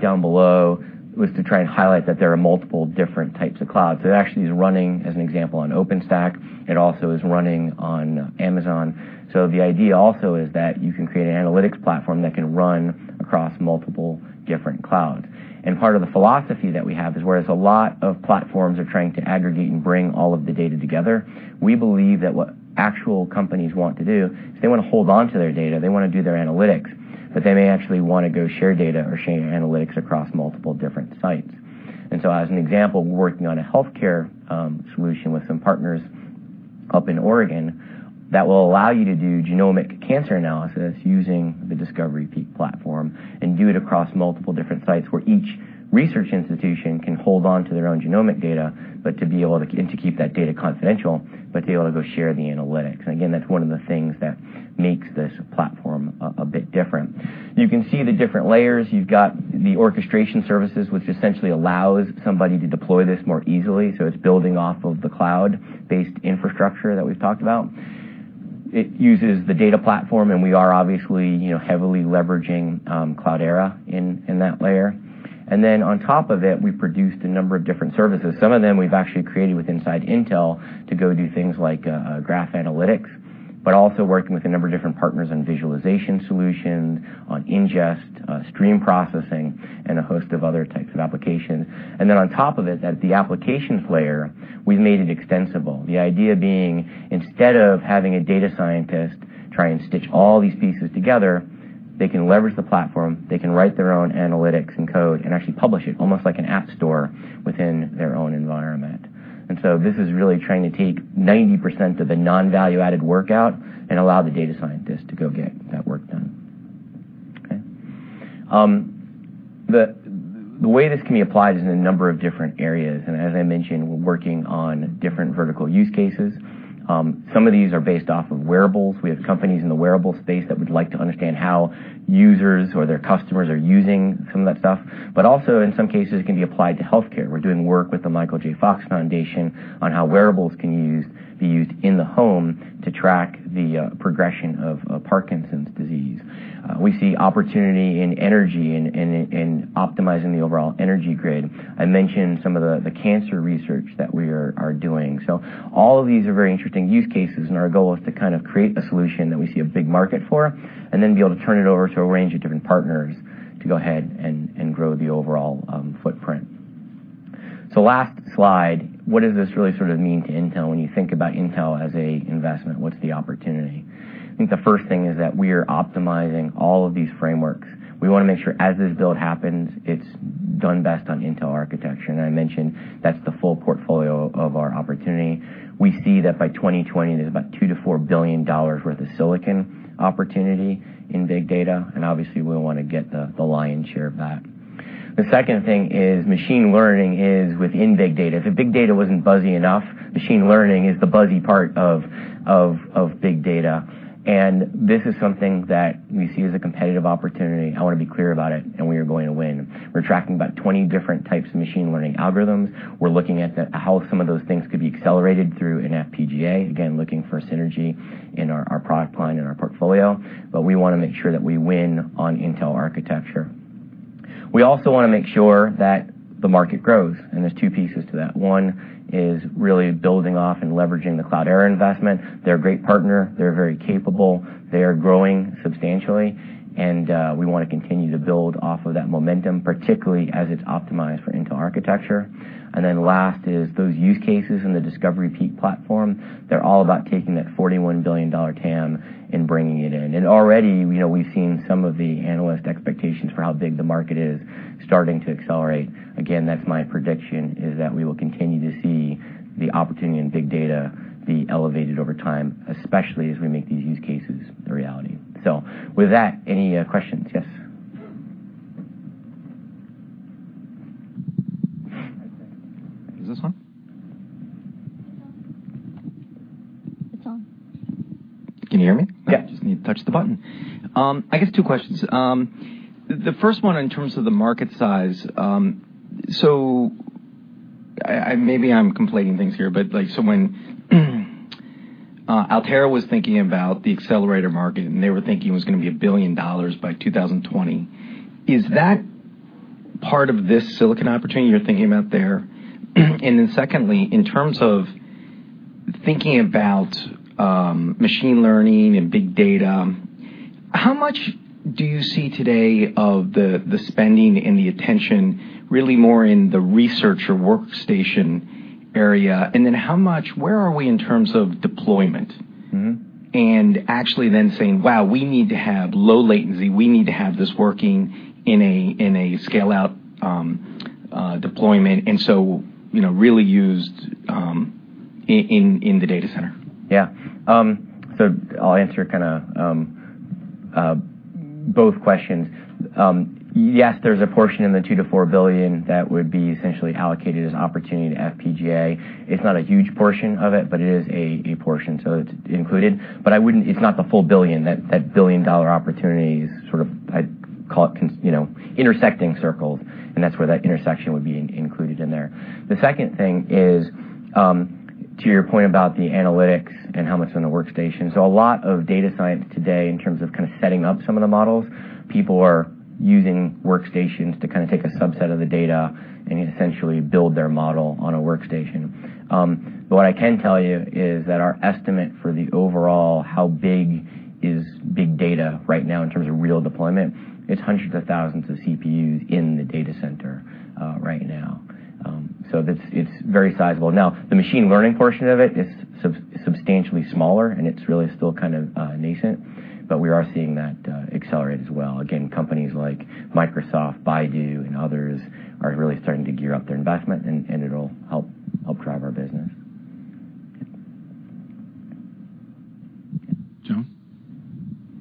down below was to try and highlight that there are multiple different types of clouds. It actually is running, as an example, on OpenStack. It also is running on Amazon. The idea also is that you can create an analytics platform that can run across multiple different clouds. Part of the philosophy that we have is whereas a lot of platforms are trying to aggregate and bring all of the data together, we believe that what actual companies want to do is they want to hold onto their data. They want to do their analytics, they may actually want to go share data or share analytics across multiple different sites. As an example, we're working on a healthcare solution with some partners up in Oregon that will allow you to do genomic cancer analysis using the Discovery Peak platform and do it across multiple different sites where each research institution can hold on to their own genomic data, to be able to keep that data confidential, to be able to go share the analytics. Again, that's one of the things that makes this platform a bit different. You can see the different layers. You've got the orchestration services, which essentially allows somebody to deploy this more easily. It's building off of the cloud-based infrastructure that we've talked about. It uses the data platform, we are obviously heavily leveraging Cloudera in that layer. On top of it, we produced a number of different services. Some of them we've actually created with inside Intel to go do things like graph analytics, also working with a number of different partners on visualization solutions, on ingest, stream processing, a host of other types of applications. On top of it, at the applications layer, we've made it extensible. The idea being, instead of having a data scientist try and stitch all these pieces together, they can leverage the platform, they can write their own analytics and code, actually publish it, almost like an app store within their own environment. This is really trying to take 90% of the non-value-added work out and allow the data scientist to go get that work done. The way this can be applied is in a number of different areas. As I mentioned, we're working on different vertical use cases. Some of these are based off of wearables. We have companies in the wearable space that would like to understand how users or their customers are using some of that stuff. Also, in some cases, it can be applied to healthcare. We're doing work with the Michael J. Fox Foundation on how wearables can be used in the home to track the progression of Parkinson's disease. We see opportunity in energy and in optimizing the overall energy grid. I mentioned some of the cancer research that we are doing. All of these are very interesting use cases, and our goal is to create a solution that we see a big market for, and then be able to turn it over to a range of different partners to go ahead and grow the overall footprint. Last slide, what does this really mean to Intel when you think about Intel as an investment? What's the opportunity? I think the first thing is that we are optimizing all of these frameworks. We want to make sure as this build happens, it's done best on Intel architecture. I mentioned that's the full portfolio of our opportunity. We see that by 2020, there's about $2 billion-$4 billion worth of silicon opportunity in big data, and obviously, we want to get the lion's share of that. The second thing is machine learning is within big data. If big data wasn't buzzy enough, machine learning is the buzzy part of big data. This is something that we see as a competitive opportunity. I want to be clear about it, and we are going to win. We're tracking about 20 different types of machine learning algorithms. We're looking at how some of those things could be accelerated through an FPGA, again, looking for synergy in our product line and our portfolio. We want to make sure that we win on Intel architecture. We also want to make sure that the market grows, and there's two pieces to that. One is really building off and leveraging the Cloudera investment. They're a great partner. They're very capable. They are growing substantially, and we want to continue to build off of that momentum, particularly as it's optimized for Intel architecture. Last is those use cases in the Discovery Peak platform. They're all about taking that $41 billion TAM and bringing it in. Already, we've seen some of the analyst expectations for how big the market is starting to accelerate. Again, that's my prediction is that we will continue to see the opportunity in big data be elevated over time, especially as we make these use cases a reality. With that, any questions? Yes Is this on? It's on. Can you hear me? Yeah. Just need to touch the button. I guess two questions. The first one in terms of the market size. Maybe I'm conflating things here, when Altera was thinking about the accelerator market, they were thinking it was going to be $1 billion by 2020, is that part of this silicon opportunity you're thinking about there? Secondly, in terms of thinking about machine learning and big data, how much do you see today of the spending and the attention, really more in the research or workstation area, then where are we in terms of deployment? Actually then saying, "Wow, we need to have low latency. We need to have this working in a scale-out deployment," really used in the data center. I'll answer both questions. Yes, there's a portion in the $2 billion-$4 billion that would be essentially allocated as an opportunity to FPGA. It's not a huge portion of it, but it is a portion, so it's included. But it's not the full billion. That billion-dollar opportunity is sort of, I'd call it, intersecting circles, and that's where that intersection would be included in there. The second thing is, to your point about the analytics and how much is in the workstation. A lot of data science today, in terms of setting up some of the models, people are using workstations to take a subset of the data and essentially build their model on a workstation. What I can tell you is that our estimate for the overall, how big is big data right now in terms of real deployment, it's hundreds of thousands of CPUs in the data center right now. It's very sizable. The machine learning portion of it is substantially smaller, and it's really still kind of nascent, but we are seeing that accelerate as well. Again, companies like Microsoft, Baidu, and others are really starting to gear up their investment, and it'll help drive our business. John.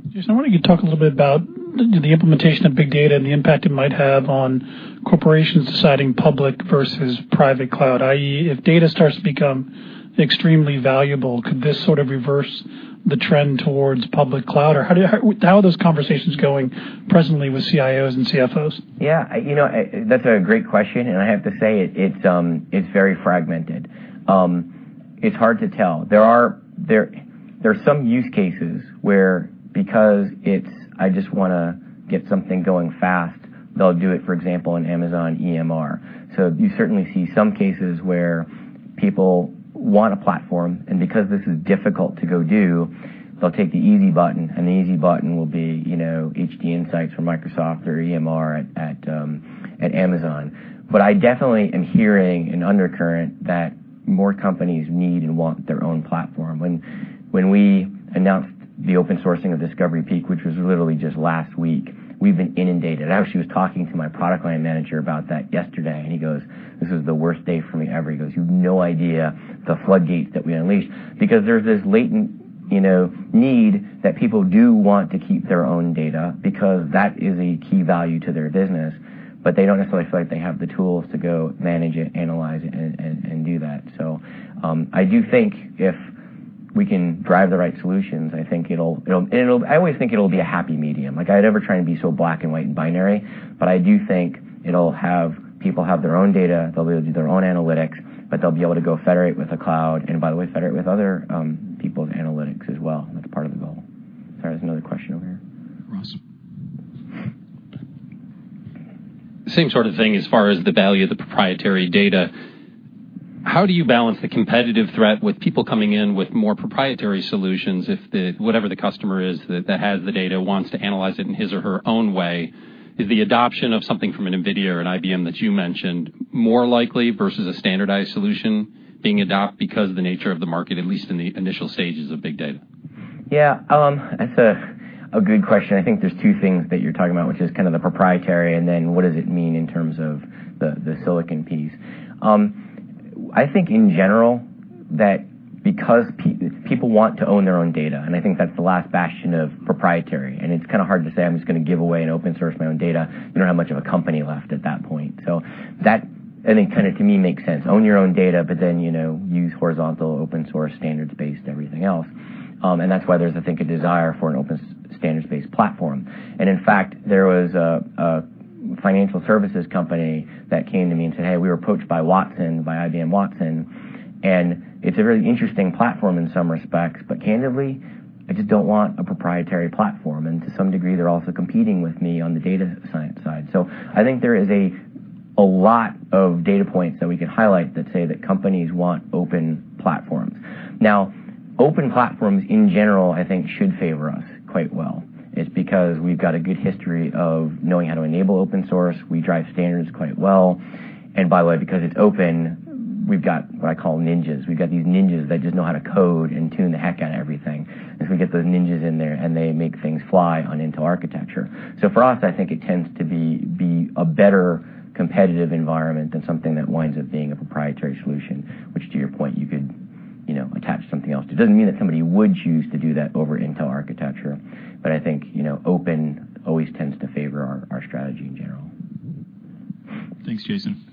Jason, I wonder if you could talk a little bit about the implementation of big data and the impact it might have on corporations deciding public versus private cloud, i.e., if data starts to become extremely valuable, could this sort of reverse the trend towards public cloud? How are those conversations going presently with CIOs and CFOs? That's a great question, and I have to say it's very fragmented. It's hard to tell. There are some use cases where because it's I just want to get something going fast, they'll do it, for example, in Amazon EMR. You certainly see some cases where people want a platform, and because this is difficult to go do, they'll take the easy button, and the easy button will be HDInsight from Microsoft or EMR at Amazon. I definitely am hearing an undercurrent that more companies need and want their own platform. When we announced the open sourcing of Discovery Peak, which was literally just last week, we've been inundated. I actually was talking to my product line manager about that yesterday, and he goes, "This is the worst day for me ever." He goes, "You have no idea the floodgates that we unleashed." Because there's this latent need that people do want to keep their own data because that is a key value to their business, but they don't necessarily feel like they have the tools to go manage it, analyze it, and do that. I do think if we can drive the right solutions, I always think it'll be a happy medium. Like, I'd never try and be so black and white and binary, but I do think people have their own data, they'll be able to do their own analytics, but they'll be able to go federate with a cloud, and by the way, federate with other people's analytics as well. That's part of the goal. Sorry, there's another question over here. Ross. Same sort of thing as far as the value of the proprietary data. How do you balance the competitive threat with people coming in with more proprietary solutions if whatever the customer is that has the data wants to analyze it in his or her own way? Is the adoption of something from an Nvidia or an IBM that you mentioned more likely versus a standardized solution being adopted because of the nature of the market, at least in the initial stages of big data? Yeah. That's a good question. I think there's two things that you're talking about, which is kind of the proprietary and then what does it mean in terms of the silicon piece. I think in general that because people want to own their own data, and I think that's the last bastion of proprietary, and it's kind of hard to say, "I'm just going to give away and open source my own data." You don't have much of a company left at that point. That, I think kind of to me, makes sense. Own your own data, but then use horizontal open-source standards-based everything else. That's why there's, I think, a desire for an open standards-based platform. In fact, there was a financial services company that came to me and said, "Hey, we were approached by Watson, by IBM Watson, and it's a really interesting platform in some respects, but candidly, I just don't want a proprietary platform. To some degree, they're also competing with me on the data science side." I think there is a lot of data points that we could highlight that say that companies want open platforms. Open platforms in general, I think, should favor us quite well. It's because we've got a good history of knowing how to enable open source, we drive standards quite well, and by the way, because it's open, we've got what I call ninjas. We've got these ninjas that just know how to code and tune the heck out of everything, we get those ninjas in there, and they make things fly on Intel architecture. For us, I think it tends to be a better competitive environment than something that winds up being a proprietary solution, which, to your point, you could- attach something else to. It doesn't mean that somebody would choose to do that over Intel architecture, I think open always tends to favor our strategy in general. Thanks, Jason.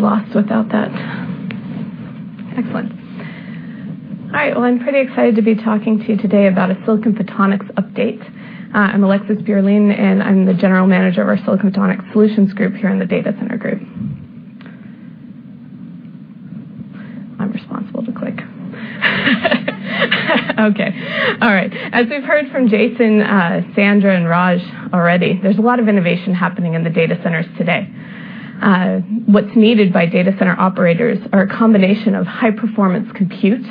Yep. Okay. All right. Thanks. Yeah. All right. Oh, thanks. Yes. Be lost without that. Excellent. Hi, well, I'm pretty excited to be talking to you today about a silicon photonics update. I'm Alexis Björlin, and I'm the General Manager of our Silicon Photonics Solutions Group here in the Data Center Group. I'm responsible to click. Okay. All right. As we've heard from Jason, Sandra, and Raj already, there's a lot of innovation happening in the data centers today. What's needed by data center operators are a combination of high-performance compute,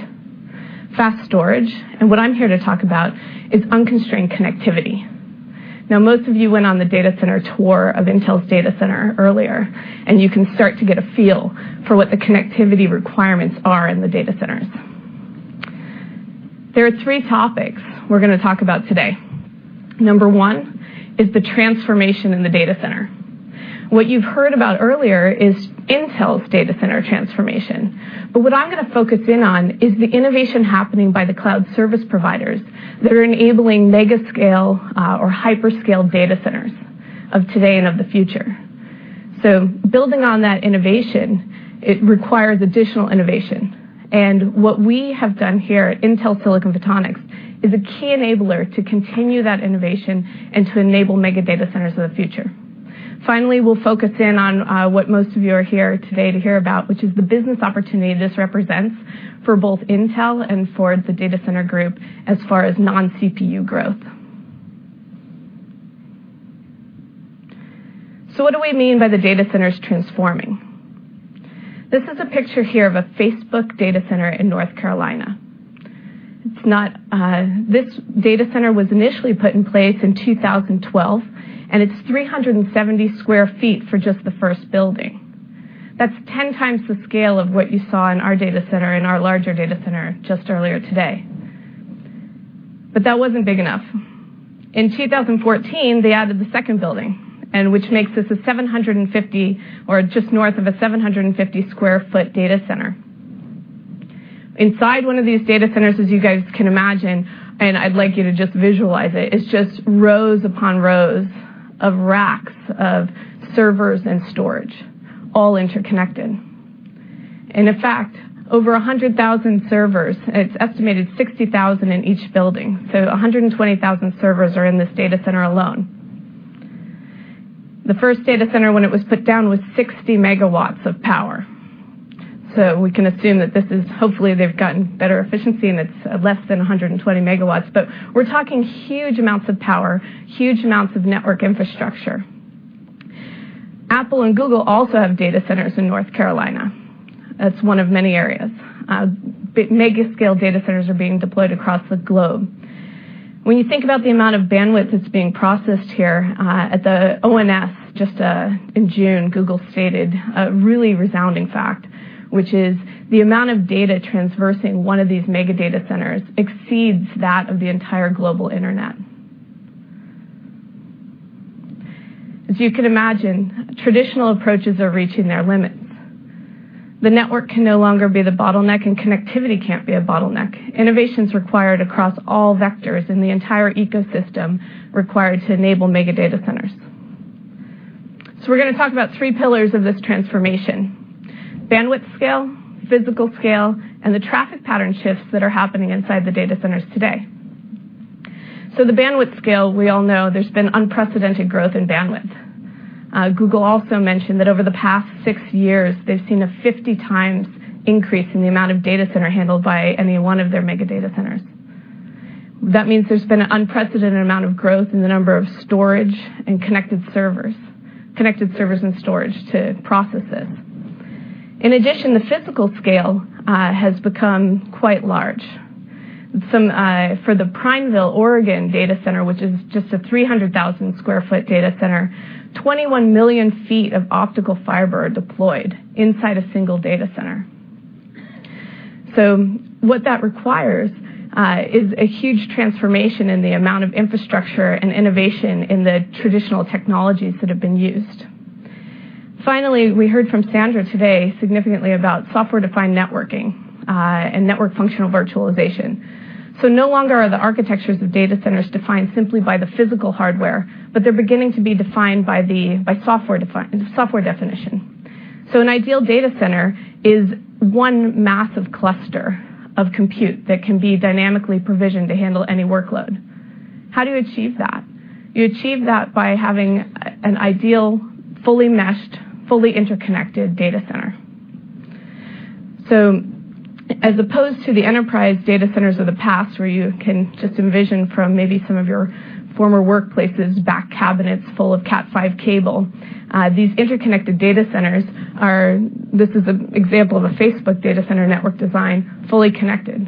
fast storage, and what I'm here to talk about is unconstrained connectivity. Most of you went on the data center tour of Intel's data center earlier, and you can start to get a feel for what the connectivity requirements are in the data centers. There are 3 topics we're going to talk about today. Number 1 is the transformation in the data center. What you've heard about earlier is Intel's data center transformation, but what I'm going to focus in on is the innovation happening by the cloud service providers that are enabling mega-scale or hyper-scale data centers of today and of the future. Building on that innovation, it requires additional innovation. What we have done here at Intel Silicon Photonics is a key enabler to continue that innovation and to enable mega data centers of the future. Finally, we'll focus in on what most of you are here today to hear about, which is the business opportunity this represents for both Intel and for the Data Center Group as far as non-CPU growth. What do we mean by the data centers transforming? This is a picture here of a Facebook data center in North Carolina. This data center was initially put in place in 2012, it's 370 sq ft for just the first building. That's 10 times the scale of what you saw in our data center, in our larger data center just earlier today. That wasn't big enough. In 2014, they added the second building, which makes this a 750 or just north of a 750 sq ft data center. Inside one of these data centers, as you guys can imagine, and I'd like you to just visualize it's just rows upon rows of racks of servers and storage all interconnected. In fact, over 100,000 servers, it's estimated 60,000 in each building. 120,000 servers are in this data center alone. The first data center when it was put down was 60 MW of power. We can assume that this is-- hopefully, they've gotten better efficiency, and it's less than 120 MW. We're talking huge amounts of power, huge amounts of network infrastructure. Apple and Google also have data centers in North Carolina. That's one of many areas. Mega-scale data centers are being deployed across the globe. When you think about the amount of bandwidth that's being processed here, at the ONS, just in June, Google stated a really resounding fact, which is the amount of data traversing one of these mega data centers exceeds that of the entire global internet. As you can imagine, traditional approaches are reaching their limits. The network can no longer be the bottleneck, and connectivity can't be a bottleneck. Innovation's required across all vectors in the entire ecosystem required to enable mega data centers. We're going to talk about three pillars of this transformation: bandwidth scale, physical scale, and the traffic pattern shifts that are happening inside the data centers today. The bandwidth scale, we all know there's been unprecedented growth in bandwidth. Google also mentioned that over the past six years, they've seen a 50 times increase in the amount of data handled by any one of their mega data centers. That means there's been an unprecedented amount of growth in the number of storage and connected servers and storage to process this. In addition, the physical scale has become quite large. For the Prineville, Oregon data center, which is just a 300,000 sq ft data center, 21 million feet of optical fiber are deployed inside a single data center. What that requires is a huge transformation in the amount of infrastructure and innovation in the traditional technologies that have been used. Finally, we heard from Sandra today significantly about software-defined networking and network functional virtualization. No longer are the architectures of data centers defined simply by the physical hardware, but they're beginning to be defined by software definition. An ideal data center is one massive cluster of compute that can be dynamically provisioned to handle any workload. How do you achieve that? You achieve that by having an ideal, fully meshed, fully interconnected data center. As opposed to the enterprise data centers of the past, where you can just envision from maybe some of your former workplaces back cabinets full of Cat5 cable, these interconnected data centers are an example of a Facebook data center network design, fully connected.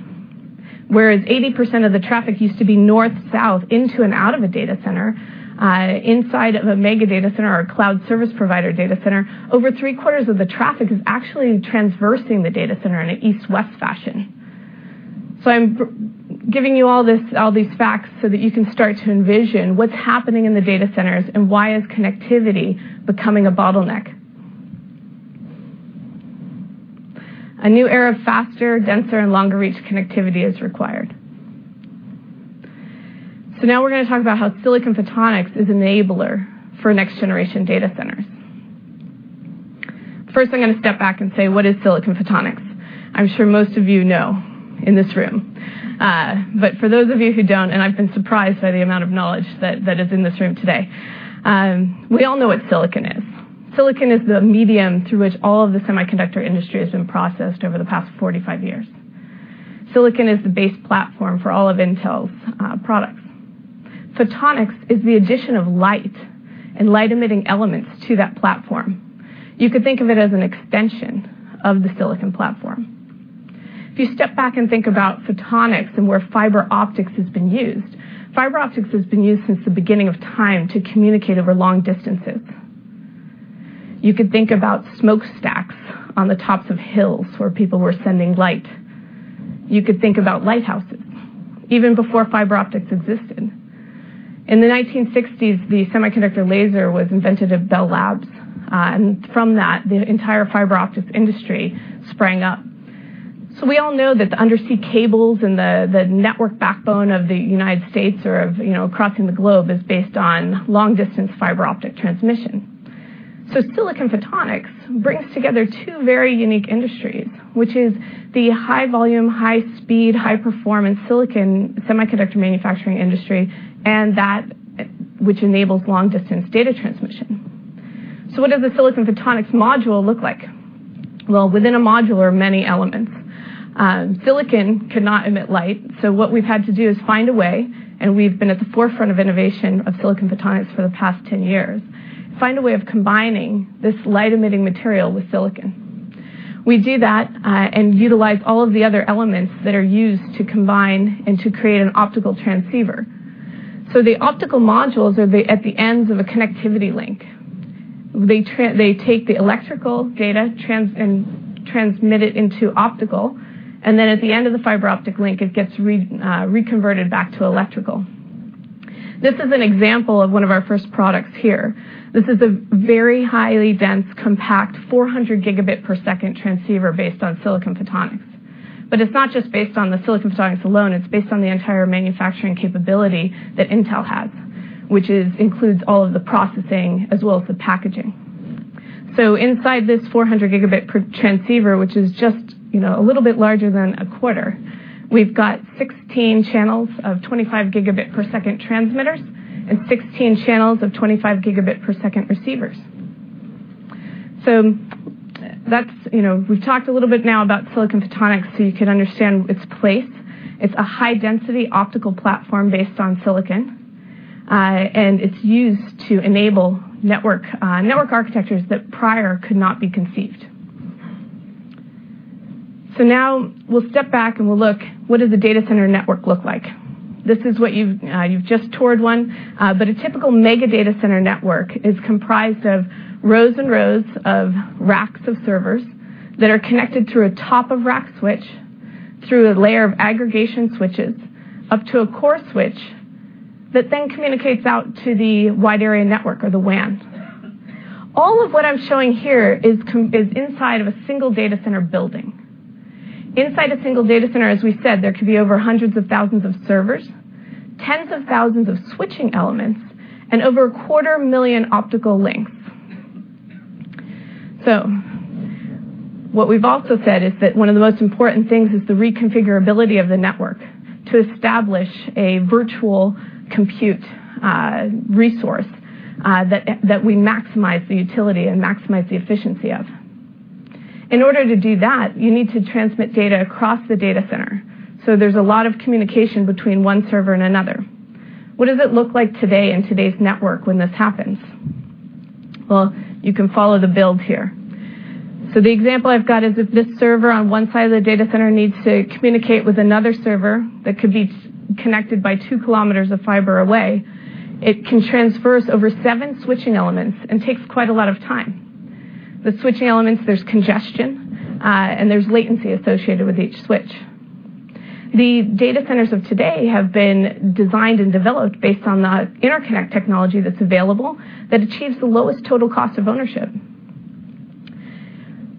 Whereas 80% of the traffic used to be north-south into and out of a data center, inside of a mega data center or a cloud service provider data center, over three-quarters of the traffic is actually transversing the data center in an east-west fashion. I'm giving you all these facts so that you can start to envision what's happening in the data centers and why is connectivity becoming a bottleneck. A new era of faster, denser, and longer-reach connectivity is required. Now we're going to talk about how Silicon Photonics is enabler for next-generation data centers. First, I'm going to step back and say, what is Silicon Photonics? I'm sure most of you know in this room. For those of you who don't, and I've been surprised by the amount of knowledge that is in this room today, we all know what silicon is. Silicon is the medium through which all of the semiconductor industry has been processed over the past 45 years. Silicon is the base platform for all of Intel's products. Photonics is the addition of light and light-emitting elements to that platform. You could think of it as an extension of the silicon platform. If you step back and think about photonics and where fiber optics has been used, fiber optics has been used since the beginning of time to communicate over long distances. You could think about smokestacks on the tops of hills where people were sending light. You could think about lighthouses, even before fiber optics existed. In the 1960s, the semiconductor laser was invented at Bell Labs, from that, the entire fiber optics industry sprang up. We all know that the undersea cables and the network backbone of the U.S. or crossing the globe is based on long-distance fiber optic transmission. Silicon Photonics brings together two very unique industries, which is the high-volume, high-speed, high-performance silicon semiconductor manufacturing industry, and that which enables long-distance data transmission. What does a Silicon Photonics module look like? Well, within a module are many elements. Silicon cannot emit light, what we've had to do is find a way, and we've been at the forefront of innovation of Silicon Photonics for the past 10 years, find a way of combining this light-emitting material with silicon. We do that and utilize all of the other elements that are used to combine and to create an optical transceiver. The optical modules are at the ends of a connectivity link. They take the electrical data and transmit it into optical, and then at the end of the fiber optic link, it gets reconverted back to electrical. This is an example of one of our first products here. This is a very highly dense, compact 400 gigabit per second transceiver based on Silicon Photonics. It's not just based on the Silicon Photonics alone, it's based on the entire manufacturing capability that Intel has, which includes all of the processing as well as the packaging. Inside this 400 gigabit per transceiver, which is just a little bit larger than a quarter, we've got 16 channels of 25 gigabit per second transmitters and 16 channels of 25 gigabit per second receivers. We've talked a little bit now about Silicon Photonics, so you could understand its place. It's a high-density optical platform based on silicon, and it's used to enable network architectures that prior could not be conceived. Now we'll step back, and we'll look, what does the data center network look like? You've just toured one, but a typical mega data center network is comprised of rows and rows of racks of servers that are connected through a top-of-rack switch through a layer of aggregation switches up to a core switch that then communicates out to the wide area network or the WAN. All of what I'm showing here is inside of a single data center building. Inside a single data center, as we said, there could be over hundreds of thousands of servers, tens of thousands of switching elements, and over a quarter million optical links. What we've also said is that one of the most important things is the reconfigurability of the network to establish a virtual compute resource that we maximize the utility and maximize the efficiency of. In order to do that, you need to transmit data across the data center. There's a lot of communication between one server and another. What does it look like today in today's network when this happens? Well, you can follow the build here. The example I've got is if this server on one side of the data center needs to communicate with another server that could be connected by 2 kilometers of fiber away, it can transverse over 7 switching elements and takes quite a lot of time. The switching elements, there's congestion, and there's latency associated with each switch. The data centers of today have been designed and developed based on the interconnect technology that's available that achieves the lowest total cost of ownership.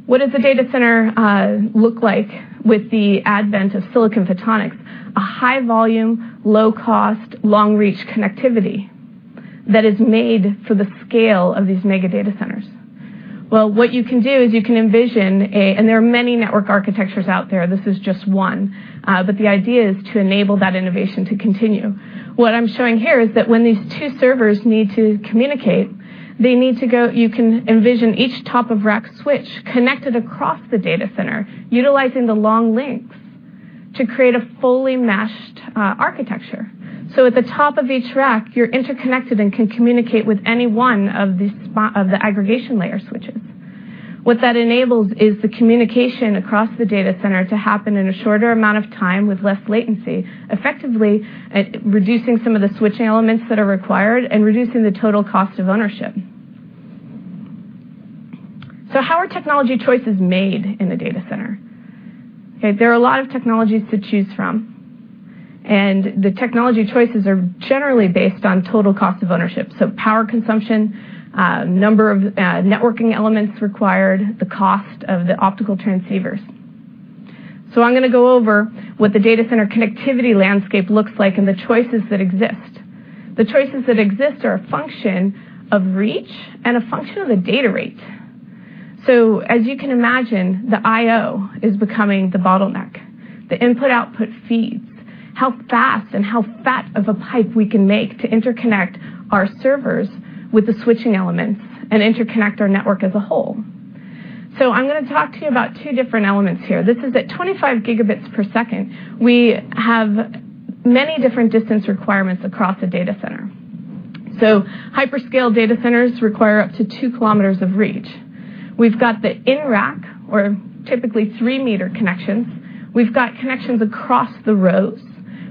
What does the data center look like with the advent of silicon photonics? A high-volume, low-cost, long-reach connectivity that is made for the scale of these mega data centers. Well, what you can do is you can envision, and there are many network architectures out there, this is just one, but the idea is to enable that innovation to continue. What I'm showing here is that when these 2 servers need to communicate, you can envision each top-of-rack switch connected across the data center, utilizing the long links to create a fully meshed architecture. At the top of each rack, you're interconnected and can communicate with any one of the aggregation layer switches. What that enables is the communication across the data center to happen in a shorter amount of time with less latency, effectively reducing some of the switching elements that are required and reducing the total cost of ownership. How are technology choices made in the data center? Okay. There are a lot of technologies to choose from, and the technology choices are generally based on total cost of ownership. Power consumption, number of networking elements required, the cost of the optical transceivers. I'm going to go over what the data center connectivity landscape looks like and the choices that exist. The choices that exist are a function of reach and a function of the data rate. As you can imagine, the IO is becoming the bottleneck, the input-output feeds, how fast and how fat of a pipe we can make to interconnect our servers with the switching elements and interconnect our network as a whole. I'm going to talk to you about 2 different elements here. This is at 25 gigabits per second. We have many different distance requirements across a data center. Hyperscale data centers require up to 2 kilometers of reach. We've got the in-rack or typically 3-meter connections. We've got connections across the rows,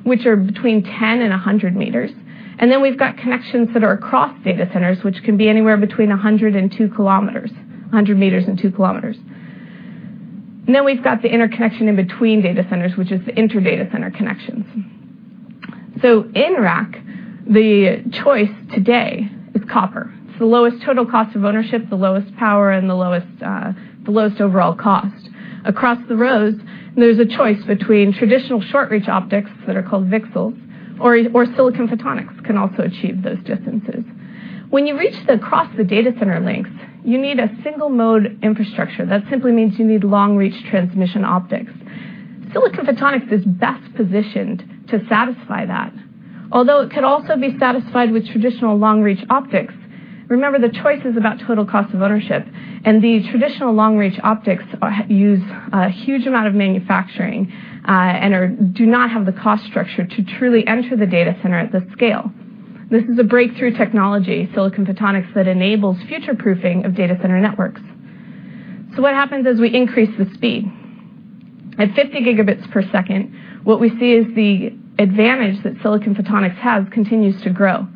which are between 10 and 100 meters. Then we've got connections that are across data centers, which can be anywhere between 100 and 2 kilometers. 100 meters and 2 kilometers. Then we've got the interconnection in between data centers, which is the inter-data center connections. In-rack, the choice today is copper. It's the lowest total cost of ownership, the lowest power, and the lowest overall cost. Across the rows, there's a choice between traditional short-reach optics that are called VCSEL, or silicon photonics can also achieve those distances. When you reach the across the data center links, you need a single mode infrastructure. That simply means you need long-reach transmission optics. Silicon photonics is best positioned to satisfy that, although it could also be satisfied with traditional long-reach optics. Remember, the choice is about total cost of ownership, and the traditional long-reach optics use a huge amount of manufacturing, and do not have the cost structure to truly enter the data center at this scale. This is a breakthrough technology, silicon photonics, that enables future-proofing of data center networks. What happens as we increase the speed? At 50 gigabits per second, what we see is the advantage that silicon photonics have continues to grow.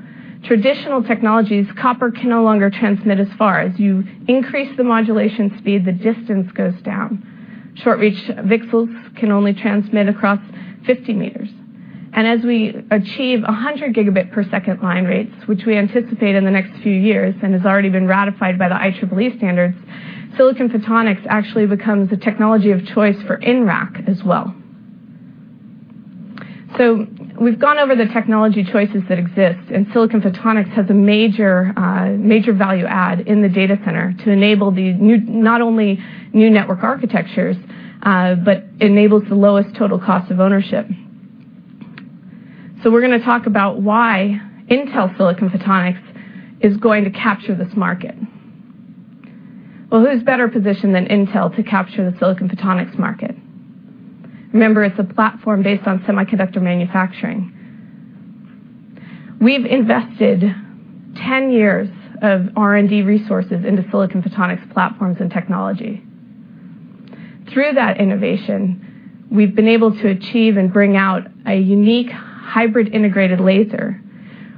Traditional technologies, copper can no longer transmit as far. As you increase the modulation speed, the distance goes down. Short-reach VCSELs can only transmit across 50 meters. As we achieve 100 gigabit per second line rates, which we anticipate in the next few years, and has already been ratified by the IEEE standards, silicon photonics actually becomes the technology of choice for in-rack as well. We've gone over the technology choices that exist, silicon photonics has a major value add in the data center to enable these not only new network architectures, but enables the lowest total cost of ownership. We're going to talk about why Intel silicon photonics is going to capture this market. Well, who's better positioned than Intel to capture the silicon photonics market? Remember, it's a platform based on semiconductor manufacturing. We've invested 10 years of R&D resources into silicon photonics platforms and technology. Through that innovation, we've been able to achieve and bring out a unique hybrid integrated laser,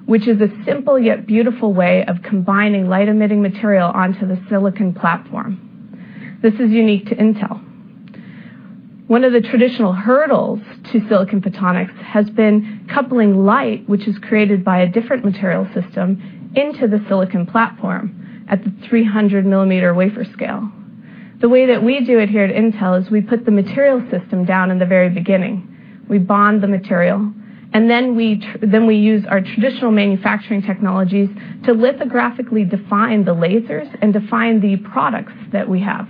which is a simple yet beautiful way of combining light-emitting material onto the silicon platform. This is unique to Intel. One of the traditional hurdles to silicon photonics has been coupling light, which is created by a different material system, into the silicon platform at the 300-millimeter wafer scale. The way that we do it here at Intel is we put the material system down in the very beginning. We bond the material, then we use our traditional manufacturing technologies to lithographically define the lasers and define the products that we have.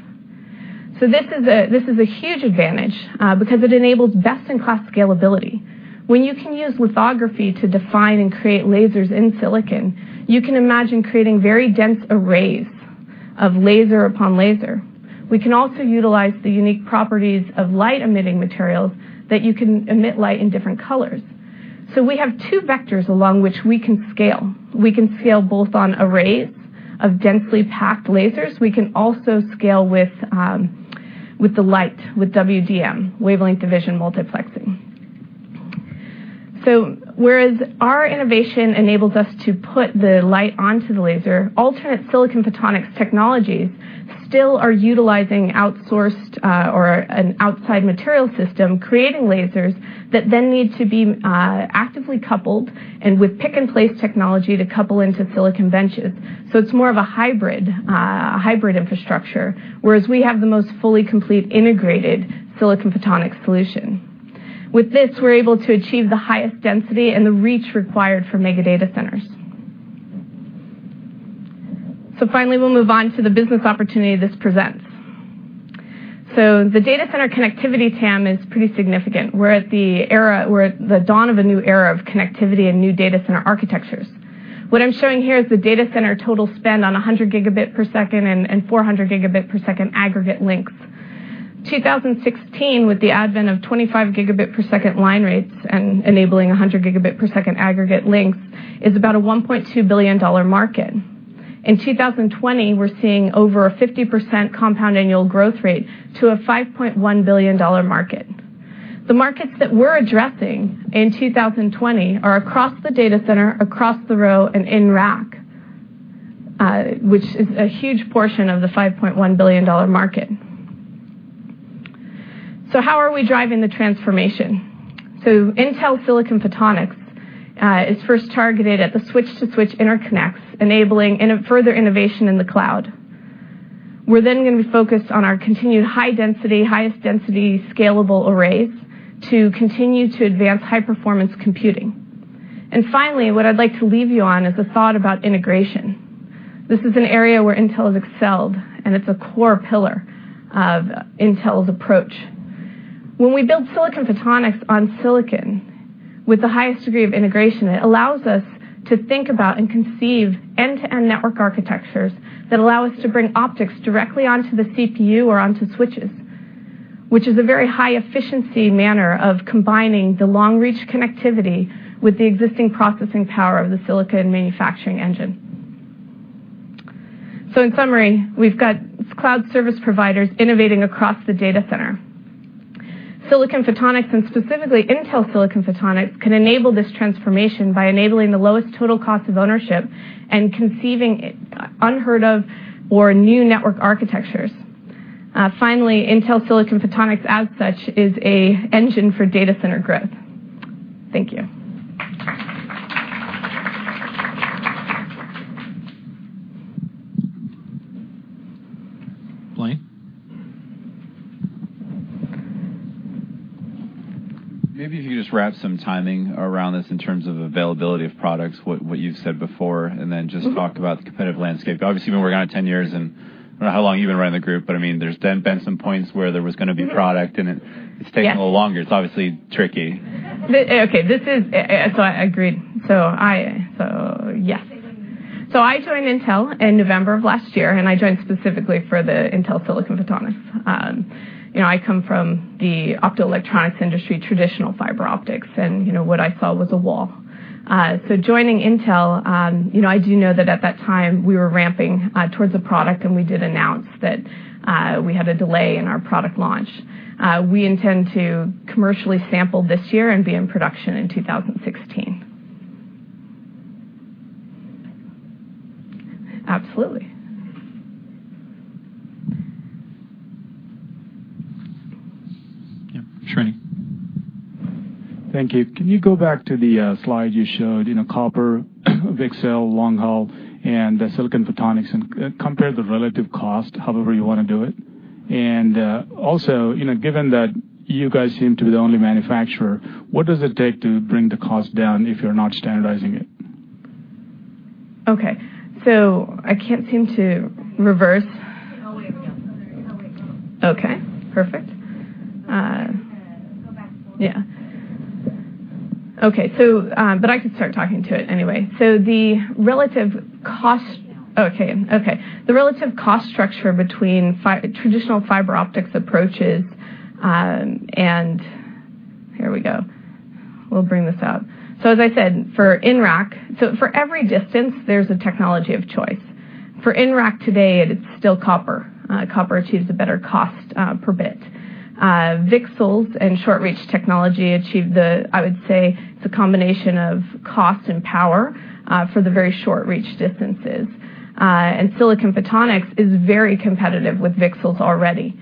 This is a huge advantage, because it enables best-in-class scalability. When you can use lithography to define and create lasers in silicon, you can imagine creating very dense arrays of laser upon laser. We can also utilize the unique properties of light-emitting materials that you can emit light in different colors. We have two vectors along which we can scale. We can scale both on arrays of densely packed lasers. We can also scale with the light, with WDM, wavelength division multiplexing. Whereas our innovation enables us to put the light onto the laser, alternate silicon photonics technologies still are utilizing outsourced or an outside material system, creating lasers that then need to be actively coupled and with pick-and-place technology to couple into silicon benches. It is more of a hybrid infrastructure, whereas we have the most fully complete integrated silicon photonics solution. With this, we are able to achieve the highest density and the reach required for mega data centers. Finally, we will move on to the business opportunity this presents. The data center connectivity TAM is pretty significant. We are at the dawn of a new era of connectivity and new data center architectures. What I am showing here is the data center total spend on 100 gigabit per second and 400 gigabit per second aggregate length. 2016, with the advent of 25 gigabit per second line rates and enabling 100 gigabit per second aggregate links, is about a $1.2 billion market. In 2020, we are seeing over a 50% compound annual growth rate to a $5.1 billion market. The markets that we are addressing in 2020 are across the data center, across the row, and in rack, which is a huge portion of the $5.1 billion market. How are we driving the transformation? Intel Silicon Photonics is first targeted at the switch-to-switch interconnects, enabling further innovation in the cloud. We are then going to be focused on our continued highest density scalable arrays to continue to advance high-performance computing. Finally, what I would like to leave you on is the thought about integration. This is an area where Intel has excelled, and it is a core pillar of Intel's approach. When we build silicon photonics on silicon with the highest degree of integration, it allows us to think about and conceive end-to-end network architectures that allow us to bring optics directly onto the CPU or onto switches, which is a very high efficiency manner of combining the long-reach connectivity with the existing processing power of the silicon manufacturing engine. In summary, we have got cloud service providers innovating across the data center. Silicon photonics, and specifically Intel Silicon Photonics, can enable this transformation by enabling the lowest total cost of ownership and conceiving unheard of or new network architectures. Finally, Intel Silicon Photonics, as such, is an engine for data center growth. Thank you. Blaine? Maybe if you could just wrap some timing around this in terms of availability of products, what you've said before, and then just talk about the competitive landscape. Obviously, you've been working on it 10 years. I don't know how long you've been running the group, but there's been some points where there was going to be product, and it's taking a little longer. It's obviously tricky. Okay. I agree. Yes. I joined Intel in November of last year, and I joined specifically for the Intel Silicon Photonics. I come from the optoelectronics industry, traditional fiber optics, and what I saw was a wall. Joining Intel, I do know that at that time, we were ramping towards a product, and we did announce that we had a delay in our product launch. We intend to commercially sample this year and be in production in 2016. Absolutely. Yeah. Srini. Thank you. Can you go back to the slide you showed, copper, VCSEL, long haul, and silicon photonics, and compare the relative cost, however you want to do it? Also, given that you guys seem to be the only manufacturer, what does it take to bring the cost down if you're not standardizing it? Okay. I can't seem to reverse. All the way down. Okay. Perfect. Go back more. Yeah. Okay. I can start talking to it anyway. The relative cost- The relative cost structure between traditional fiber optics approaches. Here we go. We'll bring this up. As I said, for every distance, there's a technology of choice. For in-rack today, it's still copper. Copper achieves a better cost per bit. VCSELs and short-reach technology achieve the, I would say, it's a combination of cost and power for the very short-reach distances. Silicon photonics is very competitive with VCSELs already,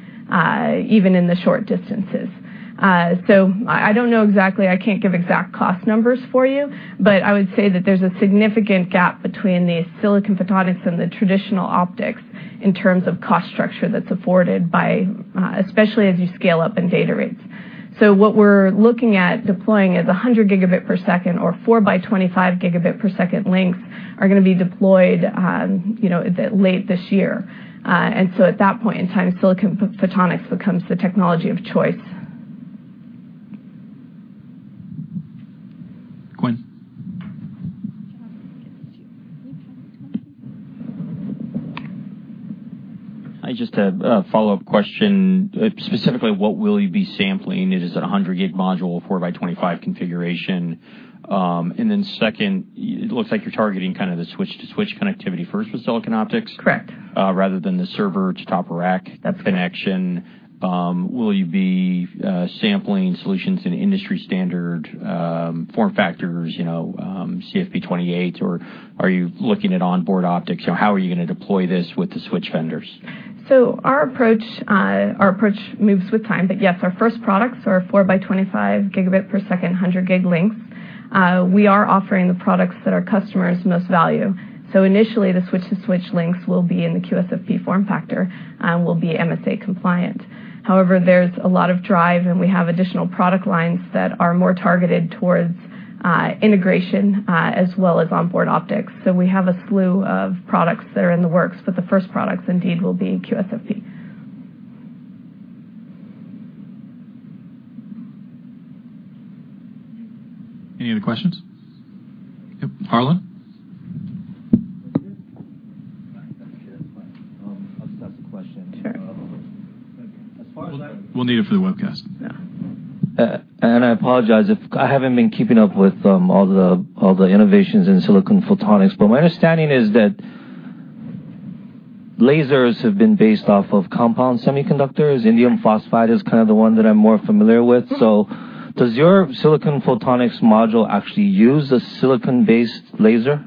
even in the short distances. I don't know exactly. I can't give exact cost numbers for you, but I would say that there's a significant gap between the silicon photonics and the traditional optics in terms of cost structure that's afforded by, especially as you scale up in data rates. What we're looking at deploying is 100 gigabit per second or 4 by 25 gigabit per second lengths are going to be deployed late this year. At that point in time, silicon photonics becomes the technology of choice. Quinn. I just have a follow-up question. Specifically, what will you be sampling? Is it 100G module 4 by 25 configuration? Second, it looks like you're targeting the switch-to-switch connectivity first with silicon optics. Correct. Rather than the server to top of rack connection. That's correct. Will you be sampling solutions in industry standard form factors, QSFP28, or are you looking at onboard optics? How are you going to deploy this with the switch vendors? Our approach moves with time, yes, our first products are 4 by 25 gigabit per second 100G lengths. We are offering the products that our customers most value. Initially, the switch-to-switch lengths will be in the QSFP form factor and will be MSA compliant. However, there's a lot of drive, and we have additional product lines that are more targeted towards integration as well as onboard optics. We have a slew of products that are in the works, but the first products indeed will be QSFP. Any other questions? Yep, Harlan. I'll just ask the question. Sure. As far as I- We'll need it for the webcast. Yeah. I apologize if I haven't been keeping up with all the innovations in silicon photonics, my understanding is that lasers have been based off of compound semiconductors. Indium phosphide is kind of the one that I'm more familiar with. Does your silicon photonics module actually use a silicon-based laser?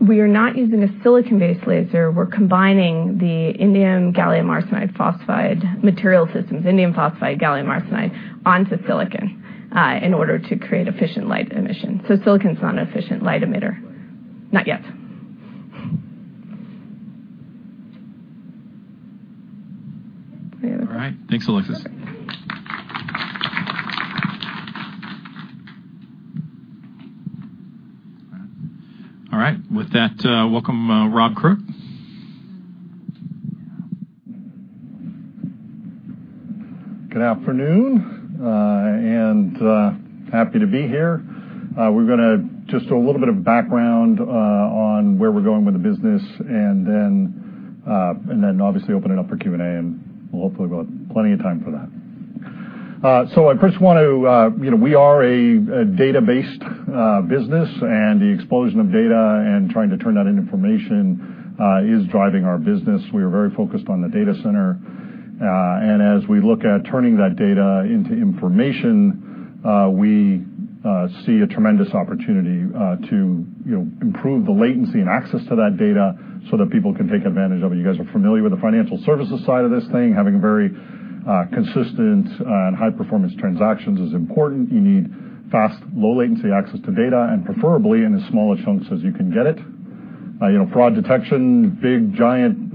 We are not using a silicon-based laser. We're combining the indium gallium arsenide phosphide material systems, indium phosphide, gallium arsenide, onto silicon in order to create efficient light emission. Silicon's not an efficient light emitter. Not yet. There we go. All right. Thanks, Alexis. Okay. All right. With that, welcome Rob Crooke. Good afternoon. Happy to be here. We're going to just do a little bit of background on where we're going with the business. Obviously open it up for Q&A. We'll hopefully go plenty of time for that. We are a data-based business. The explosion of data and trying to turn that into information is driving our business. We are very focused on the Data Center. As we look at turning that data into information, we see a tremendous opportunity to improve the latency and access to that data so that people can take advantage of it. You guys are familiar with the financial services side of this thing. Having very consistent and high-performance transactions is important. You need fast, low-latency access to data and preferably in as small a chunks as you can get it. Fraud detection, big, giant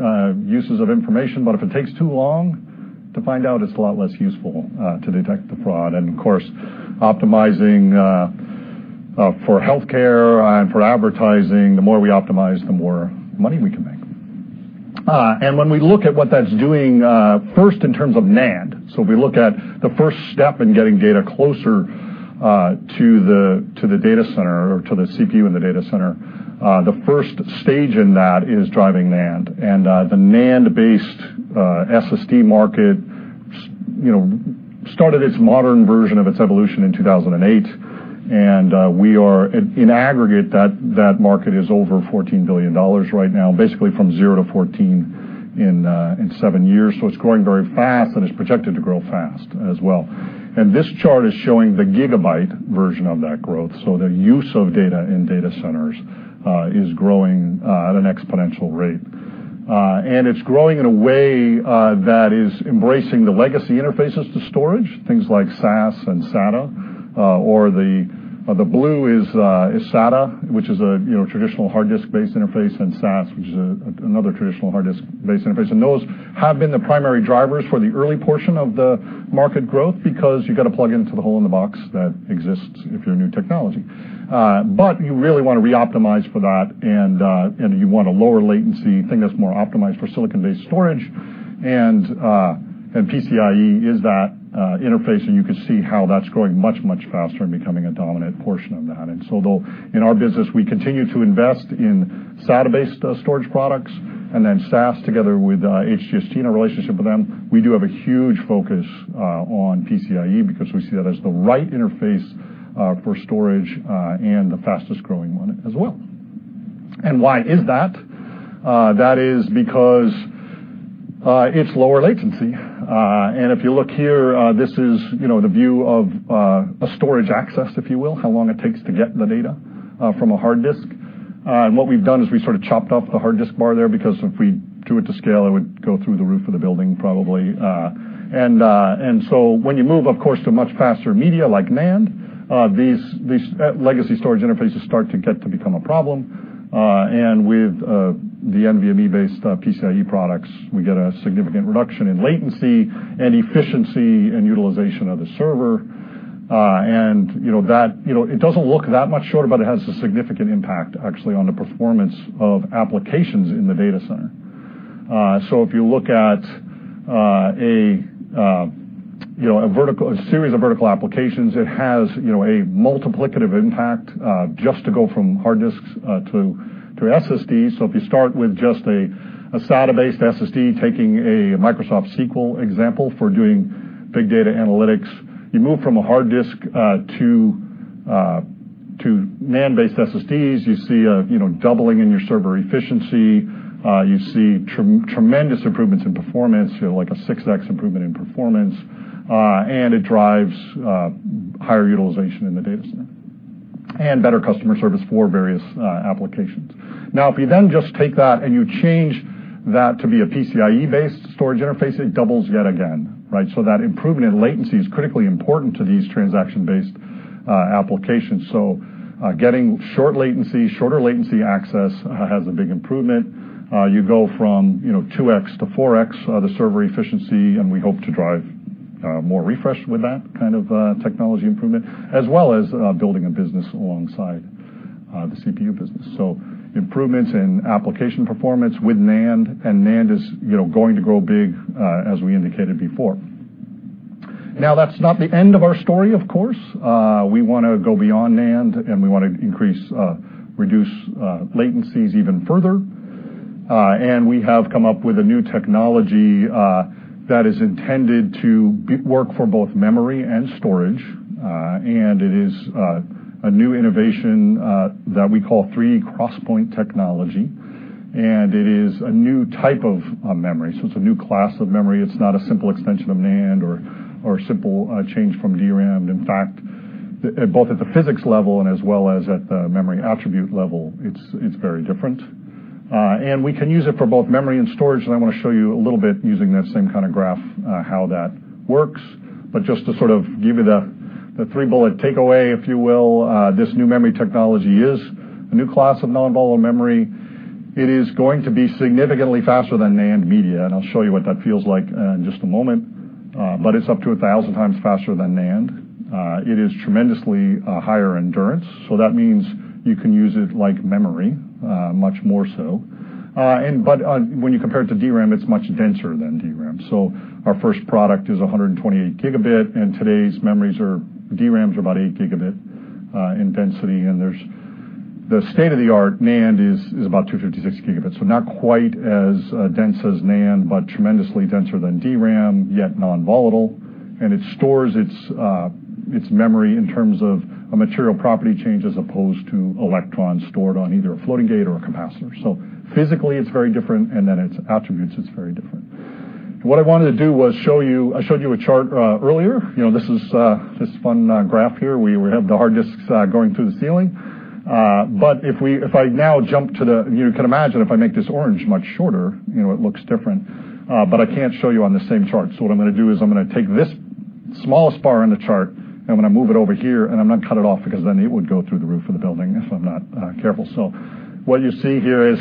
uses of information. If it takes too long to find out, it's a lot less useful to detect the fraud. Of course, optimizing for healthcare and for advertising, the more we optimize, the more money we can make. When we look at what that's doing first in terms of NAND. If we look at the first step in getting data closer to the Data Center or to the CPU in the Data Center, the first stage in that is driving NAND. The NAND-based SSD market started its modern version of its evolution in 2008. In aggregate, that market is over $14 billion right now, basically from zero to 14 in seven years. It's growing very fast. It's projected to grow fast as well. This chart is showing the gigabyte version of that growth. The use of data in Data Centers is growing at an exponential rate. It's growing in a way that is embracing the legacy interfaces to storage, things like SAS and SATA, or the blue is SATA, which is a traditional hard disk-based interface. SAS, which is another traditional hard disk-based interface. Those have been the primary drivers for the early portion of the market growth because you've got to plug into the hole in the box that exists if you're a new technology. You really want to re-optimize for that. You want a lower latency thing that's more optimized for silicon-based storage. PCIe is that interface. You can see how that's growing much, much faster and becoming a dominant portion of that. Though in our business, we continue to invest in SATA-based storage products and then SAS together with HGST and our relationship with them, we do have a huge focus on PCIe because we see that as the right interface for storage and the fastest-growing one as well. Why is that? That is because it's lower latency. If you look here, this is the view of a storage access, if you will, how long it takes to get the data from a hard disk. What we've done is we sort of chopped off the hard disk bar there because if we do it to scale, it would go through the roof of the building probably. When you move, of course, to much faster media like NAND, these legacy storage interfaces start to get to become a problem. With the NVMe-based PCIe products, we get a significant reduction in latency and efficiency and utilization of the server. It doesn't look that much shorter, but it has a significant impact actually on the performance of applications in the data center. If you look at a series of vertical applications, it has a multiplicative impact just to go from hard disks to SSD. If you start with just a SATA-based SSD, taking a Microsoft SQL example for doing big data analytics, you move from a hard disk to NAND-based SSDs, you see a doubling in your server efficiency, you see tremendous improvements in performance, like a 6X improvement in performance, and it drives higher utilization in the data center and better customer service for various applications. If you then just take that and you change that to be a PCIe-based storage interface, it doubles yet again. Right? That improvement in latency is critically important to these transaction-based applications. Getting shorter latency access has a big improvement. You go from 2X to 4X the server efficiency, and we hope to drive more refresh with that kind of technology improvement, as well as building a business alongside the CPU business. Improvements in application performance with NAND, and NAND is going to grow big as we indicated before. That's not the end of our story, of course. We want to go beyond NAND, and we want to reduce latencies even further. We have come up with a new technology that is intended to work for both memory and storage. It is a new innovation that we call 3D XPoint technology, and it is a new type of memory. It's a new class of memory. It's not a simple extension of NAND or a simple change from DRAM. In fact, both at the physics level and as well as at the memory attribute level, it's very different. We can use it for both memory and storage, and I want to show you a little bit using that same kind of graph how that works. Just to give you the three-bullet takeaway, if you will, this new memory technology is a new class of non-volatile memory. It is going to be significantly faster than NAND media, and I'll show you what that feels like in just a moment. It's up to 1,000 times faster than NAND. It is tremendously higher endurance, that means you can use it like memory much more so. When you compare it to DRAM, it's much denser than DRAM. Our first product is 128 gigabit, and today's memories or DRAMs are about eight gigabit in density. The state-of-the-art NAND is about 256 gigabits. Not quite as dense as NAND, but tremendously denser than DRAM, yet non-volatile. It stores its memory in terms of a material property change as opposed to electrons stored on either a floating gate or a capacitor. Physically, it's very different, and then its attributes, it's very different. I showed you a chart earlier. This fun graph here, we have the hard disks going through the ceiling. If I now jump to the, you can imagine if I make this orange much shorter, it looks different. I can't show you on the same chart. What I'm going to do is I'm going to take this smallest bar in the chart, I'm going to move it over here, I'm going to cut it off because then it would go through the roof of the building if I'm not careful. What you see here is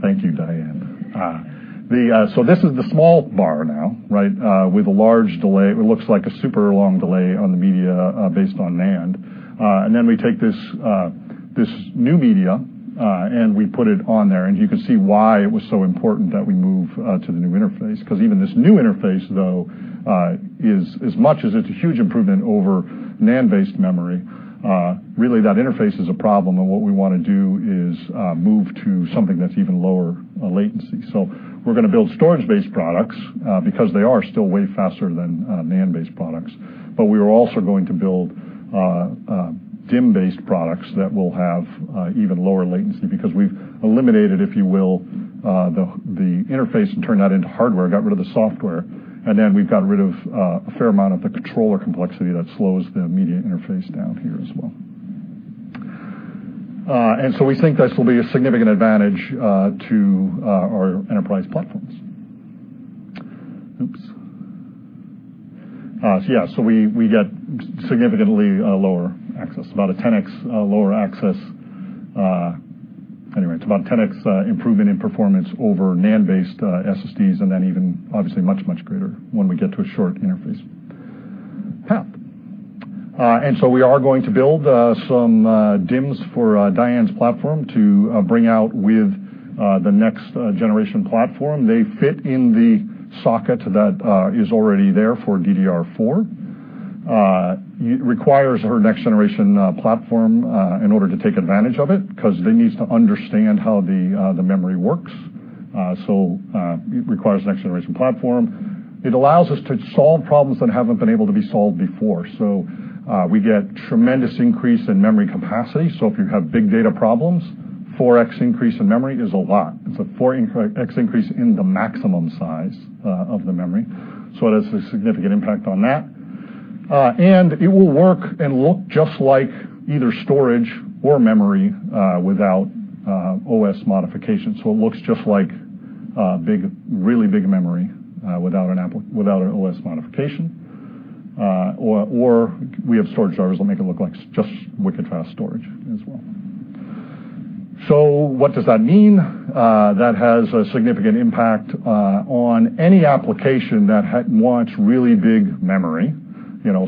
Thank you, Diane. This is the small bar now, right, with a large delay. It looks like a super long delay on the media, based on NAND. We take this new media, we put it on there, you can see why it was so important that we move to the new interface because even this new interface, though, as much as it's a huge improvement over NAND-based memory, really that interface is a problem. What we want to do is move to something that's even lower latency. We're going to build storage-based products because they are still way faster than NAND-based products. We are also going to build DIMM-based products that will have even lower latency because we've eliminated, if you will, the interface and turned that into hardware, got rid of the software. We've got rid of a fair amount of the controller complexity that slows the media interface down here as well. We think this will be a significant advantage to our enterprise platforms. Oops. Yeah, we get significantly lower access, about a 10x lower access. Anyway, it's about 10x improvement in performance over NAND-based SSDs and then even obviously much, much greater when we get to a short interface path. We are going to build some DIMMs for Diane's platform to bring out with the next generation platform. They fit in the socket that is already there for DDR4. It requires her next generation platform in order to take advantage of it because they need to understand how the memory works. It requires next generation platform. It allows us to solve problems that haven't been able to be solved before. We get tremendous increase in memory capacity. If you have big data problems, 4X increase in memory is a lot. It's a 4X increase in the maximum size of the memory. It has a significant impact on that. It will work and look just like either storage or memory without OS modification. It looks just like a really big memory without an OS modification. We have storage drivers that'll make it look like just wicked fast storage as well. What does that mean? That has a significant impact on any application that wants really big memory,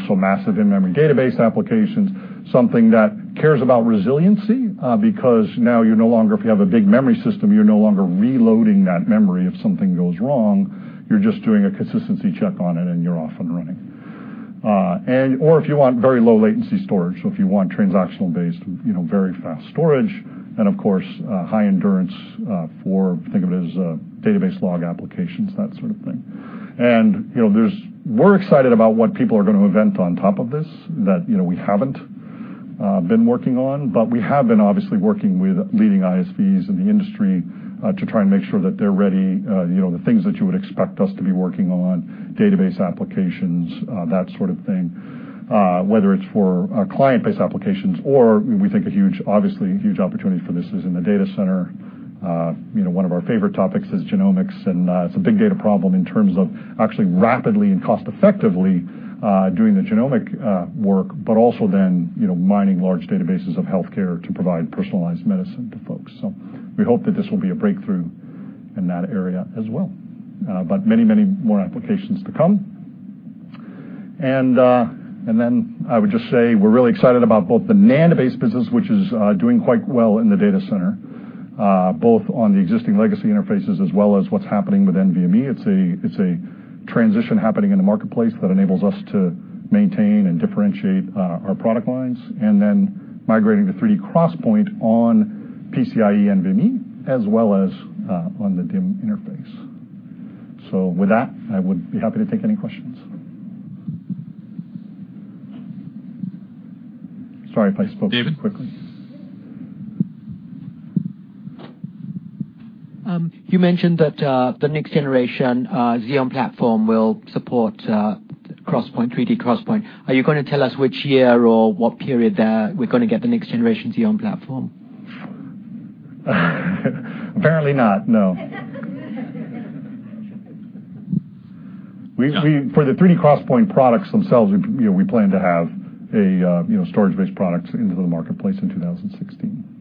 so massive in-memory database applications, something that cares about resiliency because now if you have a big memory system, you're no longer reloading that memory if something goes wrong, you're just doing a consistency check on it and you're off and running. If you want very low latency storage, if you want transactional-based, very fast storage, and of course, high endurance for, think of it as database log applications, that sort of thing. We're excited about what people are going to invent on top of this that we haven't been working on. We have been obviously working with leading ISVs in the industry to try and make sure that they're ready. The things that you would expect us to be working on, database applications, that sort of thing, whether it's for client-based applications or we think obviously a huge opportunity for this is in the data center. One of our favorite topics is genomics, and it's a big data problem in terms of actually rapidly and cost-effectively doing the genomic work, but also then mining large databases of healthcare to provide personalized medicine to folks. We hope that this will be a breakthrough in that area as well. Many more applications to come. I would just say we're really excited about both the NAND-based business, which is doing quite well in the data center, both on the existing legacy interfaces as well as what's happening with NVMe. It's a transition happening in the marketplace that enables us to maintain and differentiate our product lines, and then migrating to 3D XPoint on PCIe NVMe, as well as on the DIMM interface. With that, I would be happy to take any questions. Sorry if I spoke too quickly. David. You mentioned that the next generation Xeon platform will support 3D XPoint. Are you going to tell us which year or what period we're going to get the next generation Xeon platform? Apparently not, no. For the 3D XPoint products themselves, we plan to have storage-based products into the marketplace in 2016.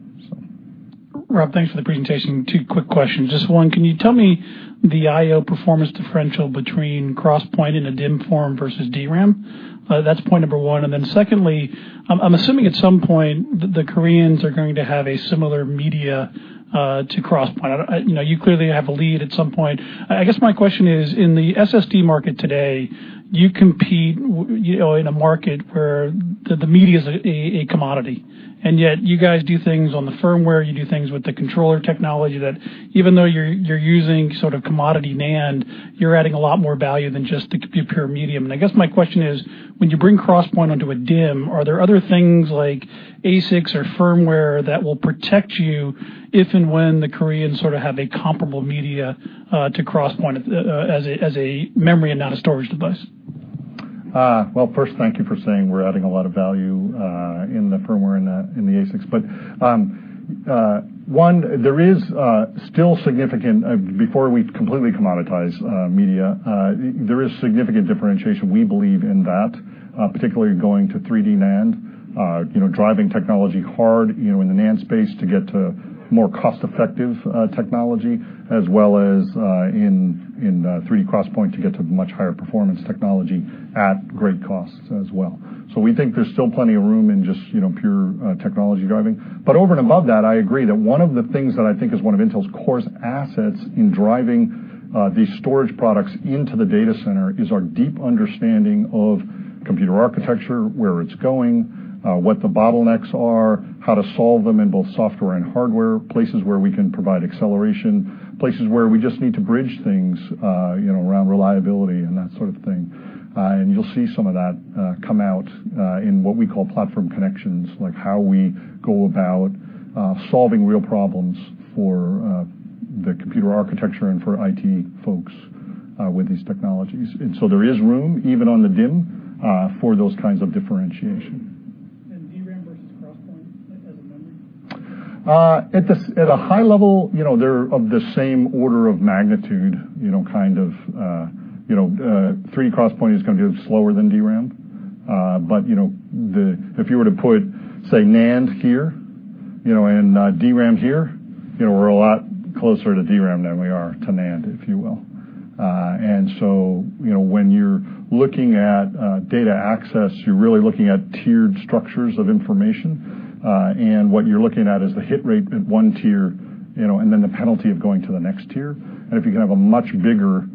Rob, thanks for the presentation. Two quick questions. Just one, can you tell me the IO performance differential between XPoint in a DIMM form versus DRAM? That's point number one. Secondly, I'm assuming at some point, the Koreans are going to have a similar media to XPoint. You clearly have a lead at some point. I guess my question is, in the SSD market today, you compete in a market where the media's a commodity, yet you guys do things on the firmware, you do things with the controller technology that even though you're using commodity NAND, you're adding a lot more value than just the pure medium. I guess my question is, when you bring XPoint onto a DIMM, are there other things like ASICs or firmware that will protect you if and when the Koreans have a comparable media to XPoint as a memory and not a storage device? Well, first, thank you for saying we're adding a lot of value in the firmware in the ASICs. One, before we completely commoditize media, there is significant differentiation, we believe, in that, particularly going to 3D NAND, driving technology hard in the NAND space to get to more cost-effective technology, as well as in 3D XPoint to get to much higher performance technology at great costs as well. We think there's still plenty of room in just pure technology driving. Over and above that, I agree that one of the things that I think is one of Intel's core assets in driving these storage products into the data center is our deep understanding of computer architecture, where it's going, what the bottlenecks are, how to solve them in both software and hardware, places where we can provide acceleration, places where we just need to bridge things around reliability and that sort of thing. And you'll see some of that come out in what we call platform connections, like how we go about solving real problems for the computer architecture and for IT folks with these technologies. So there is room, even on the DIMM, for those kinds of differentiation. DRAM versus XPoint as a memory? At a high level, they're of the same order of magnitude. 3D XPoint is going to be slower than DRAM. But if you were to put, say, NAND here, and DRAM here, we're a lot closer to DRAM than we are to NAND, if you will. And so when you're looking at data access, you're really looking at tiered structures of information. And what you're looking at is the hit rate at one tier, and then the penalty of going to the next tier. And if you can have a much bigger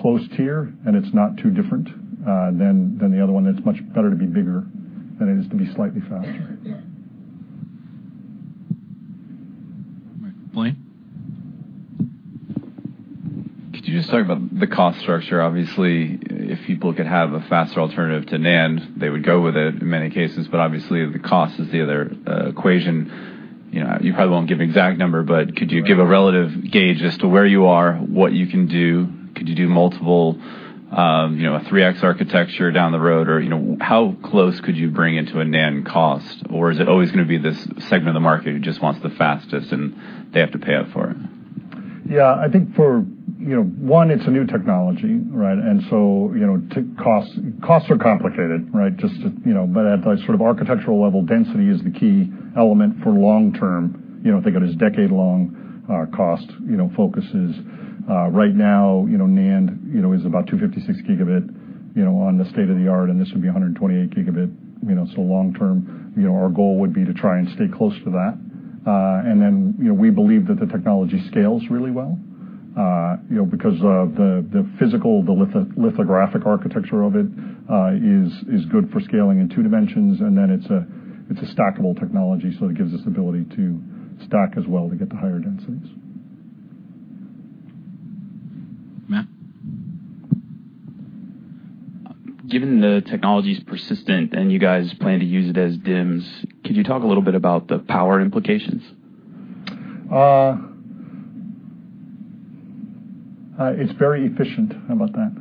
close tier and it's not too different than the other one, it's much better to be bigger than it is to be slightly faster. Blaine. Could you just talk about the cost structure? Obviously, if people could have a faster alternative to NAND, they would go with it in many cases, but obviously, the cost is the other equation. You probably won't give an exact number, but could you give a relative gauge as to where you are, what you can do? Could you do multiple 3X architecture down the road? Or how close could you bring it to a NAND cost? Or is it always going to be this segment of the market who just wants the fastest and they have to pay up for it? Yeah. One, it is a new technology, right? Costs are complicated, right? At the architectural level, density is the key element for long term. Think of it as decade-long cost focuses. Right now, NAND is about 256 gigabit on the state of the art, and this would be 128 gigabit. Long term, our goal would be to try and stay close to that. We believe that the technology scales really well because of the physical, the lithographic architecture of it is good for scaling in two dimensions, and then it is a stackable technology, so it gives us the ability to stack as well to get to higher densities. Matt. Given the technology's persistent and you guys plan to use it as DIMMs, could you talk a little bit about the power implications? It is very efficient. How about that?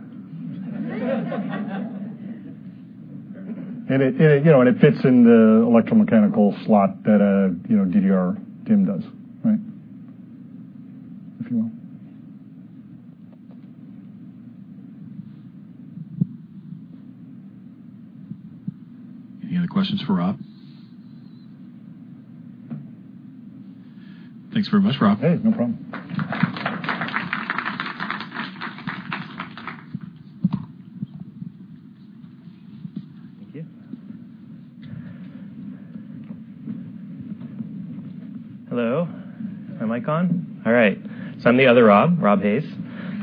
It fits in the electromechanical slot that a DDR DIMM does, right? If you will. Any other questions for Rob? Thanks very much, Rob. Hey, no problem. Thank you. Hello, am I on? All right. I'm the other Rob Hayes.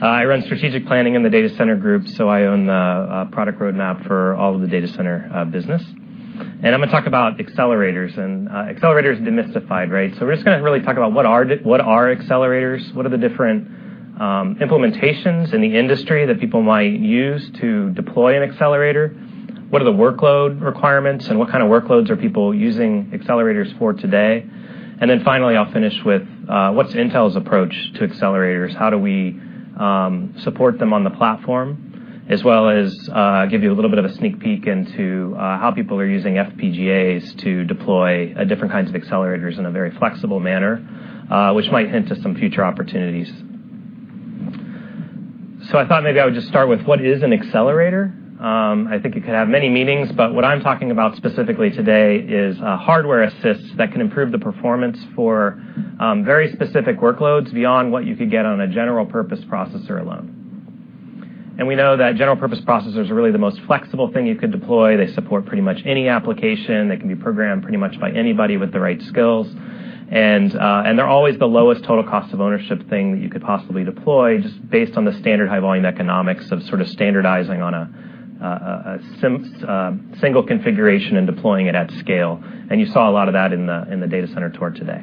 I run strategic planning in the Data Center Group. I own the product roadmap for all of the data center business. I'm going to talk about accelerators and accelerators demystified. We're just going to really talk about what are accelerators, what are the different implementations in the industry that people might use to deploy an accelerator, what are the workload requirements, and what kind of workloads are people using accelerators for today. Then finally, I'll finish with what's Intel's approach to accelerators, how do we support them on the platform, as well as give you a little bit of a sneak peek into how people are using FPGAs to deploy different kinds of accelerators in a very flexible manner, which might hint to some future opportunities. I thought maybe I would just start with what is an accelerator. I think it could have many meanings, but what I'm talking about specifically today is hardware assists that can improve the performance for very specific workloads beyond what you could get on a general purpose processor alone. We know that general purpose processors are really the most flexible thing you could deploy. They support pretty much any application. They can be programmed pretty much by anybody with the right skills. They're always the lowest total cost of ownership thing that you could possibly deploy, just based on the standard high volume economics of standardizing on a single configuration and deploying it at scale. You saw a lot of that in the data center tour today.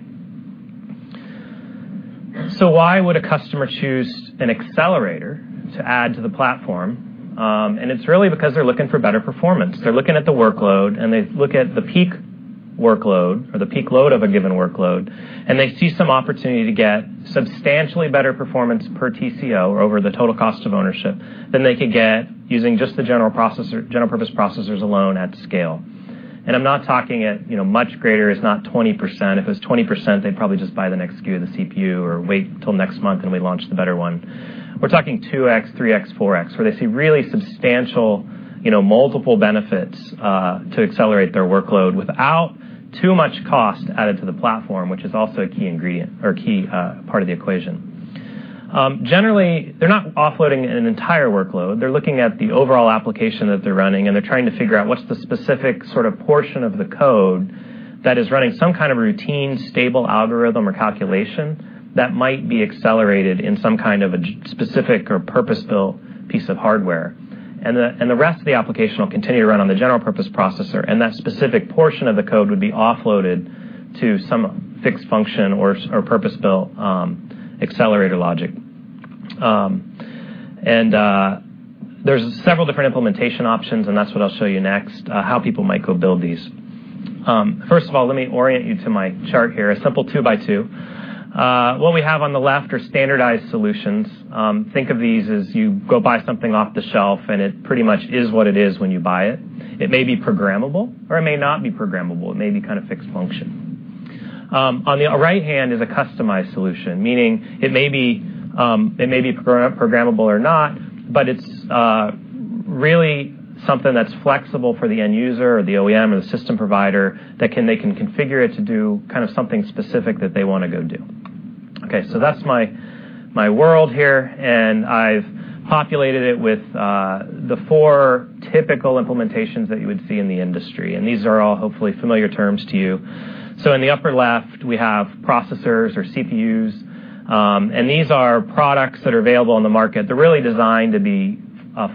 Why would a customer choose an accelerator to add to the platform? It's really because they're looking for better performance. They're looking at the workload, they look at the peak workload or the peak load of a given workload, they see some opportunity to get substantially better performance per TCO, or over the total cost of ownership, than they could get using just the general purpose processors alone at scale. I'm not talking at much greater, it's not 20%. If it was 20%, they'd probably just buy the next SKU of the CPU or wait till next month, we launch the better one. We're talking 2x, 3x, 4x, where they see really substantial, multiple benefits, to accelerate their workload without too much cost added to the platform, which is also a key ingredient or key part of the equation. Generally, they're not offloading an entire workload. They're looking at the overall application that they're running, they're trying to figure out what's the specific portion of the code that is running some kind of routine, stable algorithm or calculation that might be accelerated in some kind of a specific or purpose-built piece of hardware. The rest of the application will continue to run on the general purpose processor, that specific portion of the code would be offloaded to some fixed function or purpose-built accelerator logic. There's several different implementation options, that's what I'll show you next, how people might go build these. First of all, let me orient you to my chart here, a simple two by two. What we have on the left are standardized solutions. Think of these as you go buy something off the shelf, it pretty much is what it is when you buy it. It may be programmable, or it may not be programmable. It may be fixed function. On the right-hand is a customized solution, meaning it may be programmable or not, but it's really something that's flexible for the end user or the OEM or the system provider that they can configure it to do something specific that they want to go do. That's my world here. I've populated it with the four typical implementations that you would see in the industry. These are all hopefully familiar terms to you. In the upper left, we have processors or CPUs, these are products that are available on the market. They're really designed to be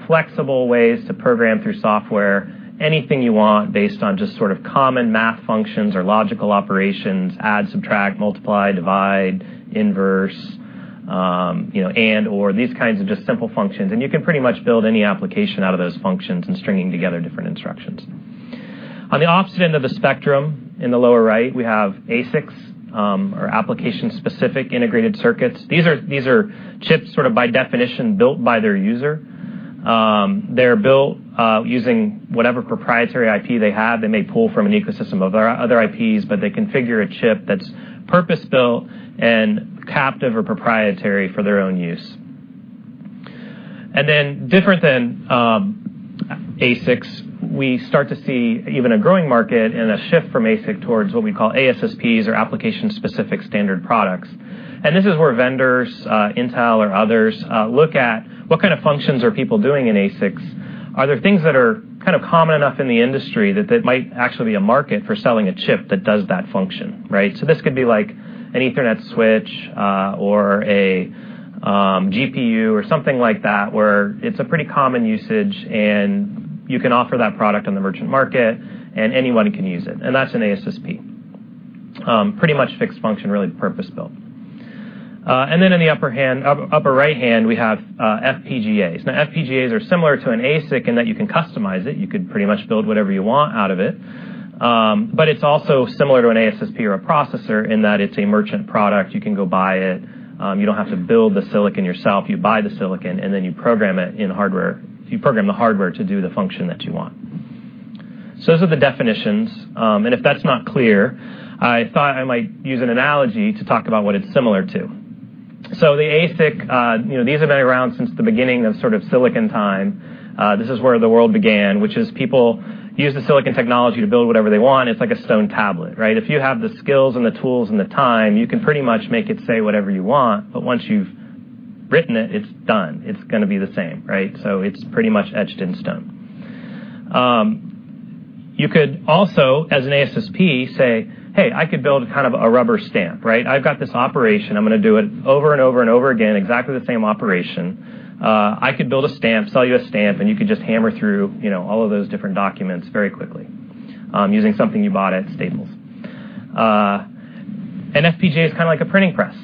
flexible ways to program, through software, anything you want based on just common math functions or logical operations, add, subtract, multiply, divide, inverse, and/or these kinds of just simple functions. You can pretty much build any application out of those functions and stringing together different instructions. On the opposite end of the spectrum, in the lower right, we have ASICs, or application-specific integrated circuits. These are chips by definition built by their user. They're built using whatever proprietary IP they have. They may pull from an ecosystem of other IPs, but they configure a chip that's purpose-built and captive or proprietary for their own use. Different than ASICs, we start to see even a growing market and a shift from ASIC towards what we call ASSPs or application-specific standard products. This is where vendors, Intel or others, look at what kind of functions are people doing in ASICs. Are there things that are common enough in the industry that there might actually be a market for selling a chip that does that function, right? This could be an Ethernet switch, or a GPU, or something like that, where it's a pretty common usage and you can offer that product on the merchant market and anybody can use it. That's an ASSP. Pretty much fixed function, really purpose-built. In the upper right-hand, we have FPGAs. FPGAs are similar to an ASIC in that you can customize it. You could pretty much build whatever you want out of it. It's also similar to an ASSP or a processor in that it's a merchant product. You can go buy it. You don't have to build the silicon yourself. You buy the silicon, and then you program the hardware to do the function that you want. Those are the definitions. If that's not clear, I thought I might use an analogy to talk about what it's similar to. The ASIC, these have been around since the beginning of silicon time. This is where the world began, which is people use the silicon technology to build whatever they want. It's like a stone tablet, right? If you have the skills and the tools and the time, you can pretty much make it say whatever you want, but once you've written it's done. It's going to be the same, right? It's pretty much etched in stone. You could also, as an ASSP, say, "Hey, I could build a rubber stamp." Right? "I've got this operation, I'm going to do it over and over and over again, exactly the same operation. I could build a stamp, sell you a stamp, and you could just hammer through all of those different documents very quickly using something you bought at Staples." An FPGA is like a printing press,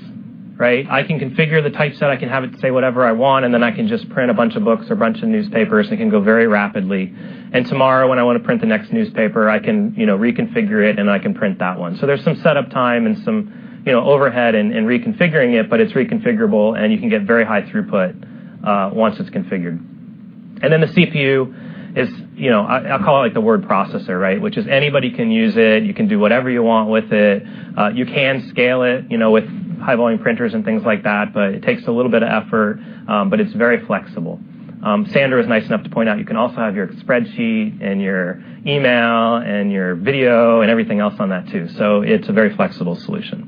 right? I can configure the typeset, I can have it say whatever I want, then I can just print a bunch of books or a bunch of newspapers, and it can go very rapidly. Tomorrow when I want to print the next newspaper, I can reconfigure it, then I can print that one. There's some set-up time and some overhead in reconfiguring it, but it's reconfigurable, and you can get very high throughput, once it's configured. The CPU is, I'll call it the word processor, right? Which is anybody can use it. You can do whatever you want with it. You can scale it, with high-volume printers and things like that, but it takes a little bit of effort. It's very flexible. Sandra was nice enough to point out you can also have your spreadsheet and your email and your video and everything else on that too. It's a very flexible solution.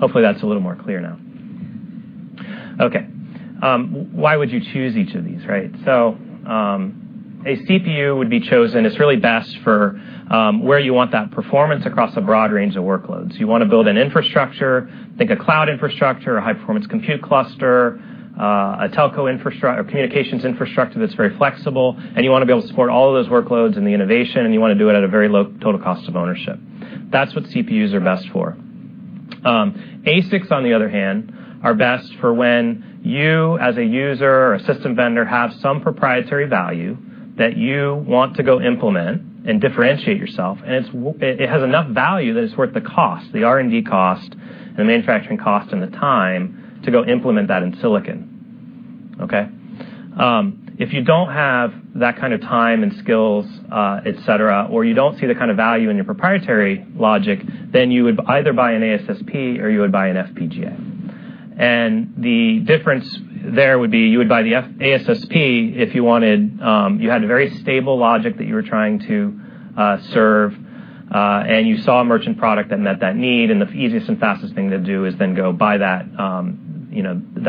Hopefully that's a little more clear now. Okay. Why would you choose each of these, right? A CPU would be chosen. It's really best for where you want that performance across a broad range of workloads. You want to build an infrastructure, think a cloud infrastructure, a high-performance compute cluster, a telco infrastructure or communications infrastructure that's very flexible, and you want to be able to support all of those workloads and the innovation, and you want to do it at a very low total cost of ownership. That's what CPUs are best for. ASICs, on the other hand, are best for when you, as a user or a system vendor, have some proprietary value that you want to go implement and differentiate yourself, and it has enough value that it is worth the cost, the R&D cost, the manufacturing cost, and the time to go implement that in silicon. Okay? If you don't have that kind of time and skills, et cetera, or you don't see the kind of value in your proprietary logic, then you would either buy an ASSP or you would buy an FPGA. The difference there would be you would buy the ASSP if you had a very stable logic that you were trying to serve, and you saw a merchant product that met that need, and the easiest and fastest thing to do is then go buy that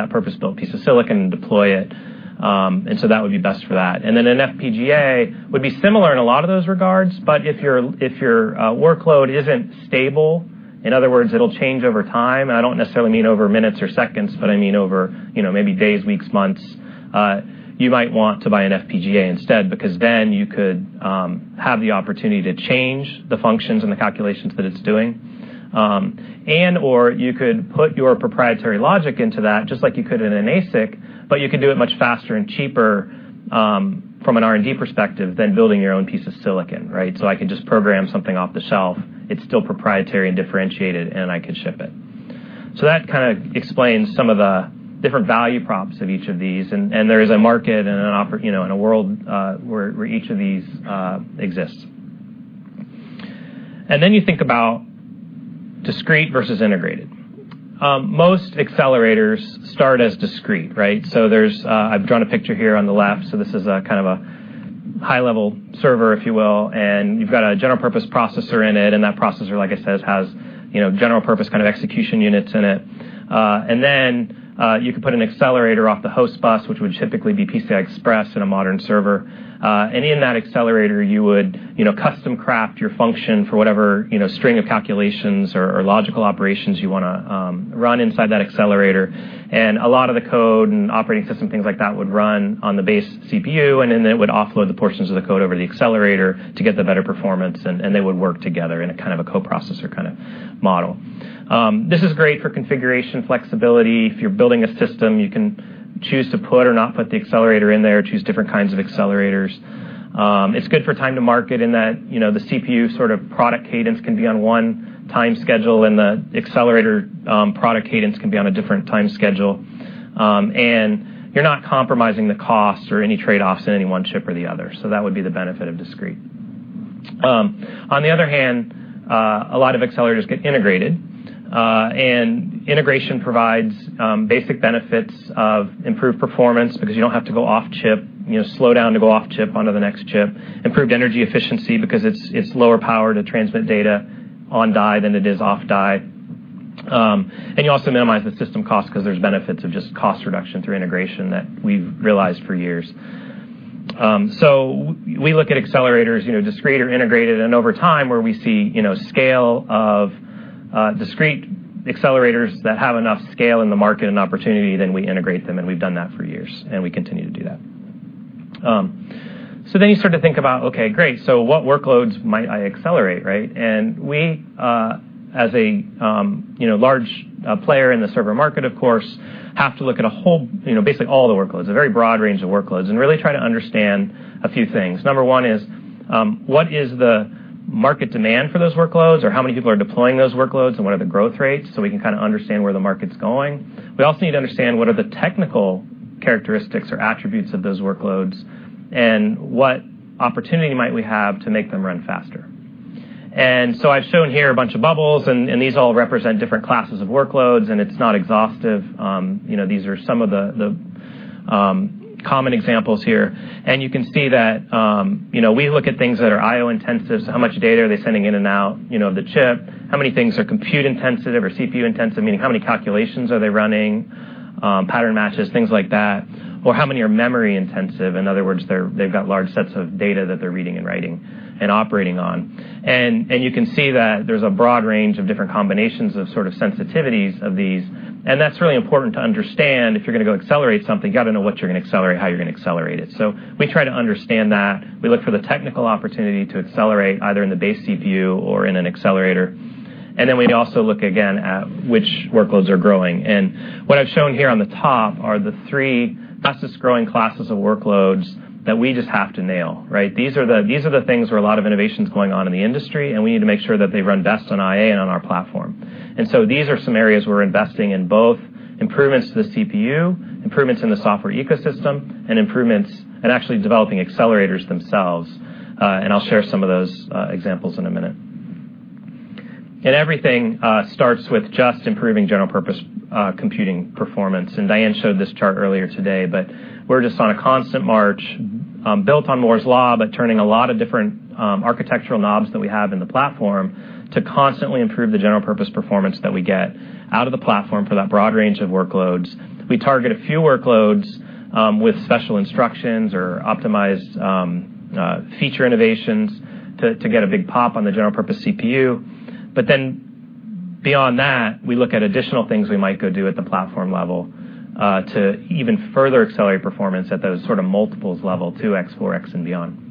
purpose-built piece of silicon and deploy it. That would be best for that. An FPGA would be similar in a lot of those regards, but if your workload isn't stable, in other words, it will change over time, and I don't necessarily mean over minutes or seconds, but I mean over maybe days, weeks, months, you might want to buy an FPGA instead, because then you could have the opportunity to change the functions and the calculations that it is doing, and/or you could put your proprietary logic into that, just like you could in an ASIC, but you could do it much faster and cheaper, from an R&D perspective, than building your own piece of silicon, right? I could just program something off the shelf, it is still proprietary and differentiated, and I could ship it. That explains some of the different value props of each of these, and there is a market and a world, where each of these exists. You think about discrete versus integrated. Most accelerators start as discrete, right? I have drawn a picture here on the left. This is a high-level server, if you will. You have got a general-purpose processor in it. That processor, like I said, has general-purpose execution units in it. Then, you could put an accelerator off the host bus, which would typically be PCI Express in a modern server. In that accelerator, you would custom craft your function for whatever string of calculations or logical operations you want to run inside that accelerator. A lot of the code and operating system, things like that, would run on the base CPU, and then it would offload the portions of the code over the accelerator to get the better performance, and they would work together in a co-processor model. This is great for configuration flexibility. If you are building a system, you can choose to put or not put the accelerator in there, choose different kinds of accelerators. It is good for time to market in that the CPU product cadence can be on one time schedule, and the accelerator product cadence can be on a different time schedule. You are not compromising the cost or any trade-offs in any one chip or the other. That would be the benefit of discrete. On the other hand, a lot of accelerators get integrated. Integration provides basic benefits of improved performance because you don't have to go off-chip, slow down to go off-chip onto the next chip. Improved energy efficiency because it's lower power to transmit data on-die than it is off-die. You also minimize the system cost because there's benefits of just cost reduction through integration that we've realized for years. We look at accelerators, discrete or integrated, and over time where we see scale of discrete accelerators that have enough scale in the market and opportunity, then we integrate them, and we've done that for years, and we continue to do that. You start to think about, okay, great, what workloads might I accelerate, right? We, as a large player in the server market, of course, have to look at basically all the workloads, a very broad range of workloads, and really try to understand a few things. Number one is, what is the market demand for those workloads, or how many people are deploying those workloads and what are the growth rates, so we can understand where the market's going? We also need to understand what are the technical characteristics or attributes of those workloads and what opportunity might we have to make them run faster. I've shown here a bunch of bubbles, and these all represent different classes of workloads, and it's not exhaustive. These are some of the common examples here. You can see that we look at things that are IO-intensive, so how much data are they sending in and out of the chip? How many things are compute-intensive or CPU-intensive, meaning how many calculations are they running, pattern matches, things like that? How many are memory-intensive? In other words, they've got large sets of data that they're reading and writing and operating on. You can see that there's a broad range of different combinations of sort of sensitivities of these. That's really important to understand if you're going to go accelerate something, you got to know what you're going to accelerate, how you're going to accelerate it. We try to understand that. We look for the technical opportunity to accelerate either in the base CPU or in an accelerator. We also look again at which workloads are growing. What I've shown here on the top are the three fastest-growing classes of workloads that we just have to nail. These are the things where a lot of innovation's going on in the industry, and we need to make sure that they run best on IA and on our platform. These are some areas we're investing in, both improvements to the CPU, improvements in the software ecosystem, and actually developing accelerators themselves. I'll share some of those examples in a minute. Everything starts with just improving general-purpose computing performance. Diane showed this chart earlier today, but we're just on a constant march, built on Moore's Law, but turning a lot of different architectural knobs that we have in the platform to constantly improve the general purpose performance that we get out of the platform for that broad range of workloads. We target a few workloads, with special instructions or optimized feature innovations to get a big pop on the general purpose CPU. Beyond that, we look at additional things we might go do at the platform level, to even further accelerate performance at those sort of multiples level, 2X, 4X, and beyond.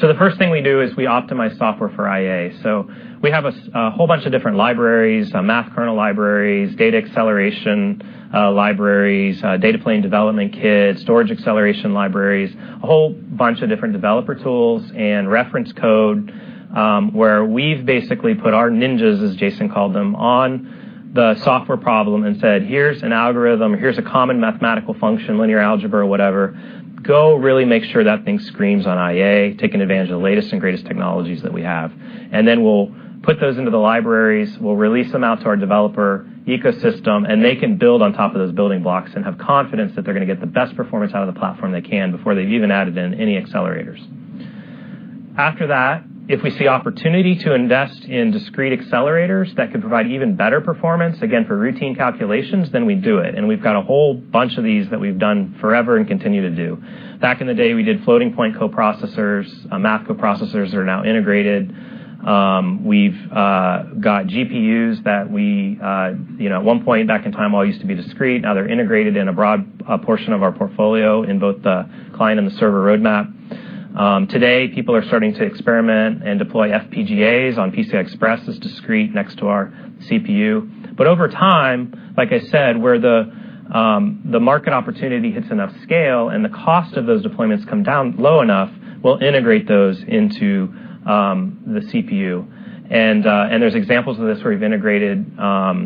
The first thing we do is we optimize software for IA. We have a whole bunch of different libraries, math kernel libraries, data acceleration libraries, Data Plane Development Kits, storage acceleration libraries, a whole bunch of different developer tools and reference code, where we've basically put our ninjas, as Jason called them, on the software problem and said, "Here's an algorithm. Here's a common mathematical function, linear algebra, whatever. Go really make sure that thing screams on IA, taking advantage of the latest and greatest technologies that we have." We'll put those into the libraries, we'll release them out to our developer ecosystem, and they can build on top of those building blocks and have confidence that they're going to get the best performance out of the platform they can before they've even added in any accelerators. After that, if we see opportunity to invest in discrete accelerators that could provide even better performance, again, for routine calculations, then we do it. We've got a whole bunch of these that we've done forever and continue to do. Back in the day, we did floating-point coprocessors. Math coprocessors are now integrated. We've got GPUs that at one point back in time all used to be discrete. Now they're integrated in a broad portion of our portfolio in both the client and the server roadmap. Today, people are starting to experiment and deploy FPGAs on PCI Express as discrete next to our CPU. Over time, like I said, where the market opportunity hits enough scale and the cost of those deployments come down low enough, we'll integrate those into the CPU. There's examples of this where we've integrated the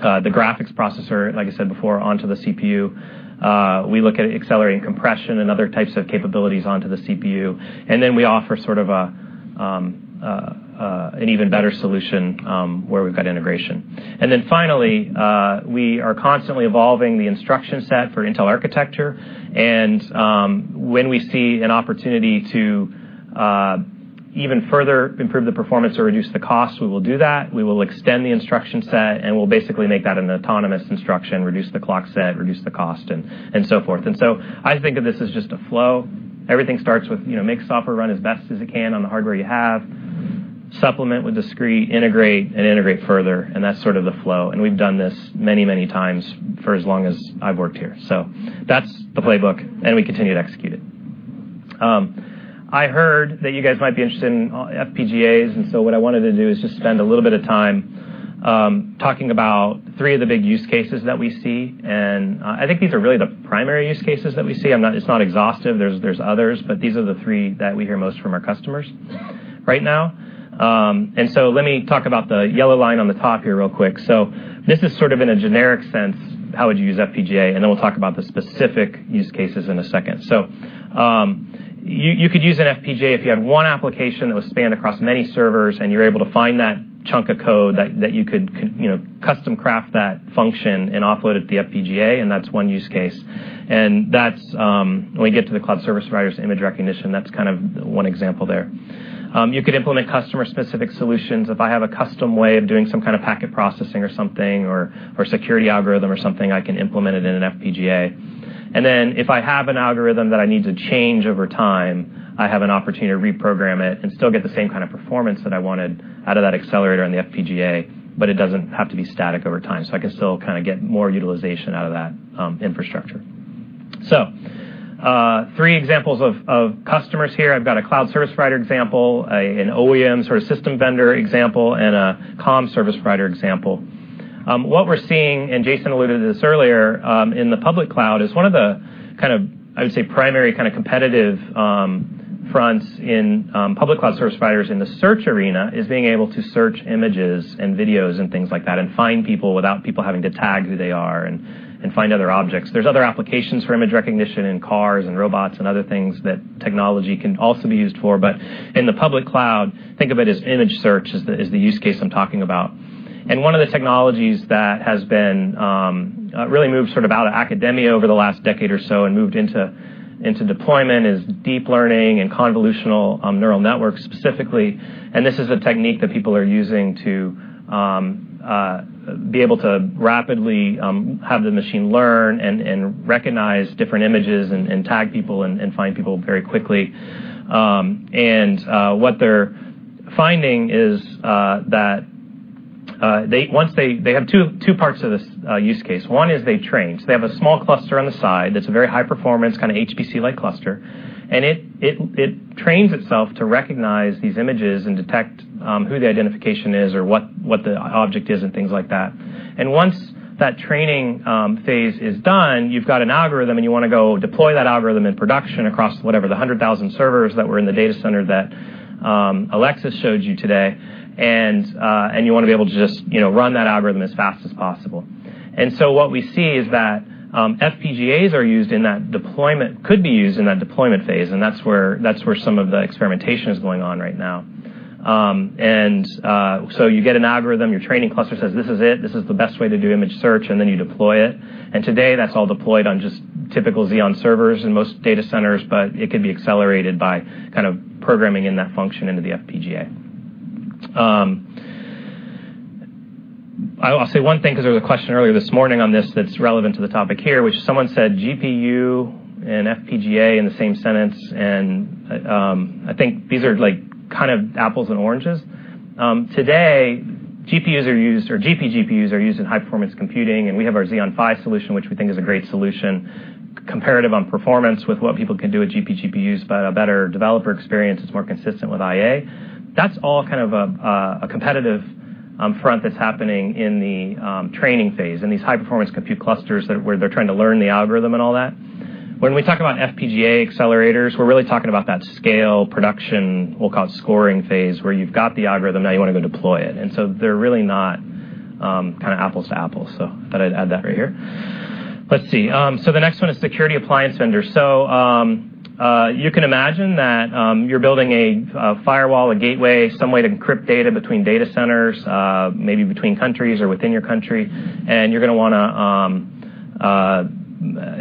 graphics processor, like I said before, onto the CPU. We look at accelerating compression and other types of capabilities onto the CPU. We offer sort of an even better solution, where we've got integration. Then finally, we are constantly evolving the instruction set for Intel architecture. When we see an opportunity to even further improve the performance or reduce the cost, we will do that. We will extend the instruction set, and we'll basically make that an autonomous instruction, reduce the clock set, reduce the cost, and so forth. I think of this as just a flow. Everything starts with make software run as best as it can on the hardware you have, supplement with discrete, integrate and integrate further, and that's sort of the flow. We've done this many, many times for as long as I've worked here. That's the playbook, and we continue to execute it. I heard that you guys might be interested in FPGAs, what I wanted to do is just spend a little bit of time talking about three of the big use cases that we see. I think these are really the primary use cases that we see. It's not exhaustive. There's others, but these are the three that we hear most from our customers right now. Let me talk about the yellow line on the top here real quick. This is sort of in a generic sense, how would you use FPGA? Then we'll talk about the specific use cases in a second. You could use an FPGA if you had one application that was spanned across many servers, and you were able to find that chunk of code that you could custom craft that function and offload it to the FPGA, and that's one use case. When we get to the cloud service providers, image recognition, that's kind of one example there. You could implement customer-specific solutions. If I have a custom way of doing some kind of packet processing or something, or security algorithm or something, I can implement it in an FPGA. Then if I have an algorithm that I need to change over time, I have an opportunity to reprogram it and still get the same kind of performance that I wanted out of that accelerator and the FPGA, but it doesn't have to be static over time, I can still kind of get more utilization out of that infrastructure. Three examples of customers here. I've got a cloud service provider example, an OEM sort of system vendor example, and a comm service provider example. What we're seeing, Jason alluded to this earlier, in the public cloud is one of the, kind of, I would say, primary kind of competitive fronts in public cloud service providers in the search arena is being able to search images and videos and things like that, and find people without people having to tag who they are, and find other objects. There's other applications for image recognition in cars and robots and other things that technology can also be used for. In the public cloud, think of it as image search is the use case I'm talking about. One of the technologies that has really moved out of academia over the last decade or so and moved into deployment is deep learning and convolutional neural networks, specifically. This is a technique that people are using to be able to rapidly have the machine learn and recognize different images and tag people and find people very quickly. What they're finding is that. They have two parts of this use case. One is they train. They have a small cluster on the side that's a very high-performance, kind of HPC-like cluster. It trains itself to recognize these images and detect who the identification is or what the object is and things like that. Once that training phase is done, you've got an algorithm, and you want to go deploy that algorithm in production across whatever the 100,000 servers that were in the data center that Alexis showed you today. You want to be able to just run that algorithm as fast as possible. What we see is that FPGAs are used in that deployment, could be used in that deployment phase, and that's where some of the experimentation is going on right now. You get an algorithm, your training cluster says, "This is it. This is the best way to do image search," and then you deploy it. Today, that's all deployed on just typical Xeon servers in most data centers, but it could be accelerated by programming in that function into the FPGA. I'll say one thing because there was a question earlier this morning on this that's relevant to the topic here, which is someone said GPU and FPGA in the same sentence, and I think these are like kind of apples and oranges. Today, GPUs are used, or GPGPUs are used in high-performance computing, and we have our Xeon Phi solution, which we think is a great solution comparative on performance with what people can do with GPGPUs, but a better developer experience that's more consistent with IA. That's all a competitive front that's happening in the training phase, in these high-performance compute clusters where they're trying to learn the algorithm and all that. When we talk about FPGA accelerators, we're really talking about that scale production, we'll call it scoring phase, where you've got the algorithm, now you want to go deploy it. They're really not apples to apples. Thought I'd add that right here. Let's see. The next one is security appliance vendors. You can imagine that you're building a firewall, a gateway, some way to encrypt data between data centers, maybe between countries or within your country.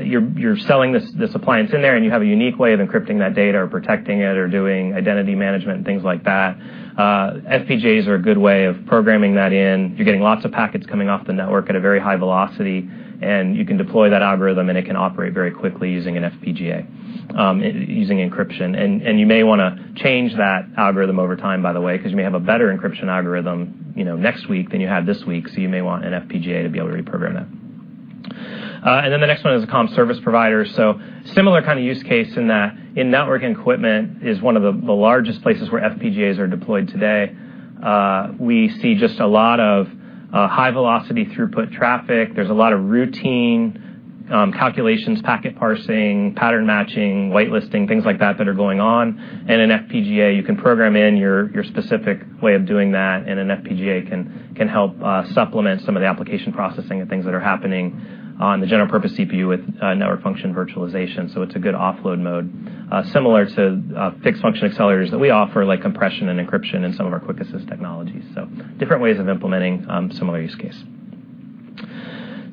You're selling this appliance in there, and you have a unique way of encrypting that data or protecting it or doing identity management and things like that. FPGAs are a good way of programming that in. You're getting lots of packets coming off the network at a very high velocity, and you can deploy that algorithm, and it can operate very quickly using an FPGA, using encryption. You may want to change that algorithm over time, by the way, because you may have a better encryption algorithm next week than you had this week. You may want an FPGA to be able to reprogram that. The next one is the comm service provider. Similar kind of use case in that in-network equipment is one of the largest places where FPGAs are deployed today. We see just a lot of high-velocity throughput traffic. There's a lot of routine calculations, packet parsing, pattern matching, whitelisting, things like that that are going on. In an FPGA, you can program in your specific way of doing that, and an FPGA can help supplement some of the application processing and things that are happening on the general-purpose CPU with network function virtualization. It's a good offload mode. Similar to fixed function accelerators that we offer, like compression and encryption in some of our QuickAssist technologies. Different ways of implementing similar use case.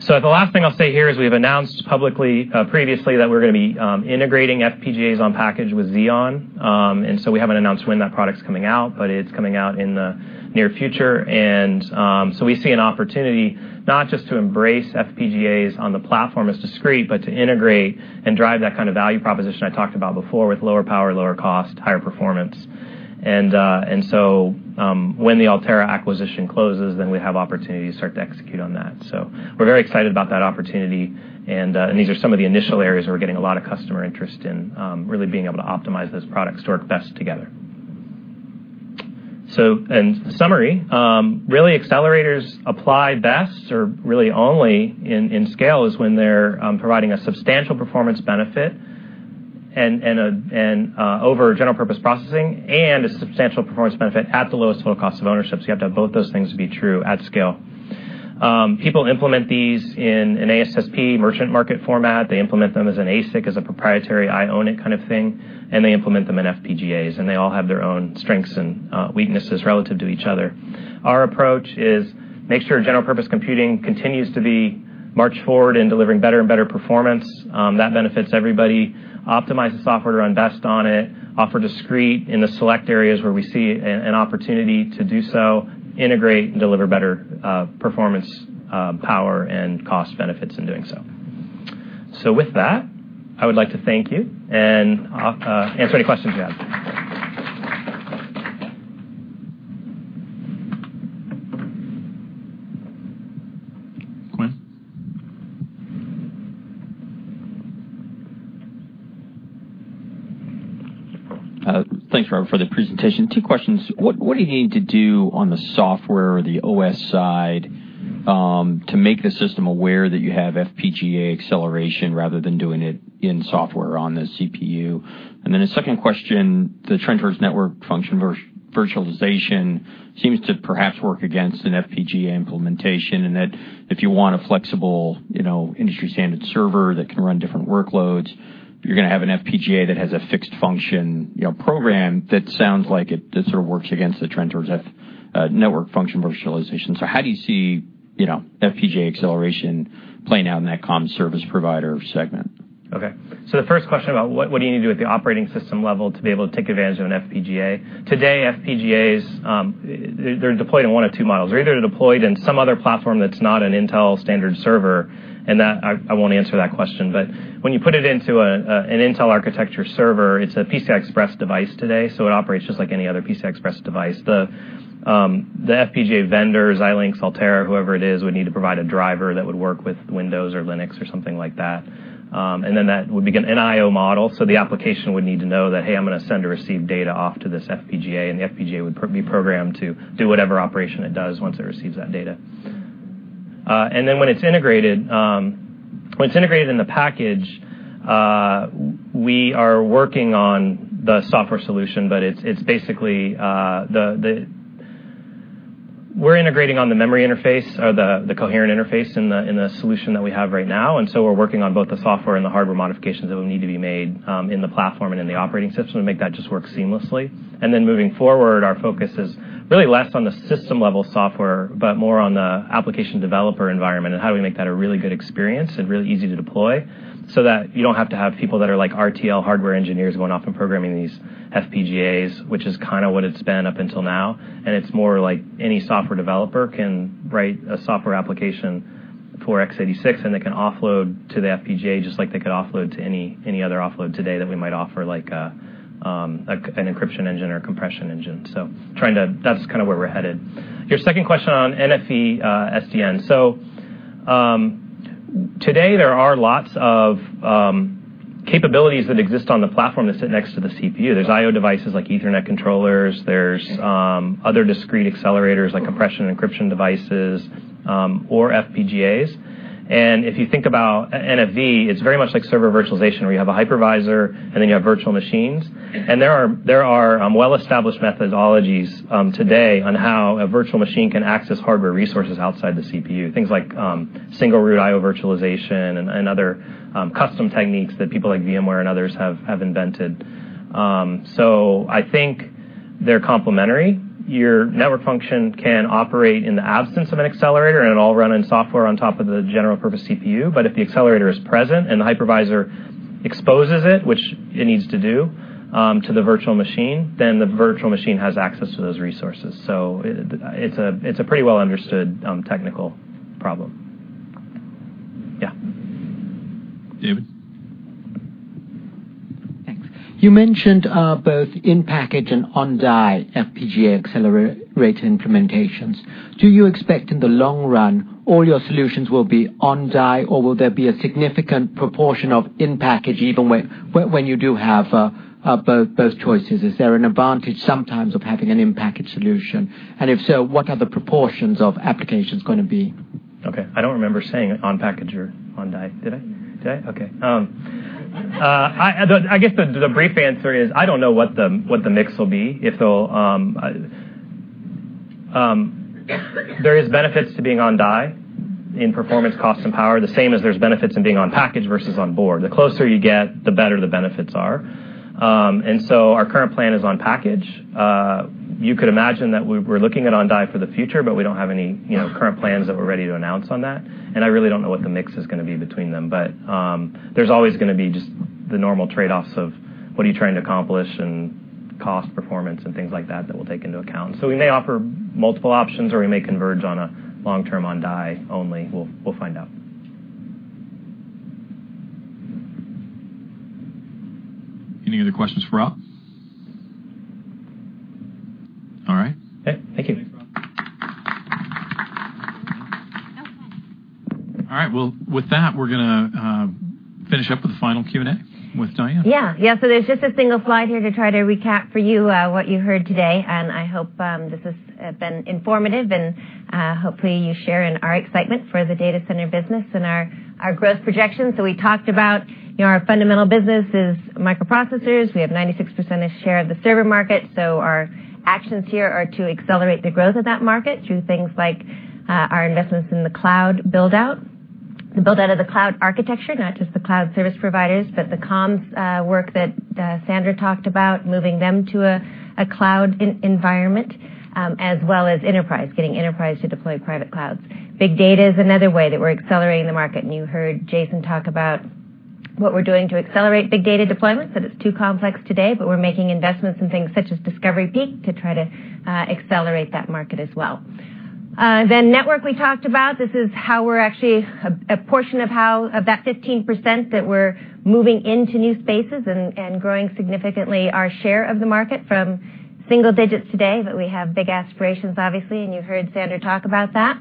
The last thing I'll say here is we've announced publicly previously that we're going to be integrating FPGAs on package with Xeon. We haven't announced when that product's coming out, but it's coming out in the near future. We see an opportunity not just to embrace FPGAs on the platform as discrete, but to integrate and drive that kind of value proposition I talked about before with lower power, lower cost, higher performance. When the Altera acquisition closes, then we have opportunity to start to execute on that. We're very excited about that opportunity, and these are some of the initial areas where we're getting a lot of customer interest in really being able to optimize those products to work best together. In summary, really accelerators apply best or really only in scale is when they're providing a substantial performance benefit over general purpose processing and a substantial performance benefit at the lowest total cost of ownership. You have to have both those things to be true at scale. People implement these in an ASSP merchant market format. They implement them as an ASIC, as a proprietary, I own it kind of thing, and they implement them in FPGAs, and they all have their own strengths and weaknesses relative to each other. Our approach is make sure general-purpose computing continues to be march forward in delivering better and better performance. That benefits everybody. Optimize the software to run best on it, offer discrete in the select areas where we see an opportunity to do so, integrate, and deliver better performance, power, and cost benefits in doing so. With that, I would like to thank you and I'll answer any questions you have. Quinn? Thanks, Rob, for the presentation. Two questions. What do you need to do on the software or the OS side to make the system aware that you have FPGA acceleration rather than doing it in software on the CPU. Then a second question, the trend towards network function virtualization seems to perhaps work against an FPGA implementation, in that if you want a flexible industry-standard server that can run different workloads, you're going to have an FPGA that has a fixed function program that sounds like it sort of works against the trend towards network function virtualization. How do you see FPGA acceleration playing out in that comms service provider segment? The first question about what do you need to do at the operating system level to be able to take advantage of an FPGA. Today, FPGAs, they're deployed in one of two models. They're either deployed in some other platform that's not an Intel standard server, and I won't answer that question. But when you put it into an Intel architecture server, it's a PCI Express device today, so it operates just like any other PCI Express device. The FPGA vendors, Xilinx, Altera, whoever it is, would need to provide a driver that would work with Windows or Linux or something like that. Then that would be an NIO model, so the application would need to know that, hey, I'm going to send or receive data off to this FPGA, and the FPGA would be programmed to do whatever operation it does once it receives that data. When it's integrated in the package, we are working on the software solution, but it's basically we're integrating on the memory interface or the coherent interface in the solution that we have right now. So we're working on both the software and the hardware modifications that would need to be made in the platform and in the operating system to make that just work seamlessly. Moving forward, our focus is really less on the system-level software, but more on the application developer environment and how do we make that a really good experience and really easy to deploy so that you don't have to have people that are RTL hardware engineers going off and programming these FPGAs, which is kind of what it's been up until now. It's more like any software developer can write a software application for x86, and they can offload to the FPGA just like they could offload to any other offload today that we might offer, like an encryption engine or a compression engine. That's kind of where we're headed. Your second question on NFV SDN. Today there are lots of capabilities that exist on the platform that sit next to the CPU. There's I/O devices like Ethernet controllers, there's other discrete accelerators like compression and encryption devices, or FPGAs. If you think about NFV, it's very much like server virtualization where you have a hypervisor and then you have virtual machines. There are well-established methodologies today on how a virtual machine can access hardware resources outside the CPU. Things like Single-Root I/O Virtualization and other custom techniques that people like VMware and others have invented. I think they're complementary. Your network function can operate in the absence of an accelerator and it'll all run on software on top of the general purpose CPU. If the accelerator is present and the hypervisor exposes it, which it needs to do, to the virtual machine, then the virtual machine has access to those resources. It's a pretty well-understood technical problem. Yeah. David. Thanks. You mentioned both in-package and on-die FPGA accelerator implementations. Do you expect in the long run all your solutions will be on-die or will there be a significant proportion of in-package even when you do have both choices? Is there an advantage sometimes of having an in-package solution? If so, what are the proportions of applications going to be? Okay. I don't remember saying on-package or on-die. Did I? Did I? Okay. I guess the brief answer is, I don't know what the mix will be. There is benefits to being on-die in performance, cost, and power, the same as there's benefits in being on-package versus on-board. The closer you get, the better the benefits are. Our current plan is on-package. You could imagine that we're looking at on-die for the future, but we don't have any current plans that we're ready to announce on that. I really don't know what the mix is going to be between them. There's always going to be just the normal trade-offs of what are you trying to accomplish and cost, performance, and things like that we'll take into account. We may offer multiple options or we may converge on a long-term on-die only. We'll find out. Any other questions for Rob? All right. Okay. Thank you. Thanks, Rob. All right. With that, we're going to finish up with the final Q&A with Diane. There's just a single slide here to try to recap for you what you heard today, and I hope this has been informative and hopefully you share in our excitement for the data center business and our growth projections. We talked about our fundamental business is microprocessors. We have 96% of share of the server market. Our actions here are to accelerate the growth of that market through things like our investments in the cloud build-out. The build-out of the cloud architecture, not just the cloud service providers, but the comms work that Sandra talked about, moving them to a cloud environment, as well as enterprise, getting enterprise to deploy private clouds. Big data is another way that we're accelerating the market. You heard Jason talk about what we're doing to accelerate big data deployments, that it's too complex today. We're making investments in things such as Discovery Peak to try to accelerate that market as well. Network we talked about. This is a portion of that 15% that we're moving into new spaces and growing significantly our share of the market from single digits today. We have big aspirations obviously. You heard Sandra talk about that.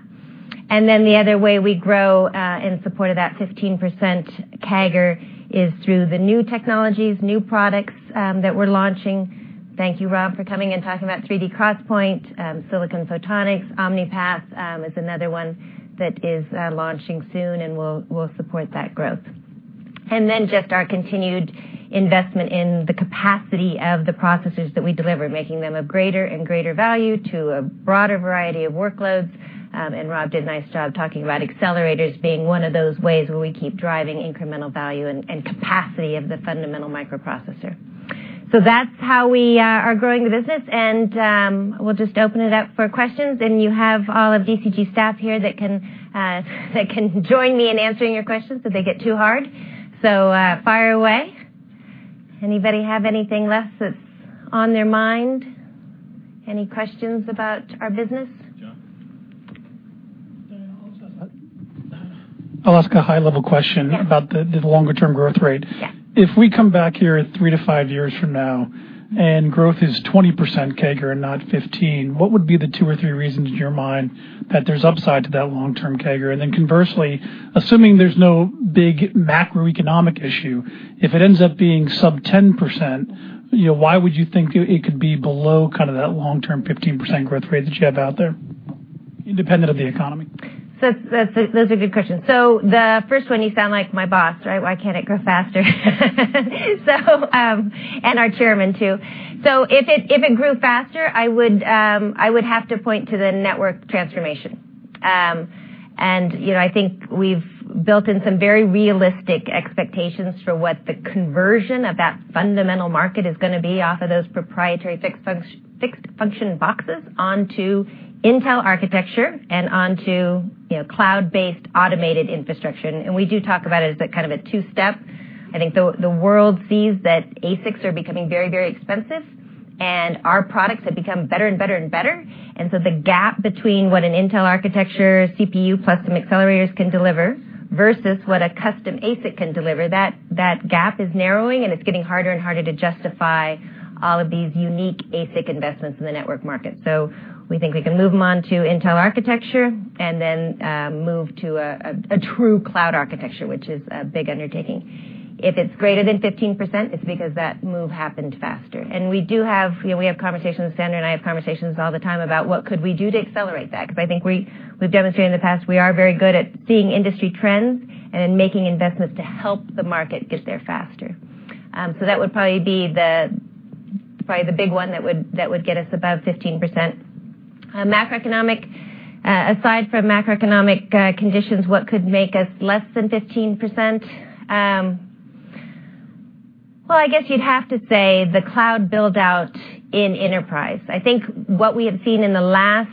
The other way we grow in support of that 15% CAGR is through the new technologies, new products that we're launching. Thank you, Rob, for coming and talking about 3D XPoint, silicon photonics. Omni-Path is another one that is launching soon and will support that growth. Just our continued investment in the capacity of the processors that we deliver, making them of greater and greater value to a broader variety of workloads. Rob did a nice job talking about accelerators being one of those ways where we keep driving incremental value and capacity of the fundamental microprocessor. That's how we are growing the business. We'll just open it up for questions. You have all of DCG staff here that can join me in answering your questions if they get too hard. Fire away. Anybody have anything less that's on their mind? Any questions about our business? John. I'll ask a high-level question- Yeah. About the longer-term growth rate. Yeah. If we come back here three to five years from now, growth is 20% CAGR and not 15, what would be the two or three reasons in your mind that there's upside to that long-term CAGR? Conversely, assuming there's no big macroeconomic issue, if it ends up being sub 10%, why would you think it could be below that long-term 15% growth rate that you have out there, independent of the economy? Those are good questions. The first one, you sound like my boss. Why can't it grow faster? Our chairman, too. If it grew faster, I would have to point to the network transformation. I think we've built in some very realistic expectations for what the conversion of that fundamental market is going to be off of those proprietary fixed function boxes onto Intel architecture and onto cloud-based automated infrastructure. We do talk about it as a two-step. I think the world sees that ASICs are becoming very, very expensive, and our products have become better and better and better. The gap between what an Intel architecture CPU plus some accelerators can deliver versus what a custom ASIC can deliver, that gap is narrowing, and it's getting harder and harder to justify all of these unique ASIC investments in the network market. We think we can move them on to Intel architecture and then move to a true cloud architecture, which is a big undertaking. If it's greater than 15%, it's because that move happened faster. We have conversations, Sandra and I have conversations all the time about what could we do to accelerate that, because I think we've demonstrated in the past, we are very good at seeing industry trends and in making investments to help the market get there faster. That would probably be the big one that would get us above 15%. Aside from macroeconomic conditions, what could make us less than 15%? Well, I guess you'd have to say the cloud build-out in enterprise. I think what we have seen in the last,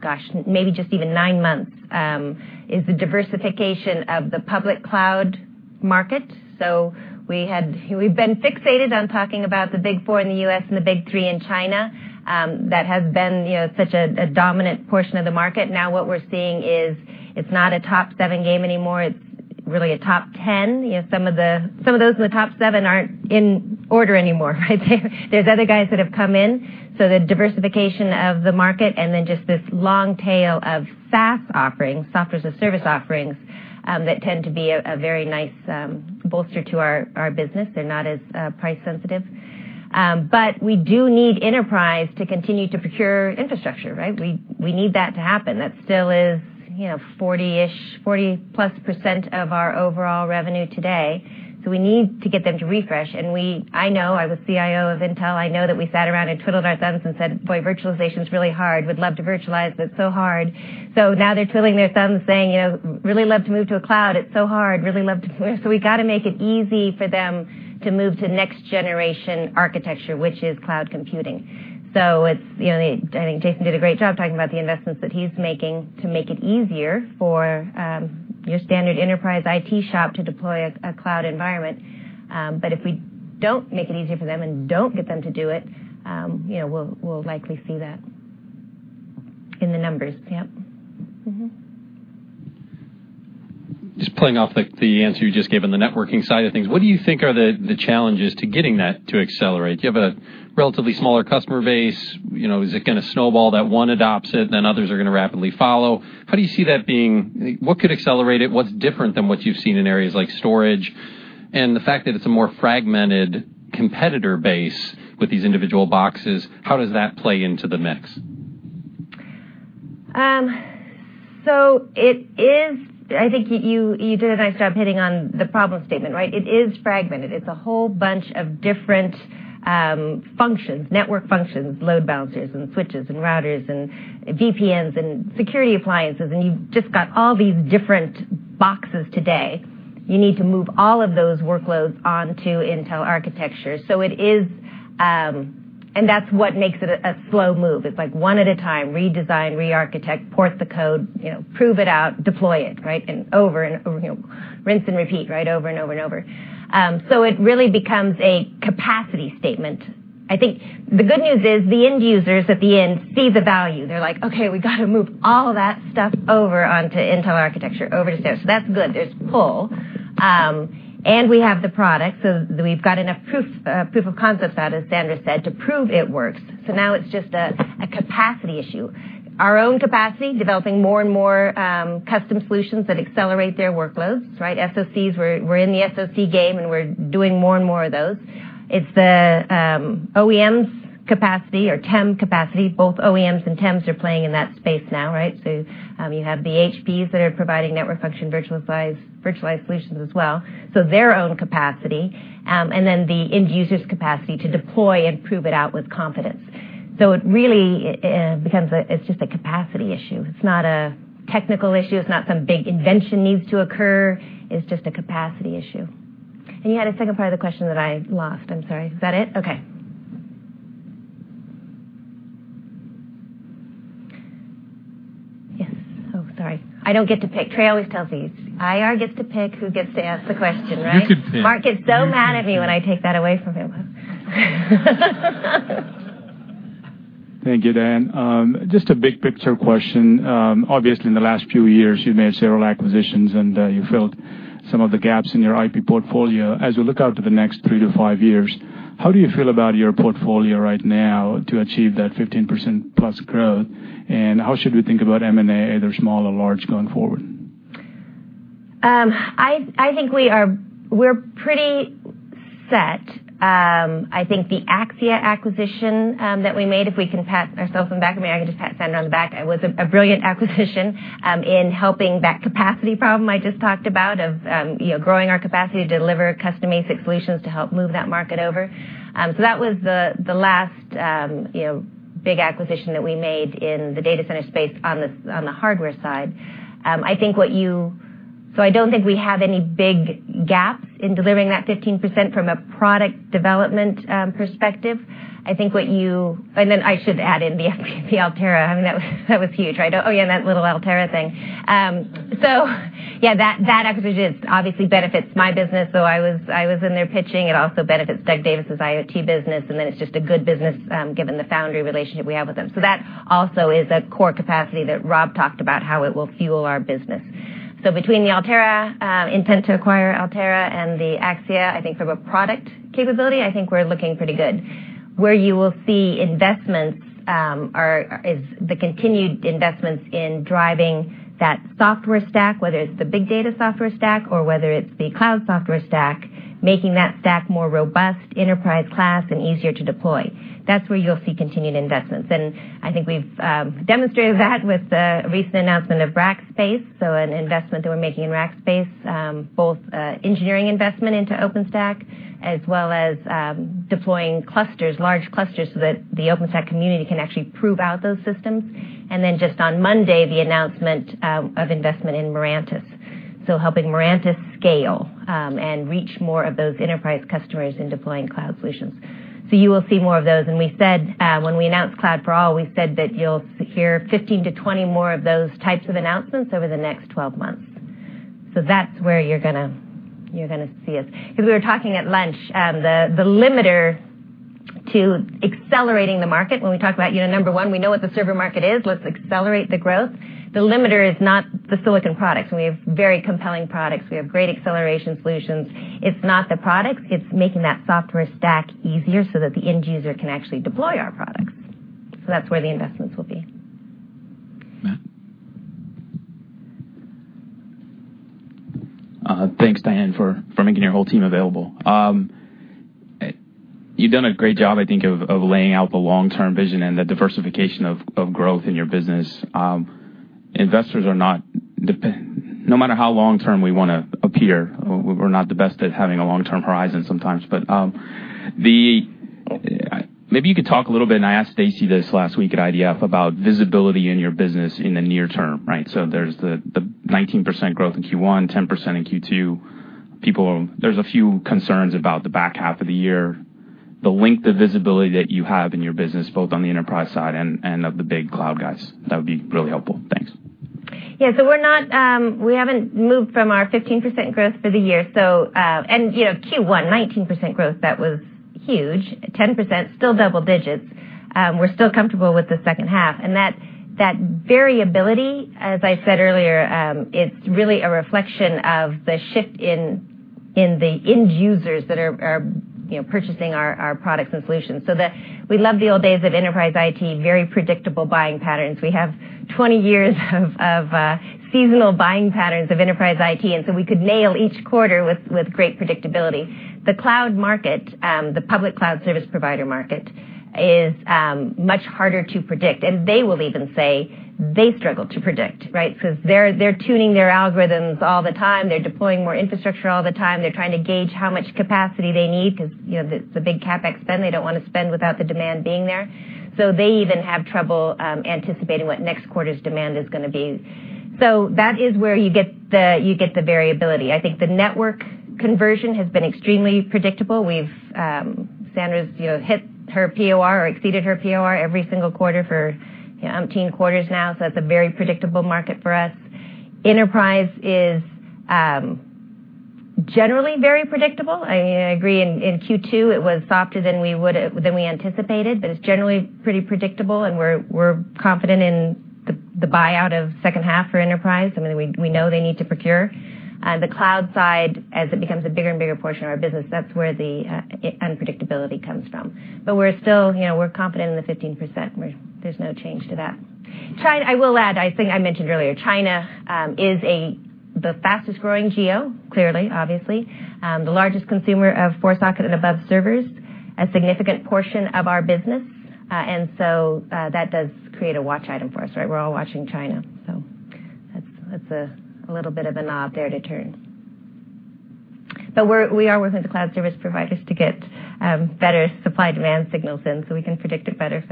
gosh, maybe just even nine months, is the diversification of the public cloud market. We've been fixated on talking about the big four in the U.S. and the big three in China. That has been such a dominant portion of the market. Now what we're seeing is it's not a top seven game anymore. It's really a top 10. Some of those in the top seven aren't in order anymore, right? There's other guys that have come in, the diversification of the market, and then just this long tail of SaaS offerings, Software as a Service offerings, that tend to be a very nice bolster to our business. They're not as price sensitive. We do need enterprise to continue to procure infrastructure, right? We need that to happen. That still is 40-ish, 40-plus% of our overall revenue today. We need to get them to refresh, and I know, I was CIO of Intel. I know that we sat around and twiddled our thumbs and said, "Boy, virtualization's really hard. We'd love to virtualize, but it's so hard." Now they're twiddling their thumbs saying, "Really love to move to a cloud. It's so hard." We've got to make it easy for them to move to next generation architecture, which is cloud computing. I think Jason did a great job talking about the investments that he's making to make it easier for your standard enterprise IT shop to deploy a cloud environment. If we don't make it easier for them and don't get them to do it, we'll likely see that in the numbers. Yep. Mm-hmm. Just playing off the answer you just gave on the networking side of things, what do you think are the challenges to getting that to accelerate? Do you have a relatively smaller customer base? Is it going to snowball, that one adopts it, then others are going to rapidly follow? How do you see that? What could accelerate it? What's different than what you've seen in areas like storage? And the fact that it's a more fragmented competitor base with these individual boxes, how does that play into the mix? I think you did a nice job hitting on the problem statement, right? It is fragmented. It's a whole bunch of different functions, network functions, load balancers and switches and routers and VPNs and security appliances. You've just got all these different boxes today. You need to move all of those workloads onto Intel architecture. That's what makes it a slow move. It's like one at a time, redesign, re-architect, port the code, prove it out, deploy it. Over and over, rinse and repeat. Over and over and over. It really becomes a capacity statement. I think the good news is the end users at the end see the value. They're like, "Okay, we got to move all of that stuff over onto Intel architecture." That's good. There's pull. We have the product, so we've got enough proof of concept out, as Sandra said, to prove it works. Now it's just a capacity issue. Our own capacity, developing more and more custom solutions that accelerate their workloads, right? SoCs, we're in the SoC game, and we're doing more and more of those. It's the OEMs' capacity or TEM capacity. Both OEMs and TEMs are playing in that space now. You have the HPs that are providing network function virtualized solutions as well. Their own capacity, and then the end user's capacity to deploy and prove it out with confidence. It really becomes just a capacity issue. It's not a technical issue. It's not some big invention needs to occur. It's just a capacity issue. You had a second part of the question that I lost, I'm sorry. Is that it? Okay. Yes. Oh, sorry. I don't get to pick. Trey always tells me, "IR gets to pick who gets to ask the question," right? You could pick. Mark gets so mad at me when I take that away from him. Thank you, Diane. Just a big picture question. Obviously, in the last few years, you've made several acquisitions and you filled some of the gaps in your IP portfolio. As you look out to the next three to five years, how do you feel about your portfolio right now to achieve that 15%+ growth? How should we think about M&A, either small or large, going forward? I think we're pretty set. I think the Axxia acquisition that we made, if we can pat ourselves on the back. Maybe I can just pat Sandra on the back. It was a brilliant acquisition in helping that capacity problem I just talked about of growing our capacity to deliver custom ASIC solutions to help move that market over. That was the last big acquisition that we made in the data center space on the hardware side. I don't think we have any big gaps in delivering that 15% from a product development perspective. I should add in the Altera. That was huge, right? That little Altera thing. That acquisition obviously benefits my business, so I was in there pitching. It also benefits Doug Davis's IoT business, it's just a good business given the foundry relationship we have with them. That also is a core capacity that Rob talked about how it will fuel our business. Between the intent to acquire Altera and the Axxia, I think from a product capability, I think we're looking pretty good. Where you will see investments is the continued investments in driving that software stack, whether it's the big data software stack or whether it's the cloud software stack, making that stack more robust, enterprise-class, and easier to deploy. That's where you'll see continued investments. I think we've demonstrated that with the recent announcement of Rackspace, an investment that we're making in Rackspace, both engineering investment into OpenStack, as well as deploying large clusters so that the OpenStack community can actually prove out those systems. Just on Monday, the announcement of investment in Mirantis. Helping Mirantis scale and reach more of those enterprise customers in deploying cloud solutions. You will see more of those, when we announced Cloud for All, we said that you'll hear 15 to 20 more of those types of announcements over the next 12 months. That's where you're going to see us. We were talking at lunch, the limiter to accelerating the market when we talk about, number 1, we know what the server market is, let's accelerate the growth. The limiter is not the silicon products, we have very compelling products. We have great acceleration solutions. It's not the products, it's making that software stack easier so that the end user can actually deploy our products. That's where the investments will be. Matt? Thanks, Diane, for making your whole team available. You've done a great job, I think, of laying out the long-term vision and the diversification of growth in your business. No matter how long-term we want to appear, we're not the best at having a long-term horizon sometimes, but maybe you could talk a little bit, and I asked Stacy this last week at IDF, about visibility in your business in the near term, right? There's the 19% growth in Q1, 10% in Q2. There's a few concerns about the back half of the year. The length of visibility that you have in your business, both on the enterprise side and of the big cloud guys. That would be really helpful. Thanks. Yeah. We haven't moved from our 15% growth for the year. Q1, 19% growth, that was huge. 10%, still double digits. We're still comfortable with the second half, and that variability, as I said earlier, it's really a reflection of the shift in the end users that are purchasing our products and solutions. We love the old days of enterprise IT, very predictable buying patterns. We have 20 years of seasonal buying patterns of enterprise IT, and we could nail each quarter with great predictability. The cloud market, the public cloud service provider market, is much harder to predict, and they will even say they struggle to predict, right? Because they're tuning their algorithms all the time. They're deploying more infrastructure all the time. They're trying to gauge how much capacity they need because it's a big CapEx spend, they don't want to spend without the demand being there. They even have trouble anticipating what next quarter's demand is going to be. That is where you get the variability. I think the network conversion has been extremely predictable. Sandra's hit her POR or exceeded her POR every single quarter for umpteen quarters now, so that's a very predictable market for us. Enterprise is generally very predictable. I agree in Q2 it was softer than we anticipated, but it's generally pretty predictable, and we're confident in the buyout of second half for enterprise. We know they need to procure. The cloud side, as it becomes a bigger and bigger portion of our business, that's where the unpredictability comes from. We're confident in the 15%. There's no change to that. I will add, I think I mentioned earlier, China is the fastest growing geo, clearly, obviously. The largest consumer of four-socket and above servers, a significant portion of our business, that does create a watch item for us, right? We're all watching China. That's a little bit of a knob there to turn. We are working with the cloud service providers to get better supply-demand signals in so we can predict it better,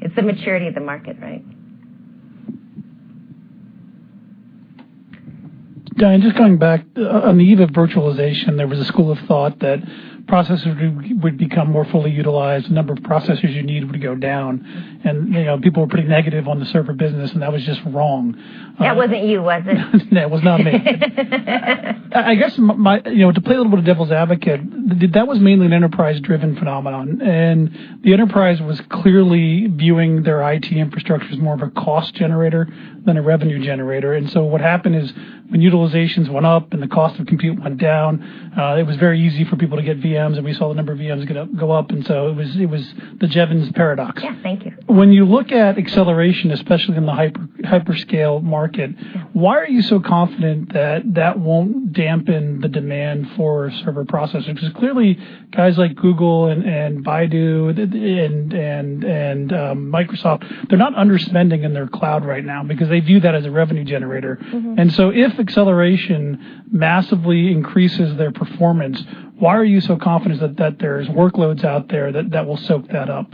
it's the maturity of the market, right? Diane, just coming back, on the eve of virtualization, there was a school of thought that processors would become more fully utilized, the number of processors you needed would go down, and people were pretty negative on the server business, and that was just wrong. That wasn't you, was it? No, it was not me. To play a little bit of devil's advocate, that was mainly an enterprise-driven phenomenon, and the enterprise was clearly viewing their IT infrastructure as more of a cost generator than a revenue generator. What happened is when utilizations went up and the cost of compute went down, it was very easy for people to get VMs, and we saw the number of VMs go up, and so it was the Jevons paradox. Yeah. Thank you. When you look at acceleration, especially in the hyperscale market, why are you so confident that that won't dampen the demand for server processors? Because clearly, guys like Google and Baidu and Microsoft, they're not underspending in their cloud right now because they view that as a revenue generator. If acceleration massively increases their performance, why are you so confident that there's workloads out there that will soak that up?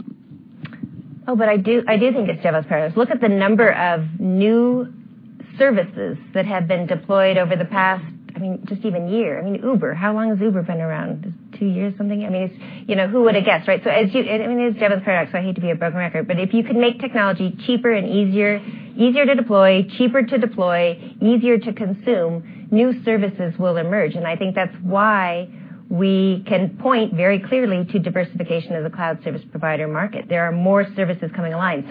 I do think it's Jevons paradox. Look at the number of new services that have been deployed over the past just even year. Uber, how long has Uber been around? Just two years, something? Who would've guessed, right? It is Jevons paradox, so I hate to be a broken record, but if you can make technology cheaper and easier to deploy, cheaper to deploy, easier to consume, new services will emerge. I think that's why we can point very clearly to diversification of the cloud service provider market. There are more services coming online.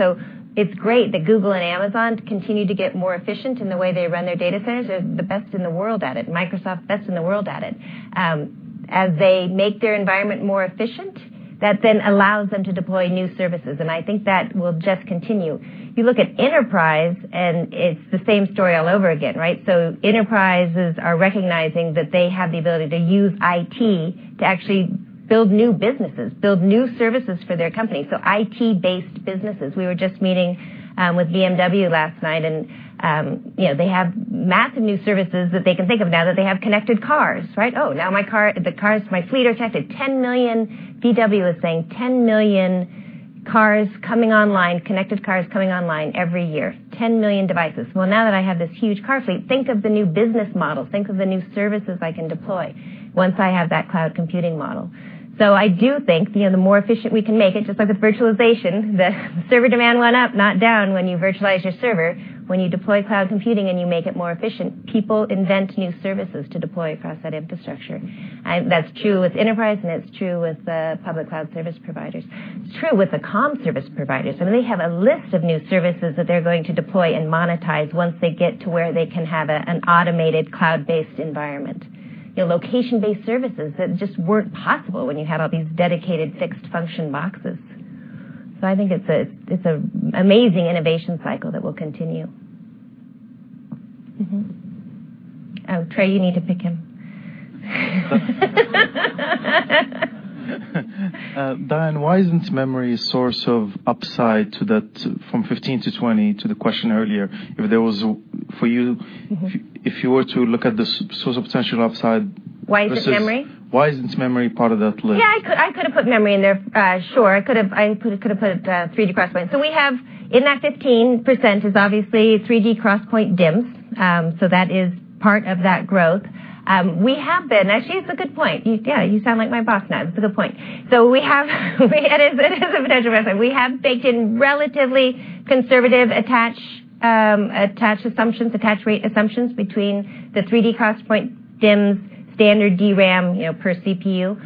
It's great that Google and Amazon continue to get more efficient in the way they run their data centers. They're the best in the world at it. Microsoft's best in the world at it. As they make their environment more efficient, that then allows them to deploy new services, and I think that will just continue. You look at enterprise, and it's the same story all over again, right? Enterprises are recognizing that they have the ability to use IT to actually build new businesses, build new services for their company. IT-based businesses. We were just meeting with BMW last night, and they have massive new services that they can think of now that they have connected cars, right? Oh, now my fleet are connected. VW is saying 10 million connected cars coming online every year. 10 million devices. Well, now that I have this huge car fleet, think of the new business models, think of the new services I can deploy once I have that cloud computing model. I do think the more efficient we can make it, just like with virtualization, the server demand went up, not down when you virtualize your server. When you deploy cloud computing and you make it more efficient, people invent new services to deploy across that infrastructure. That's true with enterprise, and it's true with the public cloud service providers. It's true with the comm service providers. I mean, they have a list of new services that they're going to deploy and monetize once they get to where they can have an automated cloud-based environment. Location-based services that just weren't possible when you had all these dedicated fixed function boxes. I think it's an amazing innovation cycle that will continue. Oh, Trey, you need to pick him. Diane, why isn't memory a source of upside to that from 15-20, to the question earlier, if you were to look at the source of potential upside versus? Why isn't memory? Why isn't memory part of that list? I could've put memory in there, sure. I could've put 3D XPoint. We have in that 15% is obviously 3D XPoint DIMMs, so that is part of that growth. Actually, it's a good point. You sound like my boss now. It's a good point. We have it is a potential upside. We have baked in relatively conservative attach rate assumptions between the 3D XPoint DIMMs standard DRAM per CPU.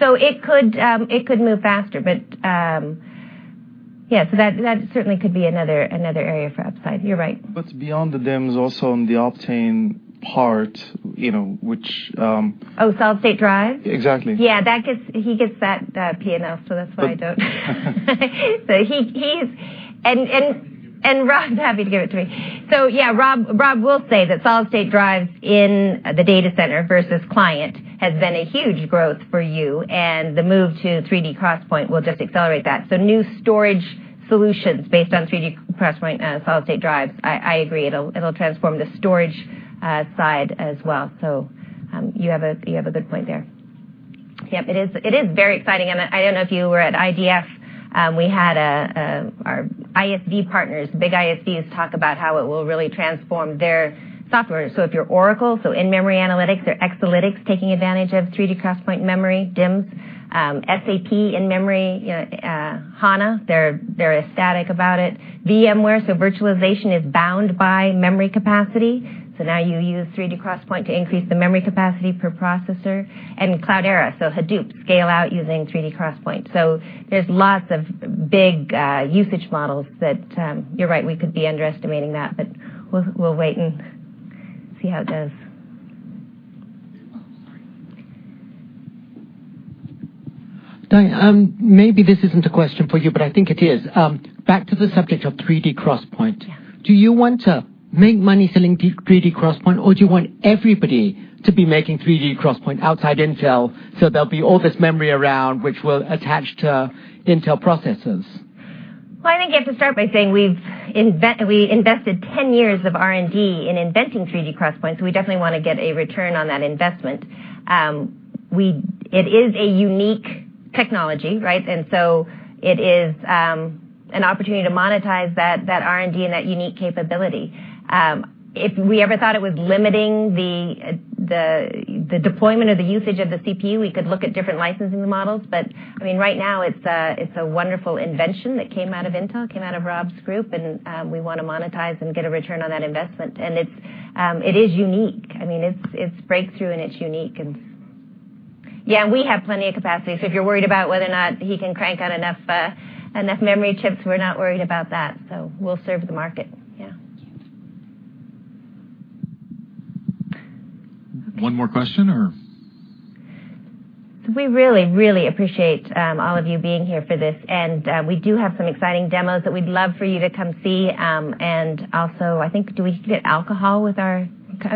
It could move faster. That certainly could be another area for upside. You're right. Beyond the DIMMs also on the Optane part, which- Solid-state drives? Exactly. He gets that P&L, so that's why I don't. Rob's happy to give it to me. Rob will say that solid-state drives in the data center versus client has been a huge growth for you, and the move to 3D XPoint will just accelerate that. New storage solutions based on 3D XPoint solid-state drives, I agree, it'll transform the storage side as well. You have a good point there. It is very exciting, and I don't know if you were at IDF. We had our ISV partners, big ISVs talk about how it will really transform their software. If you're Oracle, in-memory analytics, their Exalytics taking advantage of 3D XPoint memory, DIMMs, SAP in-memory, HANA, they're ecstatic about it. VMware, so virtualization is bound by memory capacity, so now you use 3D XPoint to increase the memory capacity per processor, and Cloudera, so Hadoop scale out using 3D XPoint. There's lots of big usage models that you're right, we could be underestimating that, but we'll wait and see how it does. Oh, sorry. Diane, maybe this isn't a question for you, but I think it is. Back to the subject of 3D XPoint. Yeah. Do you want to make money selling 3D XPoint, or do you want everybody to be making 3D XPoint outside Intel, so there'll be all this memory around which will attach to Intel processors? I think you have to start by saying we invested 10 years of R&D in inventing 3D XPoint, we definitely want to get a return on that investment. It is a unique technology, right? It is an opportunity to monetize that R&D and that unique capability. If we ever thought it was limiting the deployment or the usage of the CPU, we could look at different licensing models. Right now, it's a wonderful invention that came out of Intel, came out of Rob's group, we want to monetize and get a return on that investment, and it is unique. It's breakthrough, it's unique. Yeah, we have plenty of capacity, if you're worried about whether or not he can crank out enough memory chips, we're not worried about that, we'll serve the market, yeah. One more question, or? We really appreciate all of you being here for this, we do have some exciting demos that we'd love for you to come see. Also, I think, do we get alcohol with our?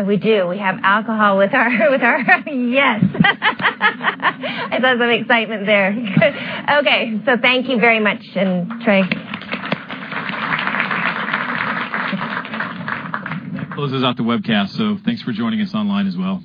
We do. We have alcohol with our yes. I saw some excitement there. Okay. Thank you very much, Trey. That closes out the webcast, thanks for joining us online as well.